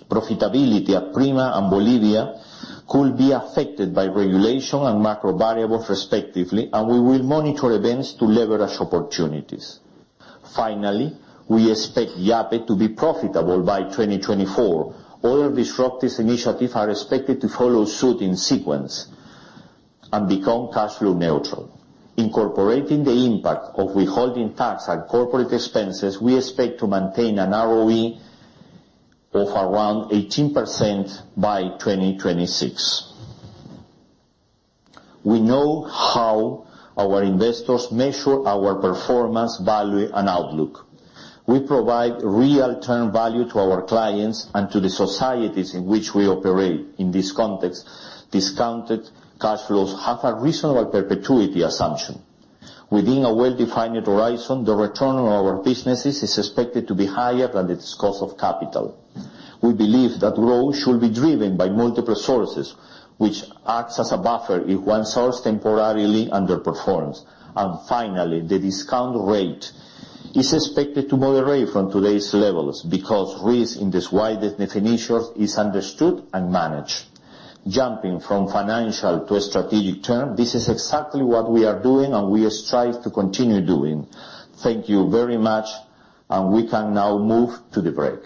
Profitability at Prima and Bolivia could be affected by regulation and macro variables, respectively, and we will monitor events to leverage opportunities. Finally, we expect Yape to be profitable by 2024. Other disruptive initiatives are expected to follow suit in sequence and become cash flow neutral. Incorporating the impact of withholding tax and corporate expenses, we expect to maintain an ROE of around 18% by 2026. We know how our investors measure our performance, value, and outlook. We provide real-term value to our clients and to the societies in which we operate. In this context, discounted cash flows have a reasonable perpetuity assumption. Within a well-defined horizon, the return on our businesses is expected to be higher than its cost of capital. We believe that growth should be driven by multiple sources, which acts as a buffer if one source temporarily underperforms. Finally, the discount rate is expected to moderate from today's levels, because risk in this widest definition is understood and managed. Jumping from financial to a strategic term, this is exactly what we are doing, and we strive to continue doing. Thank you very much, and we can now move to the break.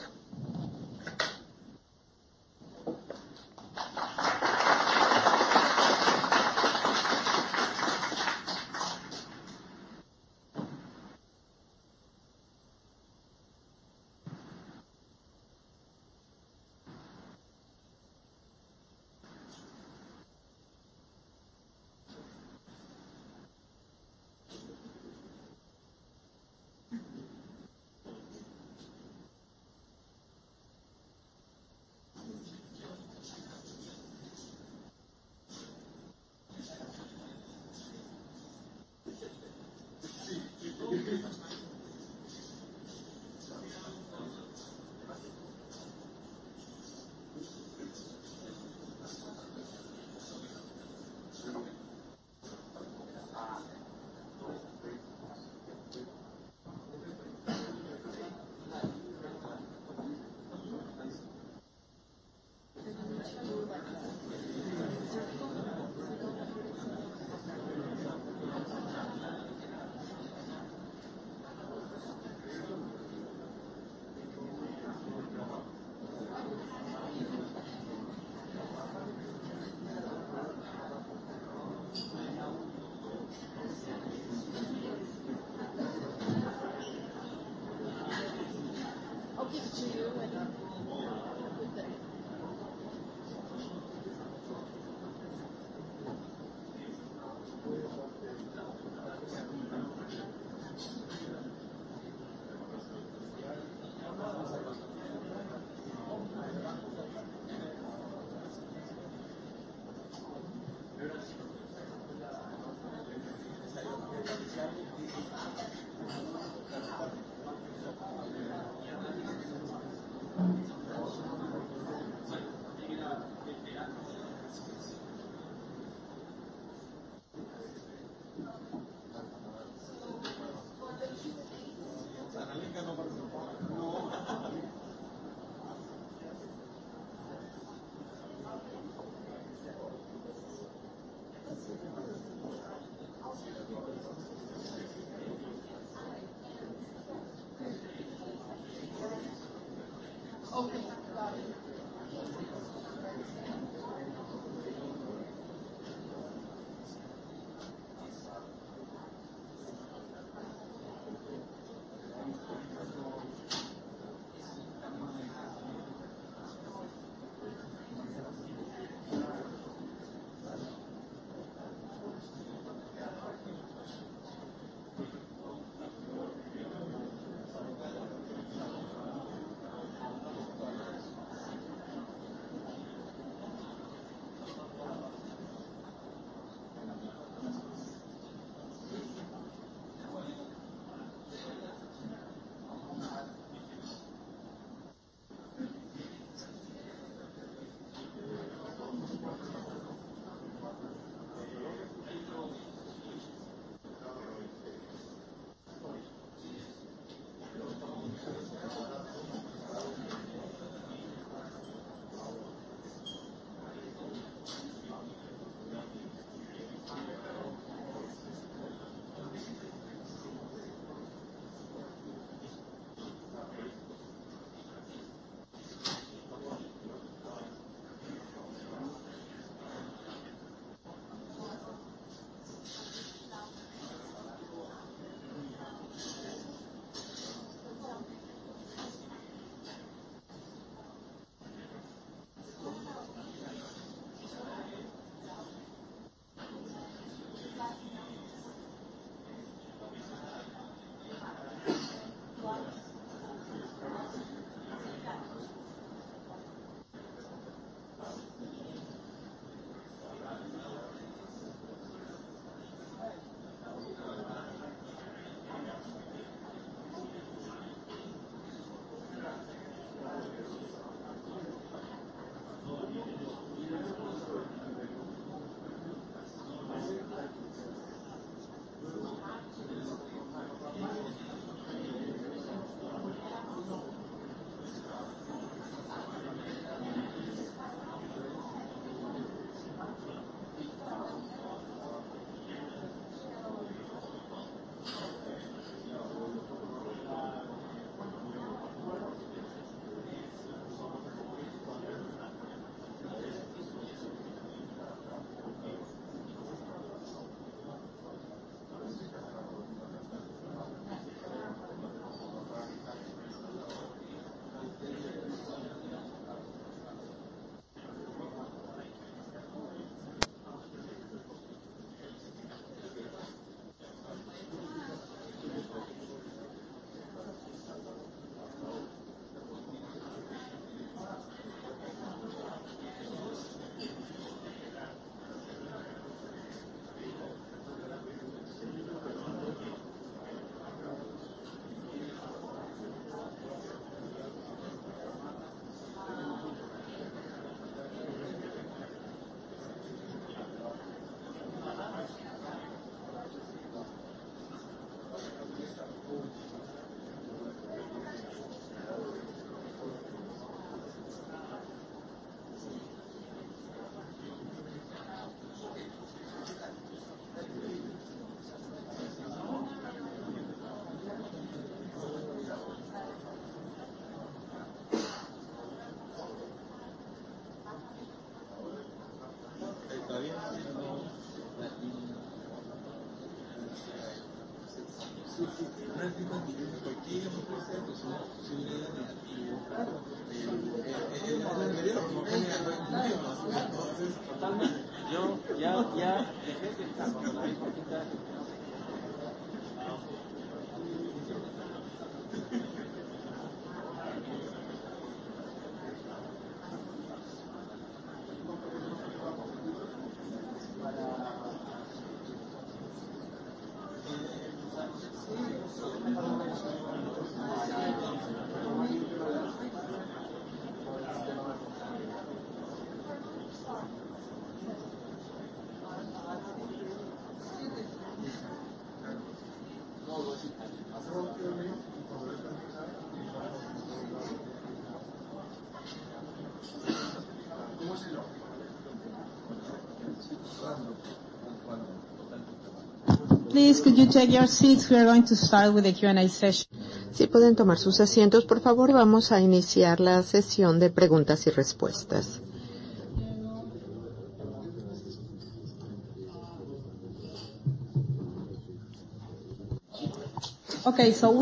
Please, could you take your seats? We are going to start with the Q&A session. Si pueden tomar sus asientos, por favor. Vamos a iniciar la sesión de preguntas y respuestas.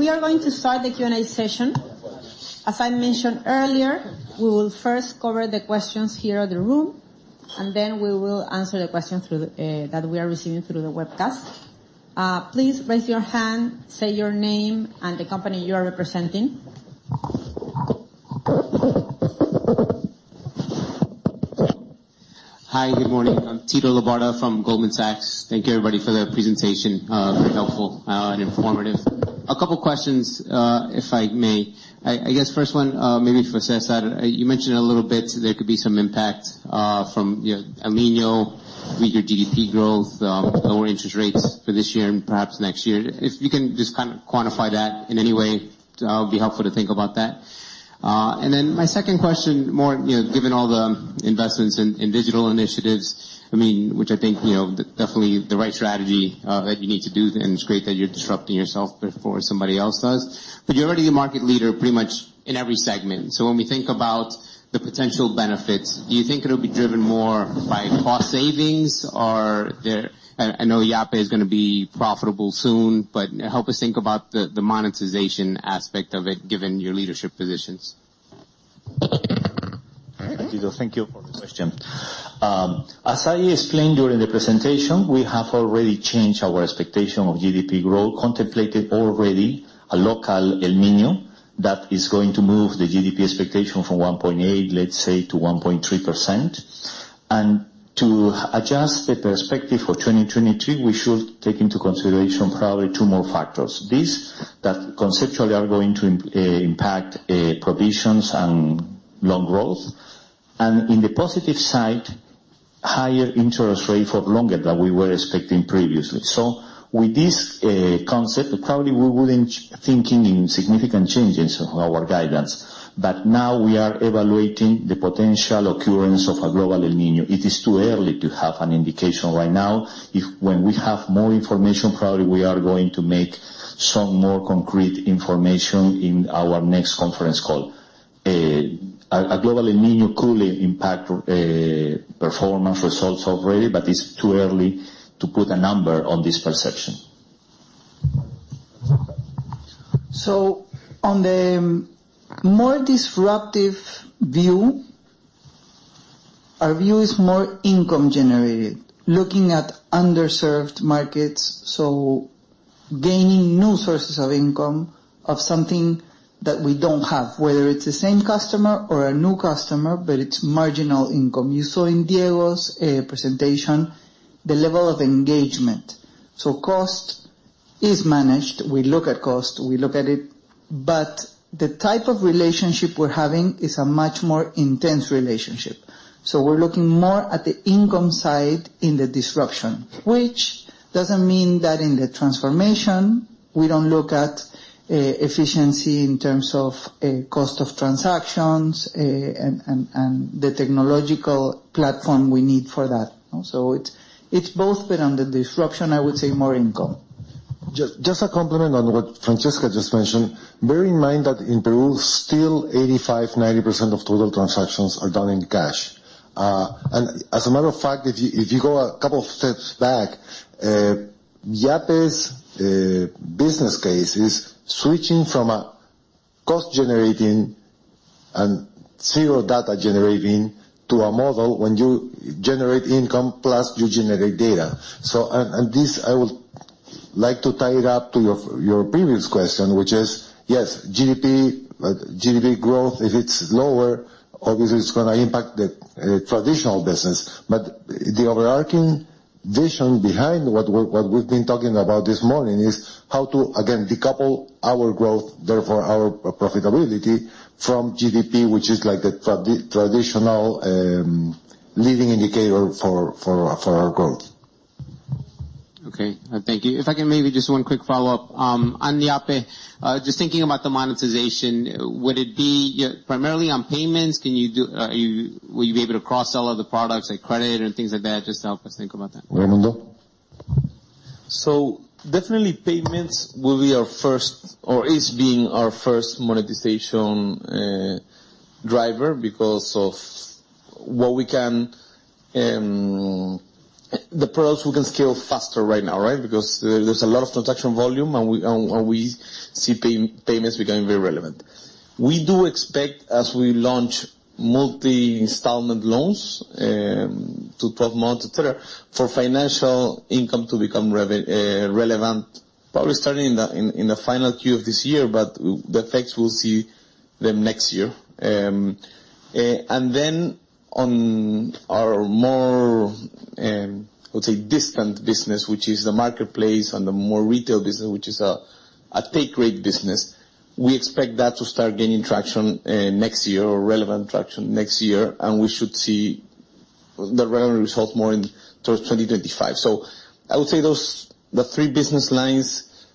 We are going to start the Q&A session. As I mentioned earlier, we will first cover the questions here at the room, and then we will answer the questions through the that we are receiving through the webcast. Please raise your hand, say your name and the company you are representing. Hi, good morning. I'm Tito Labarta from Goldman Sachs. Thank you, everybody, for the presentation. Very helpful and informative. A couple questions, if I may. I guess first one, maybe for Cesar. You mentioned a little bit there could be some impact from, you know, El Niño, weaker GDP growth, lower interest rates for this year and perhaps next year. If you can just kind of quantify that in any way, that would be helpful to think about that. Then my second question, more, you know, given all the investments in digital initiatives, I mean, which I think, you know, definitely the right strategy that you need to do, and it's great that you're disrupting yourself before somebody else does. You're already a market leader pretty much in every segment, so when we think about the potential benefits, do you think it'll be driven more by cost savings, or I know Yape is going to be profitable soon, but help us think about the monetization aspect of it, given your leadership positions. Thank you. Thank you for the question. As I explained during the presentation, we have already changed our expectation of GDP growth, contemplated already a local El Niño that is going to move the GDP expectation from 1.8, let's say, to 1.3%. To adjust the perspective for 2023, we should take into consideration probably two more factors. This, that conceptually are going to impact provisions and loan growth, and in the positive side, higher interest rate for longer than we were expecting previously. With this concept, probably we wouldn't thinking in significant changes of our guidance, but now we are evaluating the potential occurrence of a global El Niño. It is too early to have an indication right now. When we have more information, probably we are going to make some more concrete information in our next conference call. A global El Niño could impact performance results already, but it's too early to put a number on this perception. On the more disruptive view, our view is more income generated, looking at underserved markets, so gaining new sources of income of something that we don't have, whether it's the same customer or a new customer, but it's marginal income. You saw in Diego's presentation, the level of engagement. Cost is managed. We look at cost, we look at it, but the type of relationship we're having is a much more intense relationship. We're looking more at the income side in the disruption, which doesn't mean that in the transformation we don't look at efficiency in terms of cost of transactions and the technological platform we need for that. It's both, but on the disruption, I would say more income. Just a compliment on what Francesca just mentioned. Bear in mind that in Peru, still 85%, 90% of total transactions are done in cash. And as a matter of fact, if you go a couple of steps back, Yape's business case is switching from a cost-generating and zero data generating to a model when you generate income, plus you generate data. And this, I would like to tie it up to your previous question, which is, yes, GDP growth, if it's lower, obviously it's going to impact the traditional business. The overarching vision behind what we've been talking about this morning is how to, again, decouple our growth, therefore our profitability, from GDP, which is like the traditional leading indicator for our growth. Okay, thank you. If I can maybe just one quick follow-up. On Yape, just thinking about the monetization, would it be primarily on payments? Can you will you be able to cross-sell other the products, like credit and things like that? Just help us think about that. Raimundo? Definitely payments will be our first, or is being our first monetization driver because of what we can, the products we can scale faster right now, right? Because there's a lot of transaction volume, and we see payments becoming very relevant. We do expect, as we launch multi-installment loans, to 12 months, et cetera, for financial income to become relevant, probably starting in the final Q of this year, but the effects we'll see them next year. On our more, let's say, distant business, which is the marketplace, and the more retail business, which is a take rate business, we expect that to start gaining traction next year, or relevant traction next year, and we should see the relevant results more in towards 2025. I would say those, the three business lines,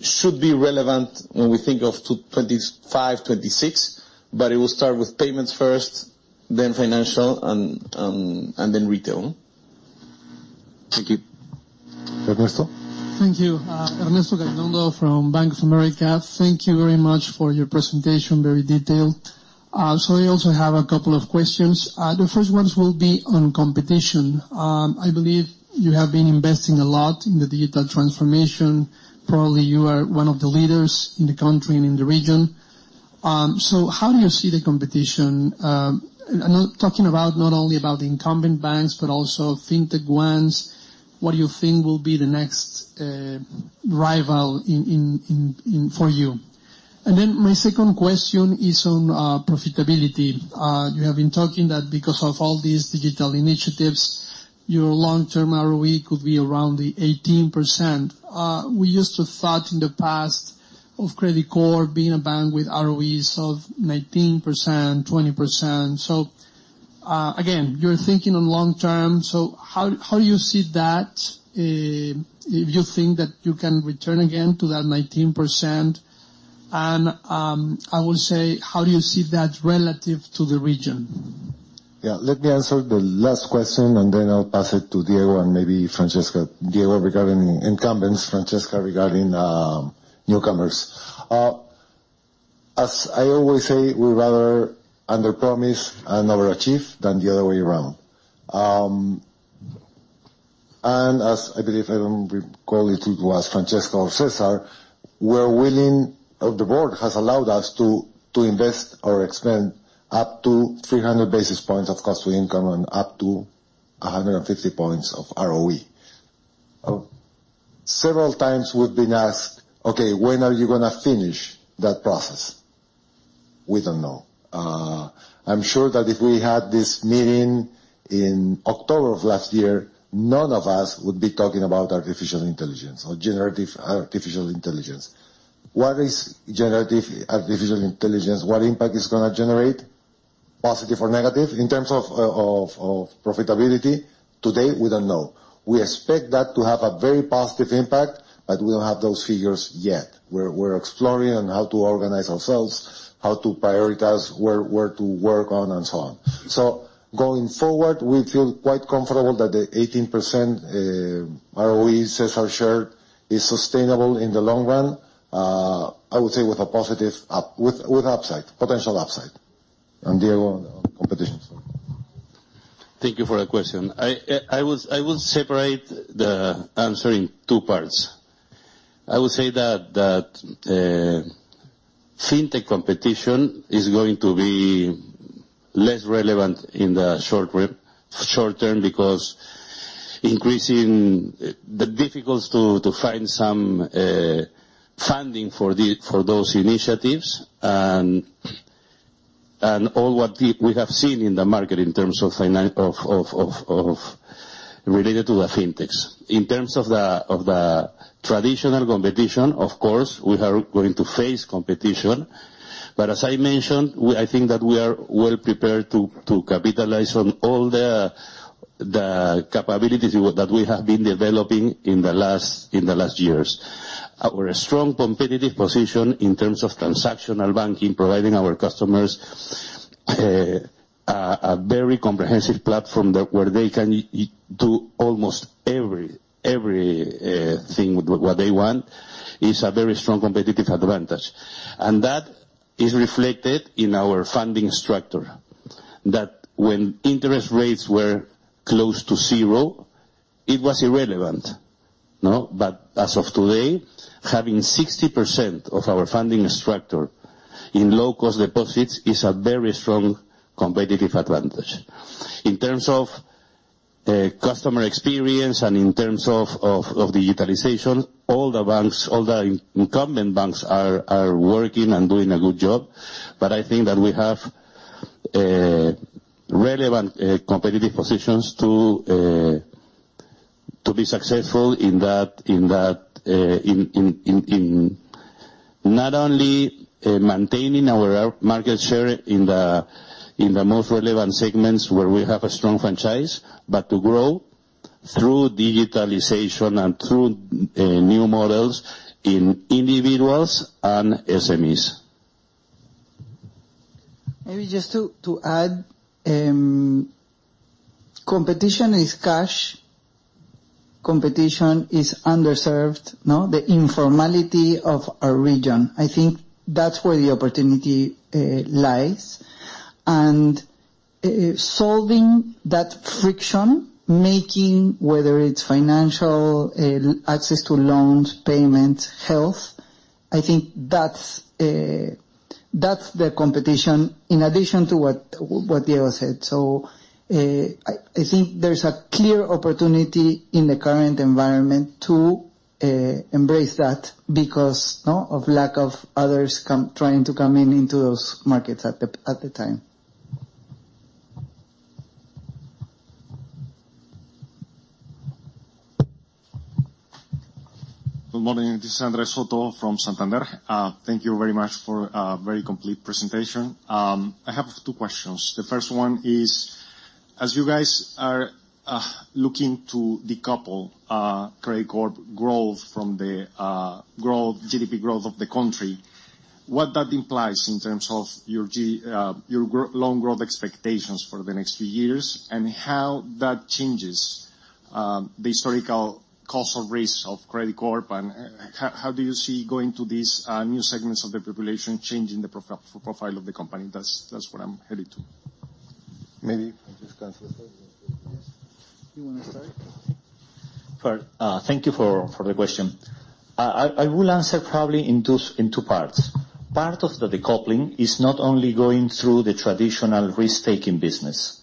should be relevant when we think of 2025, 2026, but it will start with payments first, then financial, and then retail. Thank you. Ernesto? Thank you. Ernesto Gabilondo from Bank of America. Thank you very much for your presentation, very detailed. I also have a couple of questions. The first ones will be on competition. I believe you have been investing a lot in the digital transformation. Probably you are one of the leaders in the country and in the region. How do you see the competition? I'm talking about not only about the incumbent banks, but also fintech ones. What do you think will be the next rival for you? My second question is on profitability. You have been talking that because of all these digital initiatives, your long-term ROE could be around the 18%. We used to thought in the past of Credicorp being a bank with ROEs of 19%, 20%. Again, you're thinking on long term, how do you see that, do you think that you can return again to that 19%? I will say, how do you see that relative to the region? Yeah, let me answer the last question, then I'll pass it to Diego and maybe Francesca. Diego regarding incumbents, Francesca regarding newcomers. As I always say, we rather underpromise and overachieve than the other way around. As I believe, I don't recall if it was Francesca or Cesar, we're willing, or the board has allowed us to invest or expend up to 300 basis points of cost-to-income and up to 150 points of ROE. Several times we've been asked: "Okay, when are you going to finish that process?" We don't know. I'm sure that if we had this meeting in October of last year, none of us would be talking about artificial intelligence or generative artificial intelligence. What is generative artificial intelligence? What impact it's going to generate, positive or negative, in terms of profitability? Today, we don't know. We expect that to have a very positive impact, we don't have those figures yet. We're exploring on how to organize ourselves, how to prioritize, where to work on, so on. Going forward, we feel quite comfortable that the 18% ROE Cesar shared is sustainable in the long run, I would say with a positive up, with upside, potential upside. Diego, on competition. Thank you for that question. I will separate the answer in two parts. I would say that fintech competition is going to be less relevant in the short term, because increasing the difficult to find some funding for those initiatives and all what we have seen in the market in terms of related to the fintechs. In terms of the traditional competition, of course, we are going to face competition, but as I mentioned, I think that we are well prepared to capitalize on all the capabilities that we have been developing in the last years. Our strong competitive position in terms of transactional banking, providing our customers a very comprehensive platform that, where they can do almost every thing what they want, is a very strong competitive advantage. That is reflected in our funding structure, that when interest rates were close to zero, it was irrelevant, no? As of today, having 60% of our funding structure in low-cost deposits is a very strong competitive advantage. In terms of customer experience and in terms of digitalization, all the banks, all the incumbent banks are working and doing a good job. I think that we have relevant competitive positions to be successful in that, in not only maintaining our market share in the most relevant segments where we have a strong franchise, but to grow through digitalization and through new models in individuals and SMEs. Maybe just to add, competition is cash. Competition is underserved, no? The informality of our region, I think that's where the opportunity lies. Solving that friction, making, whether it's financial access to loans, payments, health, I think that's the competition, in addition to what Diego said. I think there's a clear opportunity in the current environment to embrace that because, no, of lack of others trying to come in, into those markets at the time. Good morning. This is Andres Soto from Santander. Thank you very much for a very complete presentation. I have two questions. The first one is, as you guys are looking to decouple Credicorp growth from the growth, GDP growth of the country, what that implies in terms of your long growth expectations for the next few years, and how that changes the historical cost of risks of Credicorp? How do you see going to these new segments of the population changing the profile of the company? That's what I'm headed to. Maybe just transfer, yes. You wanna start? Thank you for the question. I will answer probably in two parts. Part of the decoupling is not only going through the traditional risk-taking business.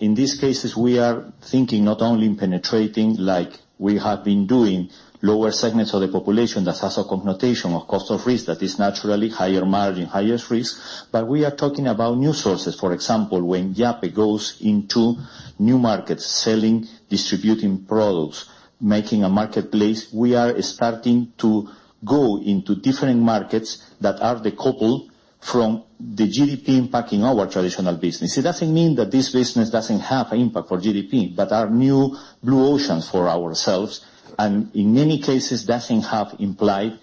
In these cases, we are thinking not only in penetrating, like we have been doing, lower segments of the population that has a connotation of cost of risk, that is naturally higher margin, highest risk, but we are talking about new sources. For example, when Yape goes into new markets, selling, distributing products, making a marketplace, we are starting to go into different markets that are decoupled... from the GDP impacting our traditional business. It doesn't mean that this business doesn't have impact for GDP, but are new blue oceans for ourselves, and in many cases, doesn't have implied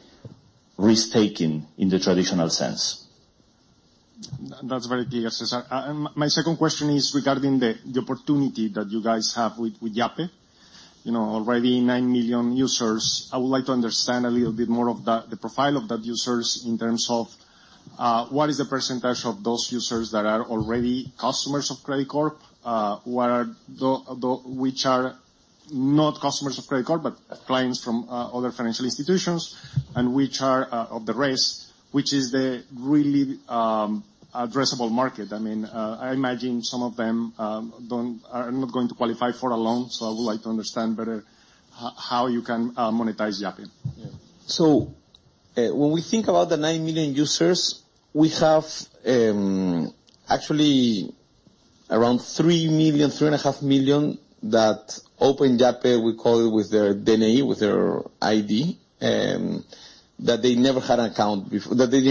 risk-taking in the traditional sense. That's very clear, Cesar. My second question is regarding the opportunity that you guys have with Yape. You know, already 9 million users. I would like to understand a little bit more of the profile of that users in terms of, what is the % of those users that are already customers of Credicorp, who are which are not customers of Credicorp, but clients from, other financial institutions, which are of the rest, which is the really addressable market? I mean, I imagine some of them don't, are not going to qualify for a loan, so I would like to understand better how you can monetize Yape. When we think about the 9 million users, we have, actually around 3 million, 3.5 million, that opened Yape, we call it, with their DNI, with their ID, that they didn't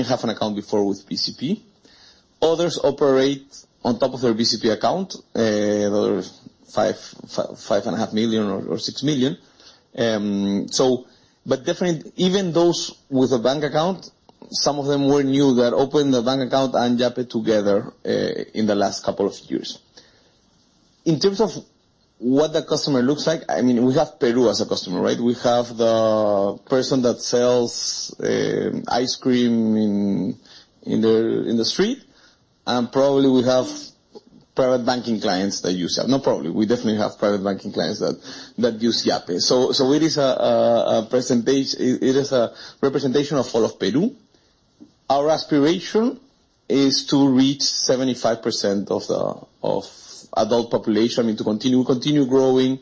have an account before with BCP. Others operate on top of their BCP account, there's 5.5 million or 6 million. Definitely, even those with a bank account, some of them were new, that opened the bank account and Yape together, in the last couple of years. In terms of what the customer looks like, I mean, we have Peru as a customer, right? We have the person that sells ice cream in the street, and probably we have private banking clients that use that. Not probably, we definitely have private banking clients that use Yape. It is a present page. It is a representation of all of Peru. Our aspiration is to reach 75% of the adult population, I mean, to continue growing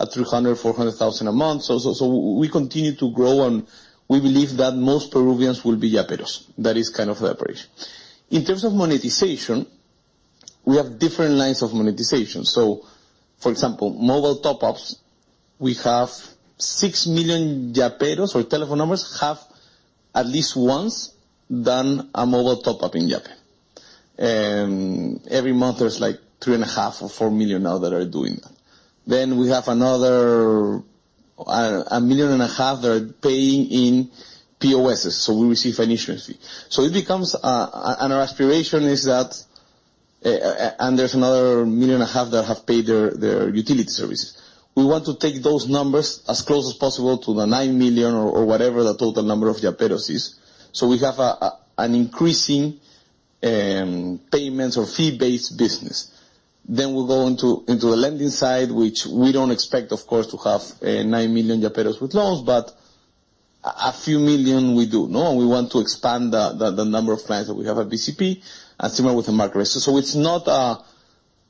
at 300,000-400,000 a month. We continue to grow, and we believe that most Peruvians will be Yaperos. That is kind of the operation. In terms of monetization, we have different lines of monetization. For example, mobile top-ups, we have 6 million Yaperos or telephone numbers, have at least once done a mobile top-up in Yape. Every month, there's, like, 3.5 million-4 million now that are doing that. We have another 1.5 million that are paying in POSs, so we receive an issuance fee. It becomes. Our aspiration is that, and there's another 1.5 million that have paid their utility services. We want to take those numbers as close as possible to the 9 million or whatever the total number of Yaperos is. We have an increasing payments or fee-based business. We go into the lending side, which we don't expect, of course, to have 9 million Yaperos with loans, but a few million we do, no? We want to expand the number of clients that we have at BCP, and similar with the market rest. It's not a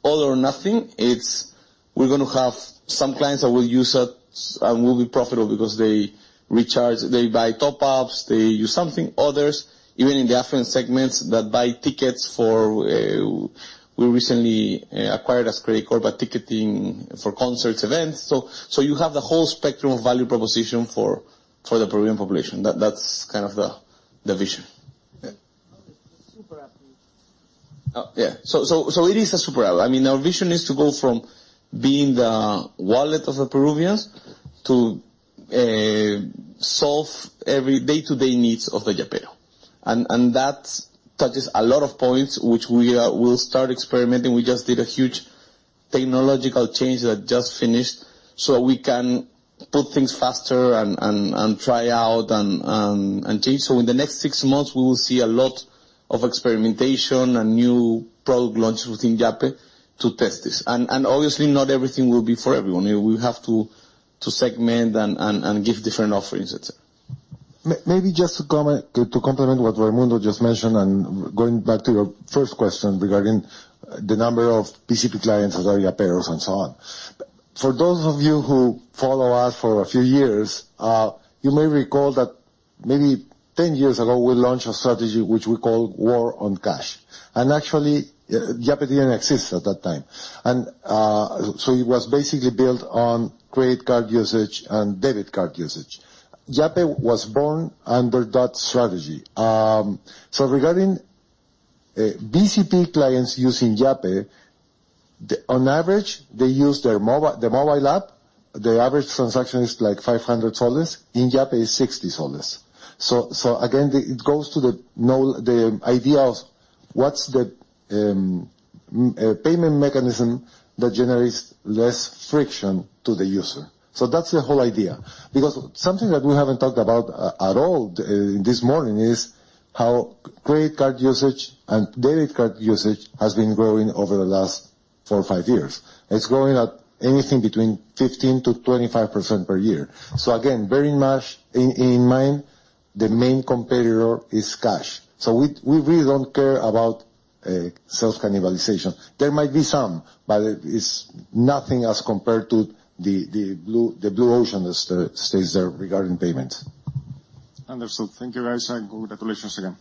all or nothing, it's we're going to have some clients that will use us and will be profitable because they recharge, they buy top-ups, they use something, others, even in the affluent segments, that buy tickets for. We recently acquired as Credicorp, a ticketing for concerts, events. You have the whole spectrum of value proposition for the Peruvian population. That's kind of the vision. Yeah. Super app. Oh, yeah. It is a super app. I mean, our vision is to go from being the wallet of the Peruvians to solve every day-to-day needs of the Yapeo. That touches a lot of points, which we will start experimenting. We just did a huge technological change that just finished, so we can put things faster and try out and change. In the next six months, we will see a lot of experimentation and new product launches within Yape to test this. Obviously, not everything will be for everyone. We will have to segment and give different offerings, et cetera. Maybe just to comment, to complement what Raimundo just mentioned, and going back to your first question regarding the number of BCP clients that are Yaperos and so on. For those of you who follow us for a few years, you may recall that maybe 10 years ago, we launched a strategy which we call War on Cash, and actually, Yape didn't exist at that time. So it was basically built on credit card usage and debit card usage. Yape was born under that strategy. So regarding BCP clients using Yape, on average, they use the mobile app, their average transaction is, like, 500 soles. In Yape, it's 60 soles. So again, it goes to the idea of what's the payment mechanism that generates less friction to the user. That's the whole idea. Because something that we haven't talked about at all this morning is how credit card usage and debit card usage has been growing over the last 4 or 5 years. It's growing at anything between 15%-25% per year. Again, bearing much in mind, the main competitor is cash. We really don't care about self-cannibalization. There might be some, but it's nothing as compared to the blue ocean that's stays there regarding payments. Understood. Thank you, guys, and congratulations again.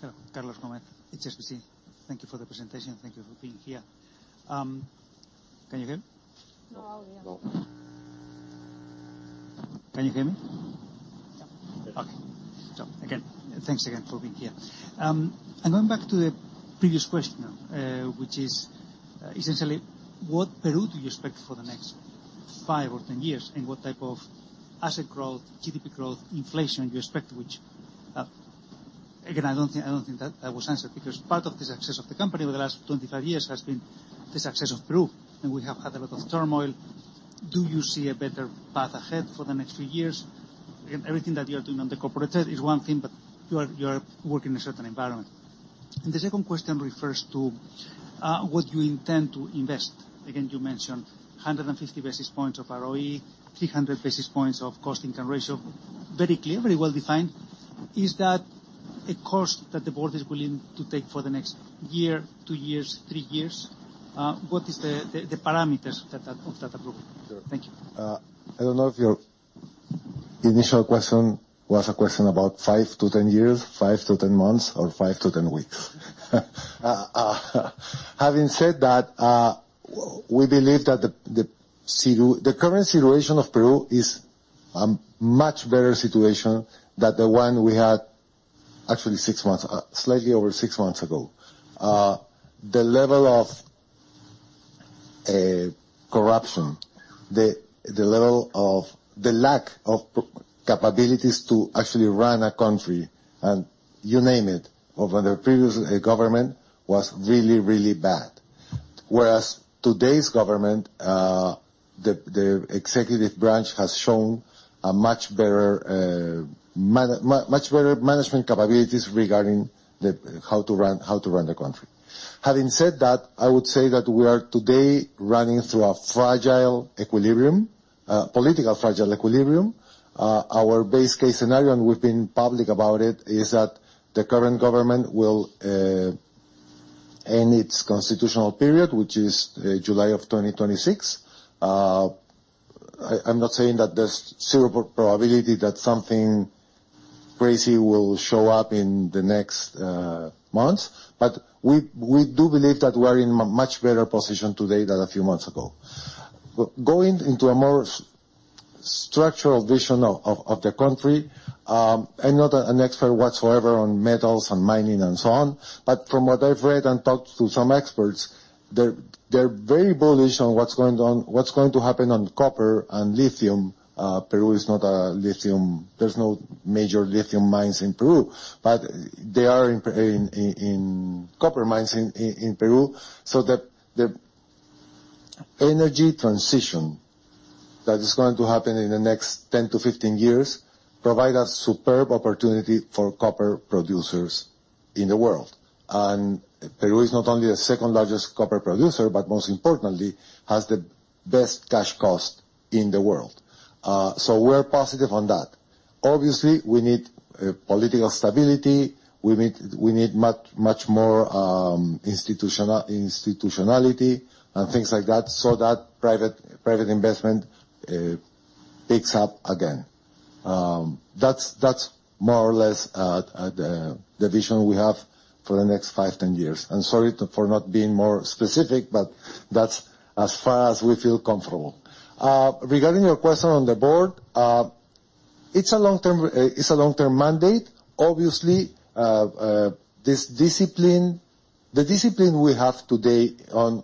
Hello, Carlos Gomez-Lopez, it's HSBC. Thank you for the presentation. Thank you for being here. Can you hear me? No, audio. No. Can you hear me? Yeah. Okay. Again, thanks again for being here. Going back to the previous question, which is, essentially, what Peru do you expect for the next five or 10 years, and what type of asset growth, GDP growth, inflation do you expect, which, again, I don't think, I don't think that was answered, because part of the success of the company over the last 25 years has been the success of Peru, and we have had a lot of turmoil. Do you see a better path ahead for the next few years? Again, everything that you are doing on the corporate side is one thing, but you are, you are working in a certain environment. The second question refers to what you intend to invest. Again, you mentioned 150 basis points of ROE, 300 basis points of cost-to-income ratio. Very clear, very well-defined. Is that a course that the board is willing to take for the next year, two years, three years? What is the parameters that of that approval? Thank you. I don't know if your initial question was a question about 5-10 years, 5-10 months, or 5-10 weeks. Having said that, we believe that the current situation of Peru is a much better situation than the one we had actually six months, slightly over six months ago. The level of corruption, the level of the lack of capabilities to actually run a country, and you name it, over the previous government was really, really bad. Today's government, the executive branch has shown a much better management capabilities regarding how to run the country. Having said that, I would say that we are today running through a fragile equilibrium, political fragile equilibrium. Our base case scenario, and we've been public about it, is that the current government will end its constitutional period, which is July of 2026. I'm not saying that there's zero probability that something crazy will show up in the next months, but we do believe that we're in a much better position today than a few months ago. Going into a more structural vision of the country, I'm not an expert whatsoever on metals and mining and so on, but from what I've read and talked to some experts, they're very bullish on what's going on, what's going to happen on copper and lithium. Peru is not a lithium. There's no major lithium mines in Peru, but there are in copper mines in Peru. The, the energy transition that is going to happen in the next 10-15 years provide a superb opportunity for copper producers in the world. Peru is not only the second-largest copper producer, but most importantly, has the best cash cost in the world. We're positive on that. Obviously, we need political stability. We need much more institutionality and things like that, so that private investment picks up again. That's, that's more or less the vision we have for the next 5, 10 years, sorry to, for not being more specific, but that's as far as we feel comfortable. Regarding your question on the board, it's a long-term mandate. Obviously, this discipline, the discipline we have today on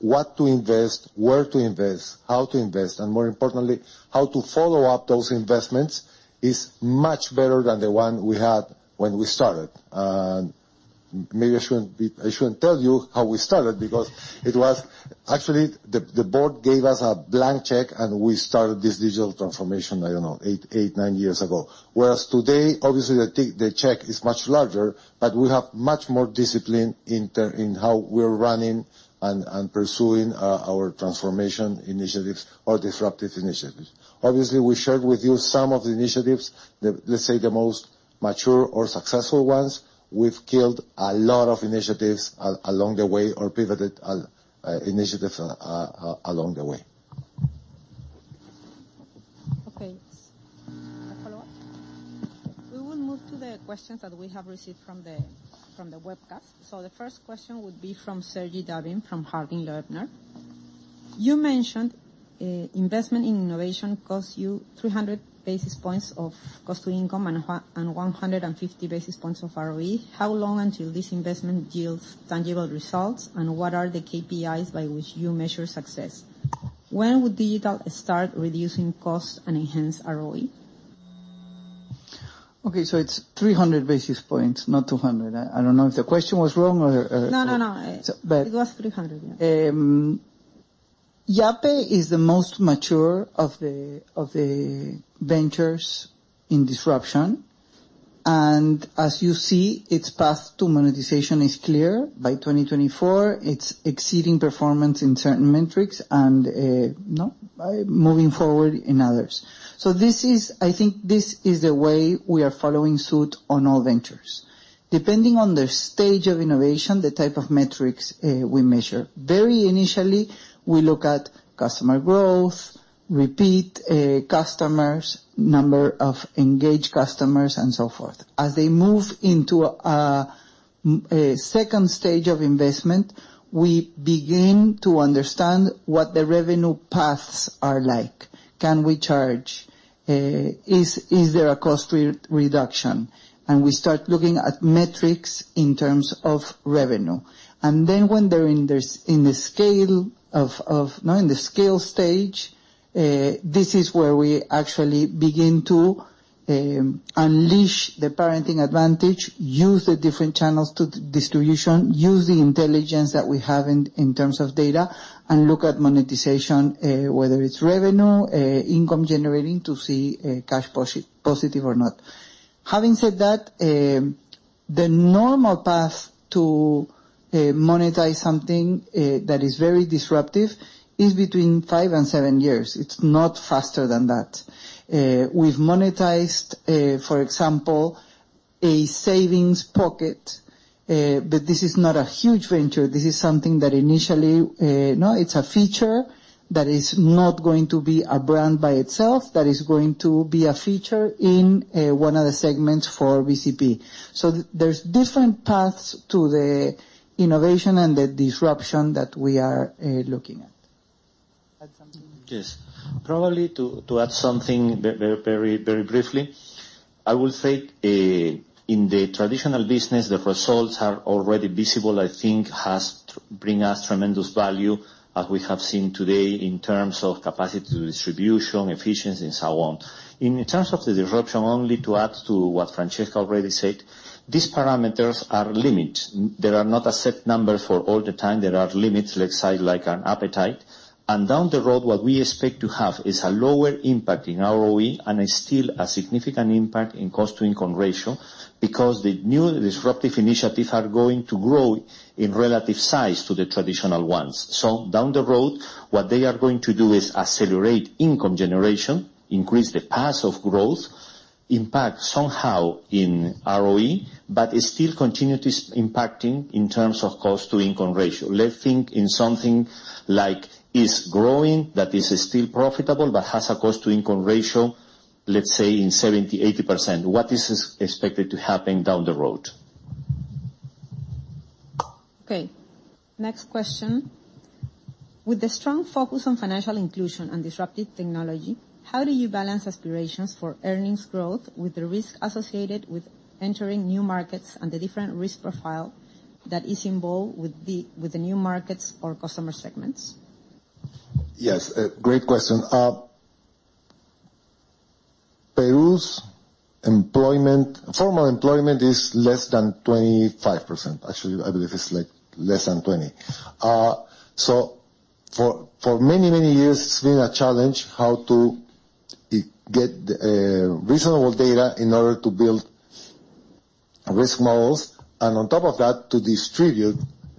what to invest, where to invest, how to invest, and more importantly, how to follow up those investments, is much better than the one we had when we started. Maybe I shouldn't tell you how we started, because it was. Actually, the board gave us a blank check, and we started this digital transformation, I don't know, eight, nine years ago. Whereas today, obviously, the check is much larger, but we have much more discipline in how we're running and pursuing our transformation initiatives or disruptive initiatives. Obviously, we shared with you some of the initiatives, let's say, the most mature or successful ones. We've killed a lot of initiatives along the way or pivoted initiatives along the way. A follow-up? We will move to the questions that we have received from the webcast. The first question would be from Sergei Pliutsinski, from Harding Loevner. You mentioned investment in innovation costs you 300 basis points of cost-to-income and 150 basis points of ROE. How long until this investment yields tangible results, and what are the KPIs by which you measure success? When will digital start reducing costs and enhance ROE? It's 300 basis points, not 200. I don't know if the question was wrong or. No, no. But- It was PEN 300, yeah. Yape is the most mature of the ventures in disruption, as you see, its path to monetization is clear. By 2024, it's exceeding performance in certain metrics, no, by moving forward in others. I think this is the way we are following suit on all ventures. Depending on the stage of innovation, the type of metrics, we measure, very initially, we look at customer growth, repeat customers, number of engaged customers, and so forth. As they move into a-. second stage of investment, we begin to understand what the revenue paths are like. Can we charge? Is there a cost re-reduction? We start looking at metrics in terms of revenue. When they're in the scale stage, this is where we actually begin to unleash the parenting advantage, use the different channels to distribution, use the intelligence that we have in terms of data, and look at monetization, whether it's revenue, income generating, to see cash positive or not. Having said that, the normal path to monetize something that is very disruptive is between five and seven years. It's not faster than that. We've monetized, for example, a savings pocket, but this is not a huge venture. This is something that initially, no, it's a feature that is not going to be a brand by itself, that is going to be a feature in, one of the segments for BCP. There's different paths to the innovation and the disruption that we are looking at. Add something? Yes. Probably to add something very briefly, I will say, in the traditional business, the results are already visible, I think has bring us tremendous value, as we have seen today, in terms of capacity to distribution, efficiency, and so on. In terms of the disruption, only to add to what Francesca already said, these parameters are limit. There are not a set number for all the time. There are limits, let's say, like an appetite. Down the road, what we expect to have is a lower impact in ROE, and is still a significant impact in cost-to-income ratio, because the new disruptive initiatives are going to grow in relative size to the traditional ones. Down the road, what they are going to do is accelerate income generation, increase the paths of growth, impact somehow in ROE, but it still continue to impacting in terms of cost-to-income ratio. Let's think in something like is growing, that is still profitable, but has a cost-to-income ratio, let's say in 70%, 80%. What is expected to happen down the road? Okay, next question: With the strong focus on financial inclusion and disruptive technology, how do you balance aspirations for earnings growth with the risk associated with entering new markets and the different risk profile that is involved with the new markets or customer segments? Yes, great question. Peru's employment, formal employment, is less than 25%. Actually, I believe it's, like, less than 20%. For many, many years, it's been a challenge how to get reasonable data in order to build risk models, and on top of that, to distribute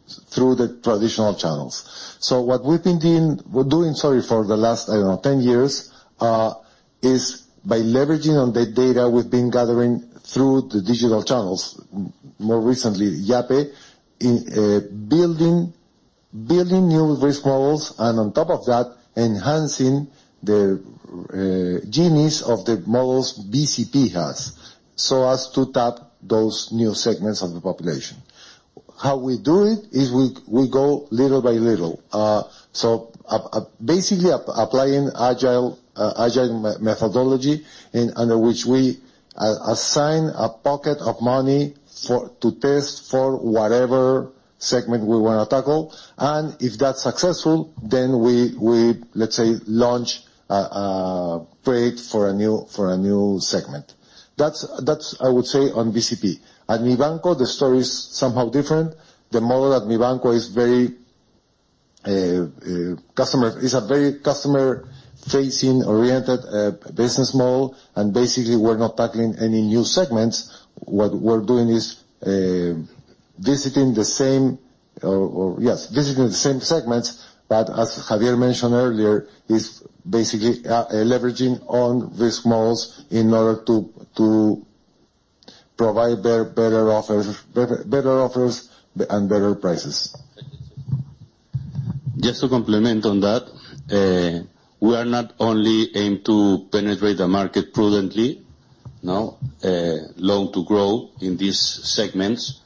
through the traditional channels. What we've been doing, sorry, for the last, I don't know, 10 years, is by leveraging on the data we've been gathering through the digital channels, more recently, Yape, building new risk models, and on top of that, enhancing the genius of the models BCP has, so as to tap those new segments of the population. How we do it is we go little by little. Basically, applying agile methodology, under which we assign a pocket of money for to test for whatever segment we wanna tackle, if that's successful, then we, let's say, launch, create for a new segment. That's, I would say, on BCP. At Mibanco, the story is somehow different. The model at Mibanco is very customer. It's a very customer-facing, oriented business model. Basically, we're not tackling any new segments. What we're doing is visiting the same or, yes, visiting the same segments, but as Javier mentioned earlier, is basically leveraging on risk models in order to provide better offers and better prices. Just to complement on that, we are not only aimed to penetrate the market prudently, no, loan to grow in these segments,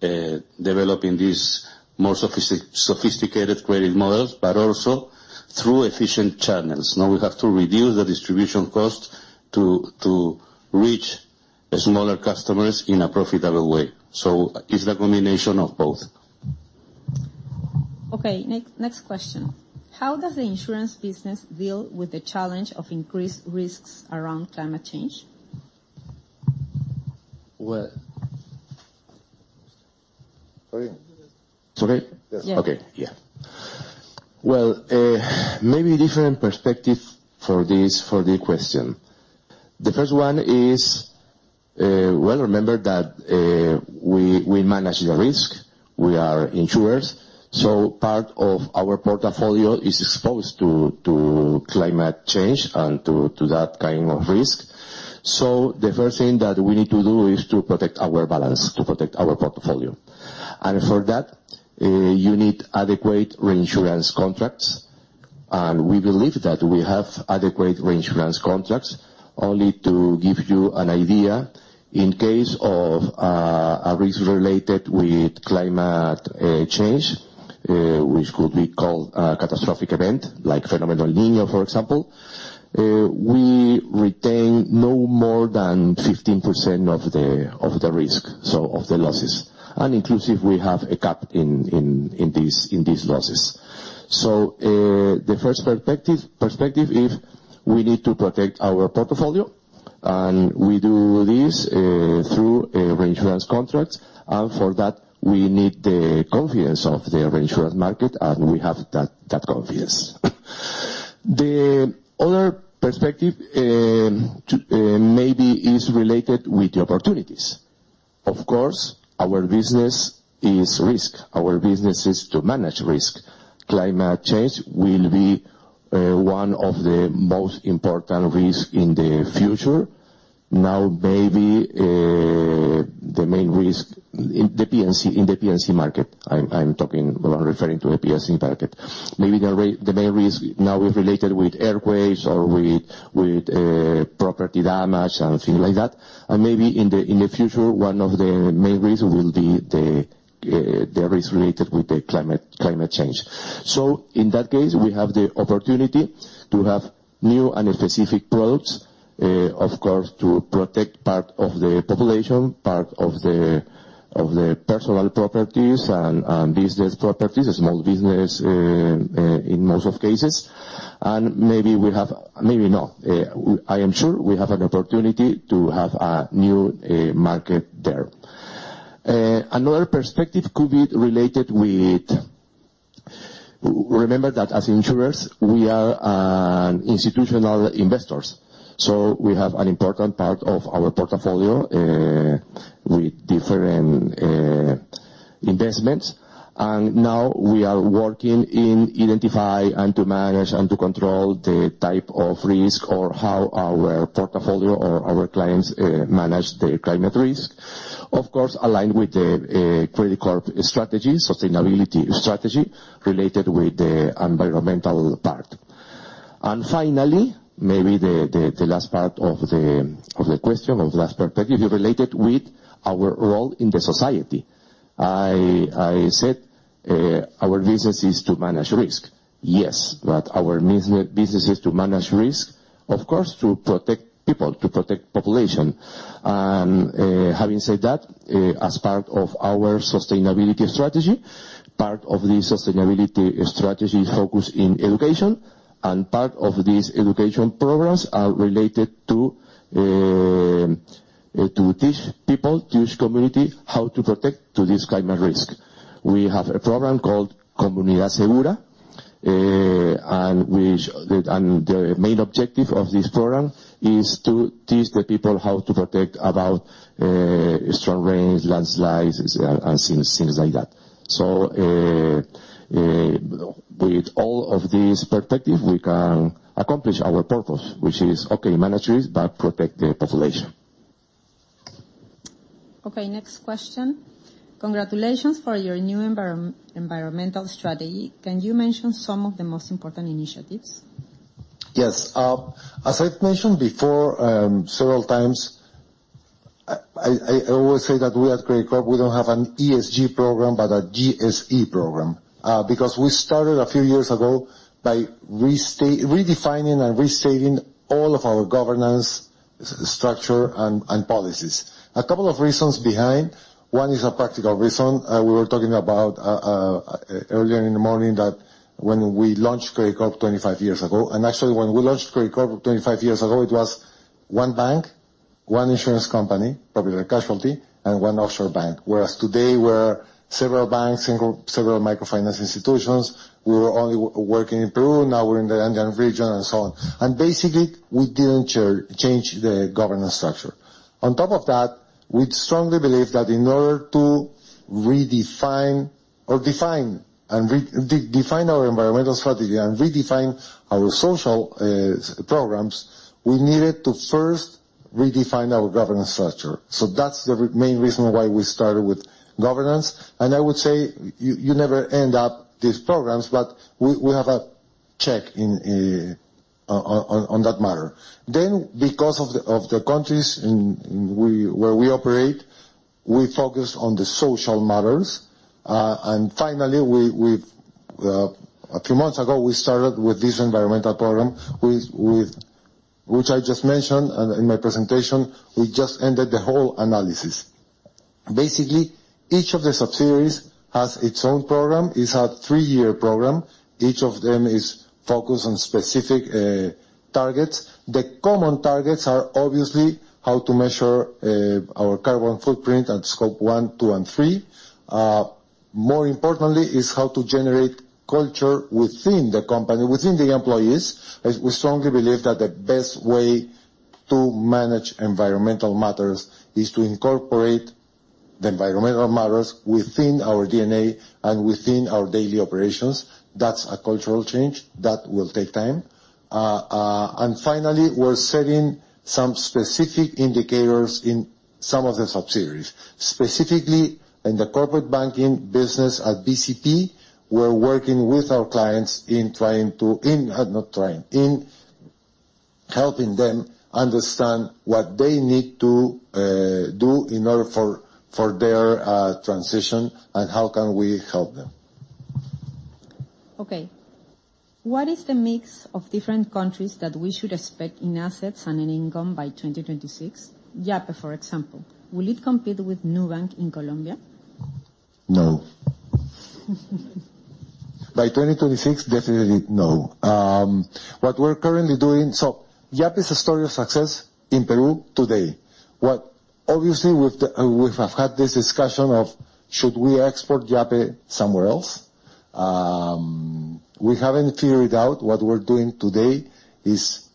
developing these more sophisticated credit models, but also through efficient channels. We have to reduce the distribution cost to reach the smaller customers in a profitable way. It's the combination of both. Okay, next question: How does the insurance business deal with the challenge of increased risks around climate change? Well, It's okay? Yes. Yeah. Okay, yeah. Well, maybe a different perspective for the question. The first one is, well, remember that we manage the risk. We are insurers, part of our portfolio is exposed to climate change and to that kind of risk. The first thing that we need to do is to protect our balance, to protect our portfolio, and for that, you need adequate reinsurance contracts. We believe that we have adequate reinsurance contracts. Only to give you an idea, in case of a risk related with climate change, which could be called a catastrophic event, like phenomenon El Niño, for example, we retain no more than 15% of the risk, so of the losses. Inclusive, we have a cap in these losses. The first perspective is we need to protect our portfolio, and we do this through reinsurance contracts. For that, we need the confidence of the reinsurance market, and we have that confidence. The other perspective, to maybe is related with the opportunities. Of course, our business is risk. Our business is to manage risk. Climate change will be one of the most important risk in the future. Maybe the main risk in the PNC market, I'm referring to the PNC market. Maybe the main risk now is related with earthquakes or with property damage and things like that, and maybe in the future, one of the main risks will be the risk related with climate change. In that case, we have the opportunity to have new and specific products, of course, to protect part of the population, part of the personal properties and business properties, small business in most of cases, Maybe not. I am sure we have an opportunity to have a new market there. Another perspective could be related with. Remember that as insurers, we are institutional investors, so we have an important part of our portfolio with different investments. Now we are working in identify and to manage and to control the type of risk or how our portfolio or our clients manage the climate risk. Of course, aligned with the Credicorp strategy, sustainability strategy, related with the environmental part. Finally, maybe the last part of the question, of the last perspective, is related with our role in the society. I said, our business is to manage risk. Yes, our business is to manage risk, of course, to protect people, to protect population. Having said that, as part of our sustainability strategy, part of the sustainability strategy is focused in education, and part of these education programs are related to teach people, to teach community how to protect to this climate risk. We have a program called Comunidad Segura, and the main objective of this program is to teach the people how to protect about strong rains, landslides, and things like that. With all of these perspective, we can accomplish our purpose, which is, okay, manage risk, but protect the population. Okay, next question: Congratulations for your new environmental strategy. Can you mention some of the most important initiatives? Yes. As I've mentioned before, several times, I always say that we at Credicorp, we don't have an ESG program, but a GSE program. Because we started a few years ago by redefining and restating all of our governance structure and policies. A couple of reasons behind, one is a practical reason. We were talking about earlier in the morning that when we launched Credicorp 25 years ago, and actually, when we launched Credicorp 25 years ago, it was one bank, one insurance company, probably casualty, and one offshore bank. Whereas today, we're several banks and several microfinance institutions. We were only working in Peru, now we're in the Andean region and so on. Basically, we didn't change the governance structure. On top of that, we strongly believe that in order to redefine or define and redefine our environmental strategy and redefine our social programs, we needed to first redefine our governance structure. That's the main reason why we started with governance. I would say, you never end up these programs, but we have a check in on that matter. Because of the countries where we operate, we focus on the social matters. Finally, we've a few months ago, we started with this environmental program with which I just mentioned in my presentation. We just ended the whole analysis. Basically, each of the subsidiaries has its own program. It's a three-year program. Each of them is focused on specific targets. The common targets are obviously how to measure our carbon footprint and Scope 1, 2 and 3. More importantly is how to generate culture within the company, within the employees, as we strongly believe that the best way to manage environmental matters is to incorporate the environmental matters within our DNA and within our daily operations. That's a cultural change. That will take time. Finally, we're setting some specific indicators in some of the subsidiaries, specifically in the corporate banking business at BCP, we're working with our clients in helping them understand what they need to do in order for their transition, and how can we help them. Okay. What is the mix of different countries that we should expect in assets and in income by 2026? Yape, for example, will it compete with Nubank in Colombia? No. By 2026, definitely no. What we're currently doing. Yape is a story of success in Peru today. What, obviously, we've had this discussion of should we export Yape somewhere else? We haven't figured out. What we're doing today is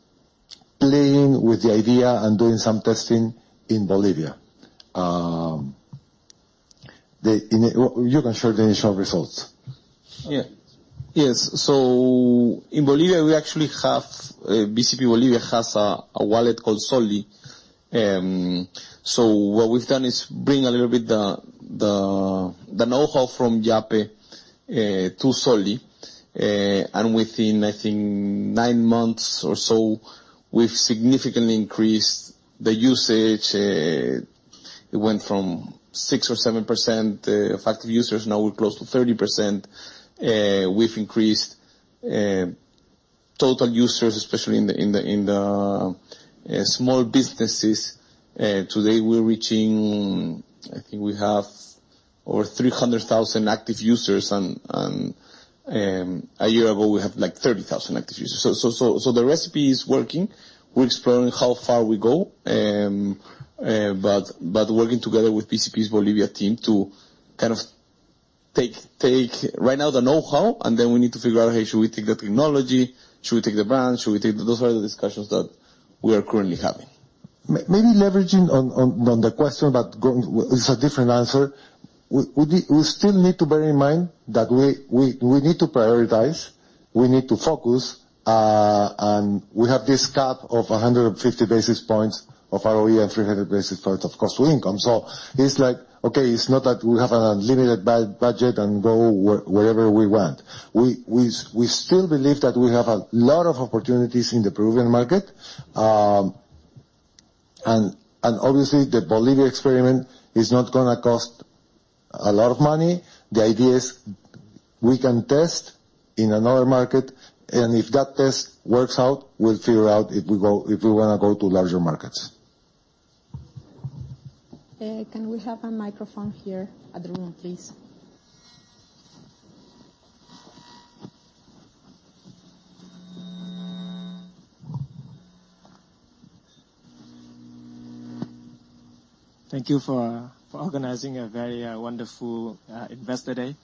playing with the idea and doing some testing in Bolivia. You can share the initial results. Yes. In Bolivia, we actually have BCP. Bolivia has a wallet called Soli. What we've done is bring a little bit the know-how from Yape to Soli, and within, I think nine months or so, we've significantly increased the usage. It went from 6% or 7% of active users, now we're close to 30%. We've increased total users, especially in the small businesses. Today, we're reaching, I think we have over 300,000 active users, and a year ago, we have, like, 30,000 active users. The recipe is working. We're exploring how far we go. Working together with BCP's Bolivia team to kind of take right now the know-how, and then we need to figure out, hey, should we take the technology? Should we take the brand? Should we take the... Those are the discussions that we are currently having. Maybe leveraging on the question, but going, it's a different answer. We still need to bear in mind that we need to prioritize, we need to focus, and we have this cap of 150 basis points of ROE and 300 basis points of cost-to-income. It's like, okay, it's not that we have an unlimited budget and go wherever we want. We still believe that we have a lot of opportunities in the Peruvian market. Obviously, the Bolivia experiment is not gonna cost a lot of money. The idea is we can test in another market, and if that test works out, we'll figure out if we go if we wanna go to larger markets. Can we have a microphone here at the room, please? Thank you for organizing a very wonderful Investor Day.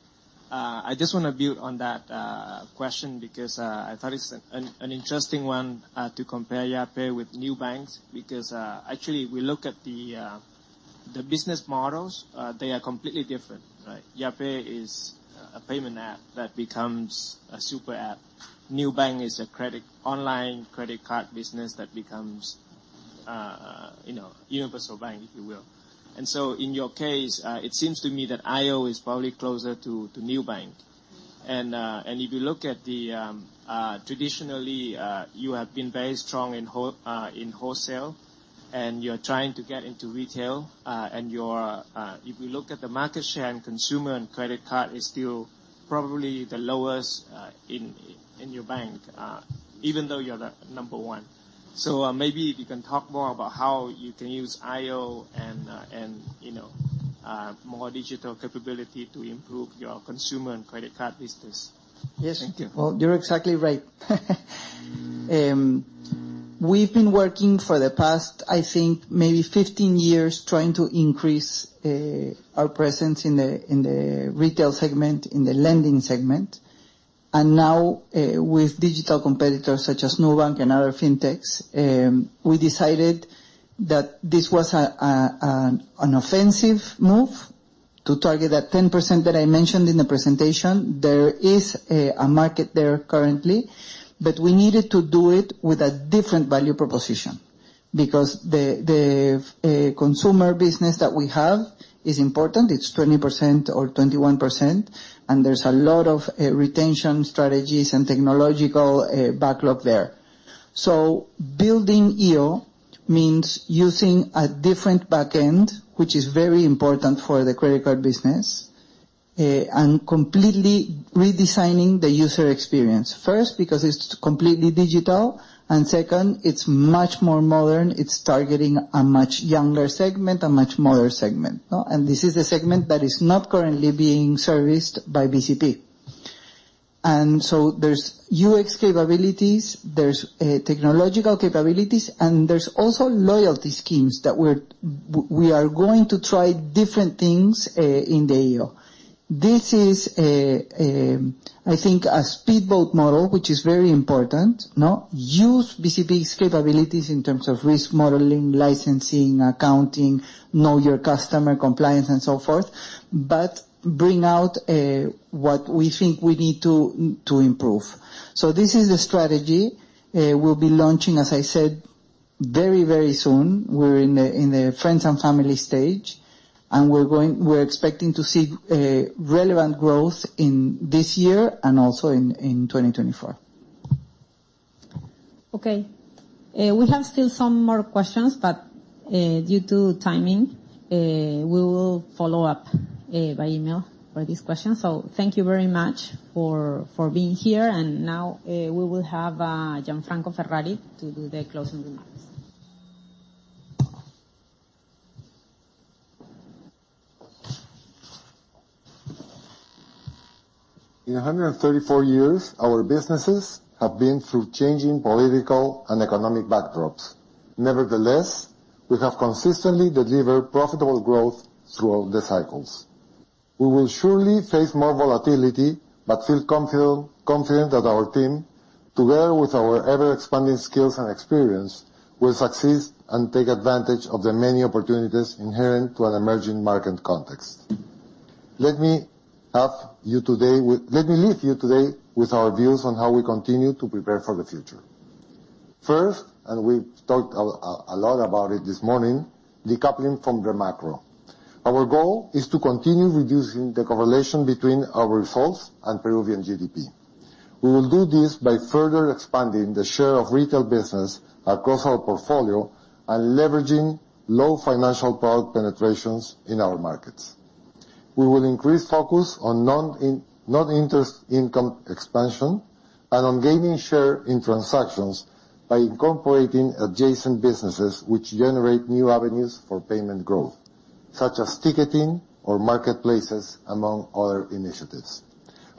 I just want to build on that question because I thought it's an interesting one to compare Yape with Nubank, because actually, we look at the business models, they are completely different, right? Yape is a payment app that becomes a super app. Nubank is a credit, online credit card business that becomes, you know, universal bank, if you will. In your case, it seems to me that iO is probably closer to Nubank. If you look at the traditionally, you have been very strong in wholesale, and you're trying to get into retail, and you're if you look at the market share and consumer and credit card, is still probably the lowest in your bank, even though you're the number one. Maybe if you can talk more about how you can use iO and, you know, more digital capability to improve your consumer and credit card business. Yes. Thank you. Well, you're exactly right. We've been working for the past, I think, maybe 15 years, trying to increase our presence in the retail segment, in the lending segment. Now, with digital competitors such as Nubank and other fintechs, we decided that this was an offensive move to target that 10% that I mentioned in the presentation. There is a market there currently. We needed to do it with a different value proposition because the consumer business that we have is important. It's 20% or 21%, there's a lot of retention strategies and technological backlog there. Building iO means using a different back end, which is very important for the credit card business, and completely redesigning the user experience, first, because it's completely digital, and second, it's much more modern. It's targeting a much younger segment, a much modern segment, no? This is the segment that is not currently being serviced by BCP. There's UX capabilities, there's technological capabilities, and there's also loyalty schemes that We are going to try different things in the iO. This is a, I think, a speedboat model, which is very important, no? Use BCP's capabilities in terms of risk modeling, licensing, accounting, know your customer compliance, and so forth, but bring out what we think we need to improve. This is the strategy. We'll be launching very soon. We're in the friends and family stage, we're expecting to see a relevant growth in this year and also in 2024. Okay. We have still some more questions, but due to timing, we will follow up by email for these questions. Thank you very much for being here. Now, we will have Gianfranco Ferrari to do the closing remarks. In 134 years, our businesses have been through changing political and economic backdrops. We have consistently delivered profitable growth throughout the cycles. We will surely face more volatility, feel confident that our team, together with our ever-expanding skills and experience, will succeed and take advantage of the many opportunities inherent to an emerging market context. Let me leave you today with our views on how we continue to prepare for the future. First, we've talked a lot about it this morning, decoupling from the macro. Our goal is to continue reducing the correlation between our results and Peruvian GDP. We will do this by further expanding the share of retail business across our portfolio and leveraging low financial product penetrations in our markets. We will increase focus on non-interest income expansion and on gaining share in transactions by incorporating adjacent businesses, which generate new avenues for payment growth, such as ticketing or marketplaces, among other initiatives.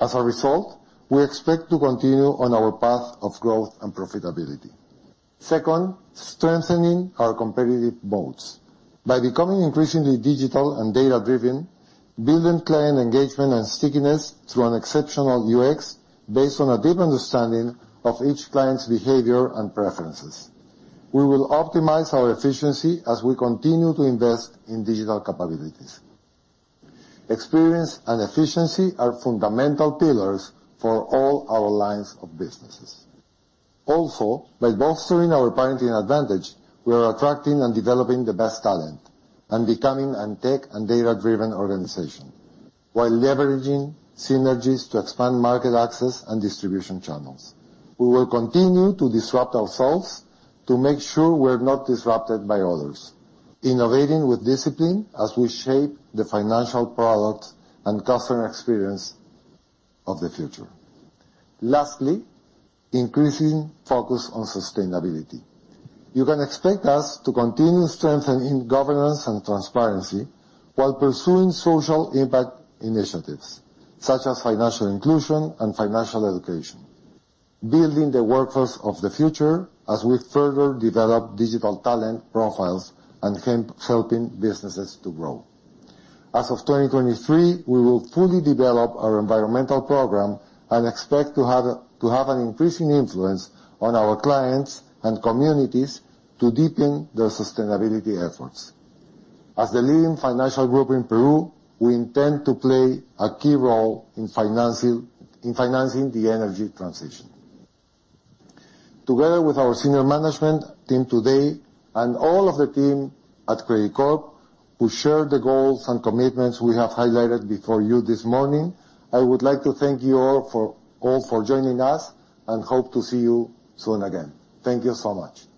As a result, we expect to continue on our path of growth and profitability. Second, strengthening our competitive moats. By becoming increasingly digital and data-driven, building client engagement and stickiness through an exceptional UX based on a deep understanding of each client's behavior and preferences, we will optimize our efficiency as we continue to invest in digital capabilities. Experience and efficiency are fundamental pillars for all our lines of businesses. Also, by bolstering our parenting advantage, we are attracting and developing the best talent and becoming a tech and data-driven organization, while leveraging synergies to expand market access and distribution channels. We will continue to disrupt ourselves to make sure we're not disrupted by others, innovating with discipline as we shape the financial product and customer experience of the future. Lastly, increasing focus on sustainability. You can expect us to continue strengthening governance and transparency while pursuing social impact initiatives, such as financial inclusion and financial education, building the workforce of the future as we further develop digital talent profiles, and helping businesses to grow. As of 2023, we will fully develop our environmental program and expect to have an increasing influence on our clients and communities to deepen their sustainability efforts. As the leading financial group in Peru, we intend to play a key role in financing the energy transition. Together with our senior management team today and all of the team at Credicorp, who share the goals and commitments we have highlighted before you this morning, I would like to thank you all for joining us, and hope to see you soon again. Thank you so much. Listo.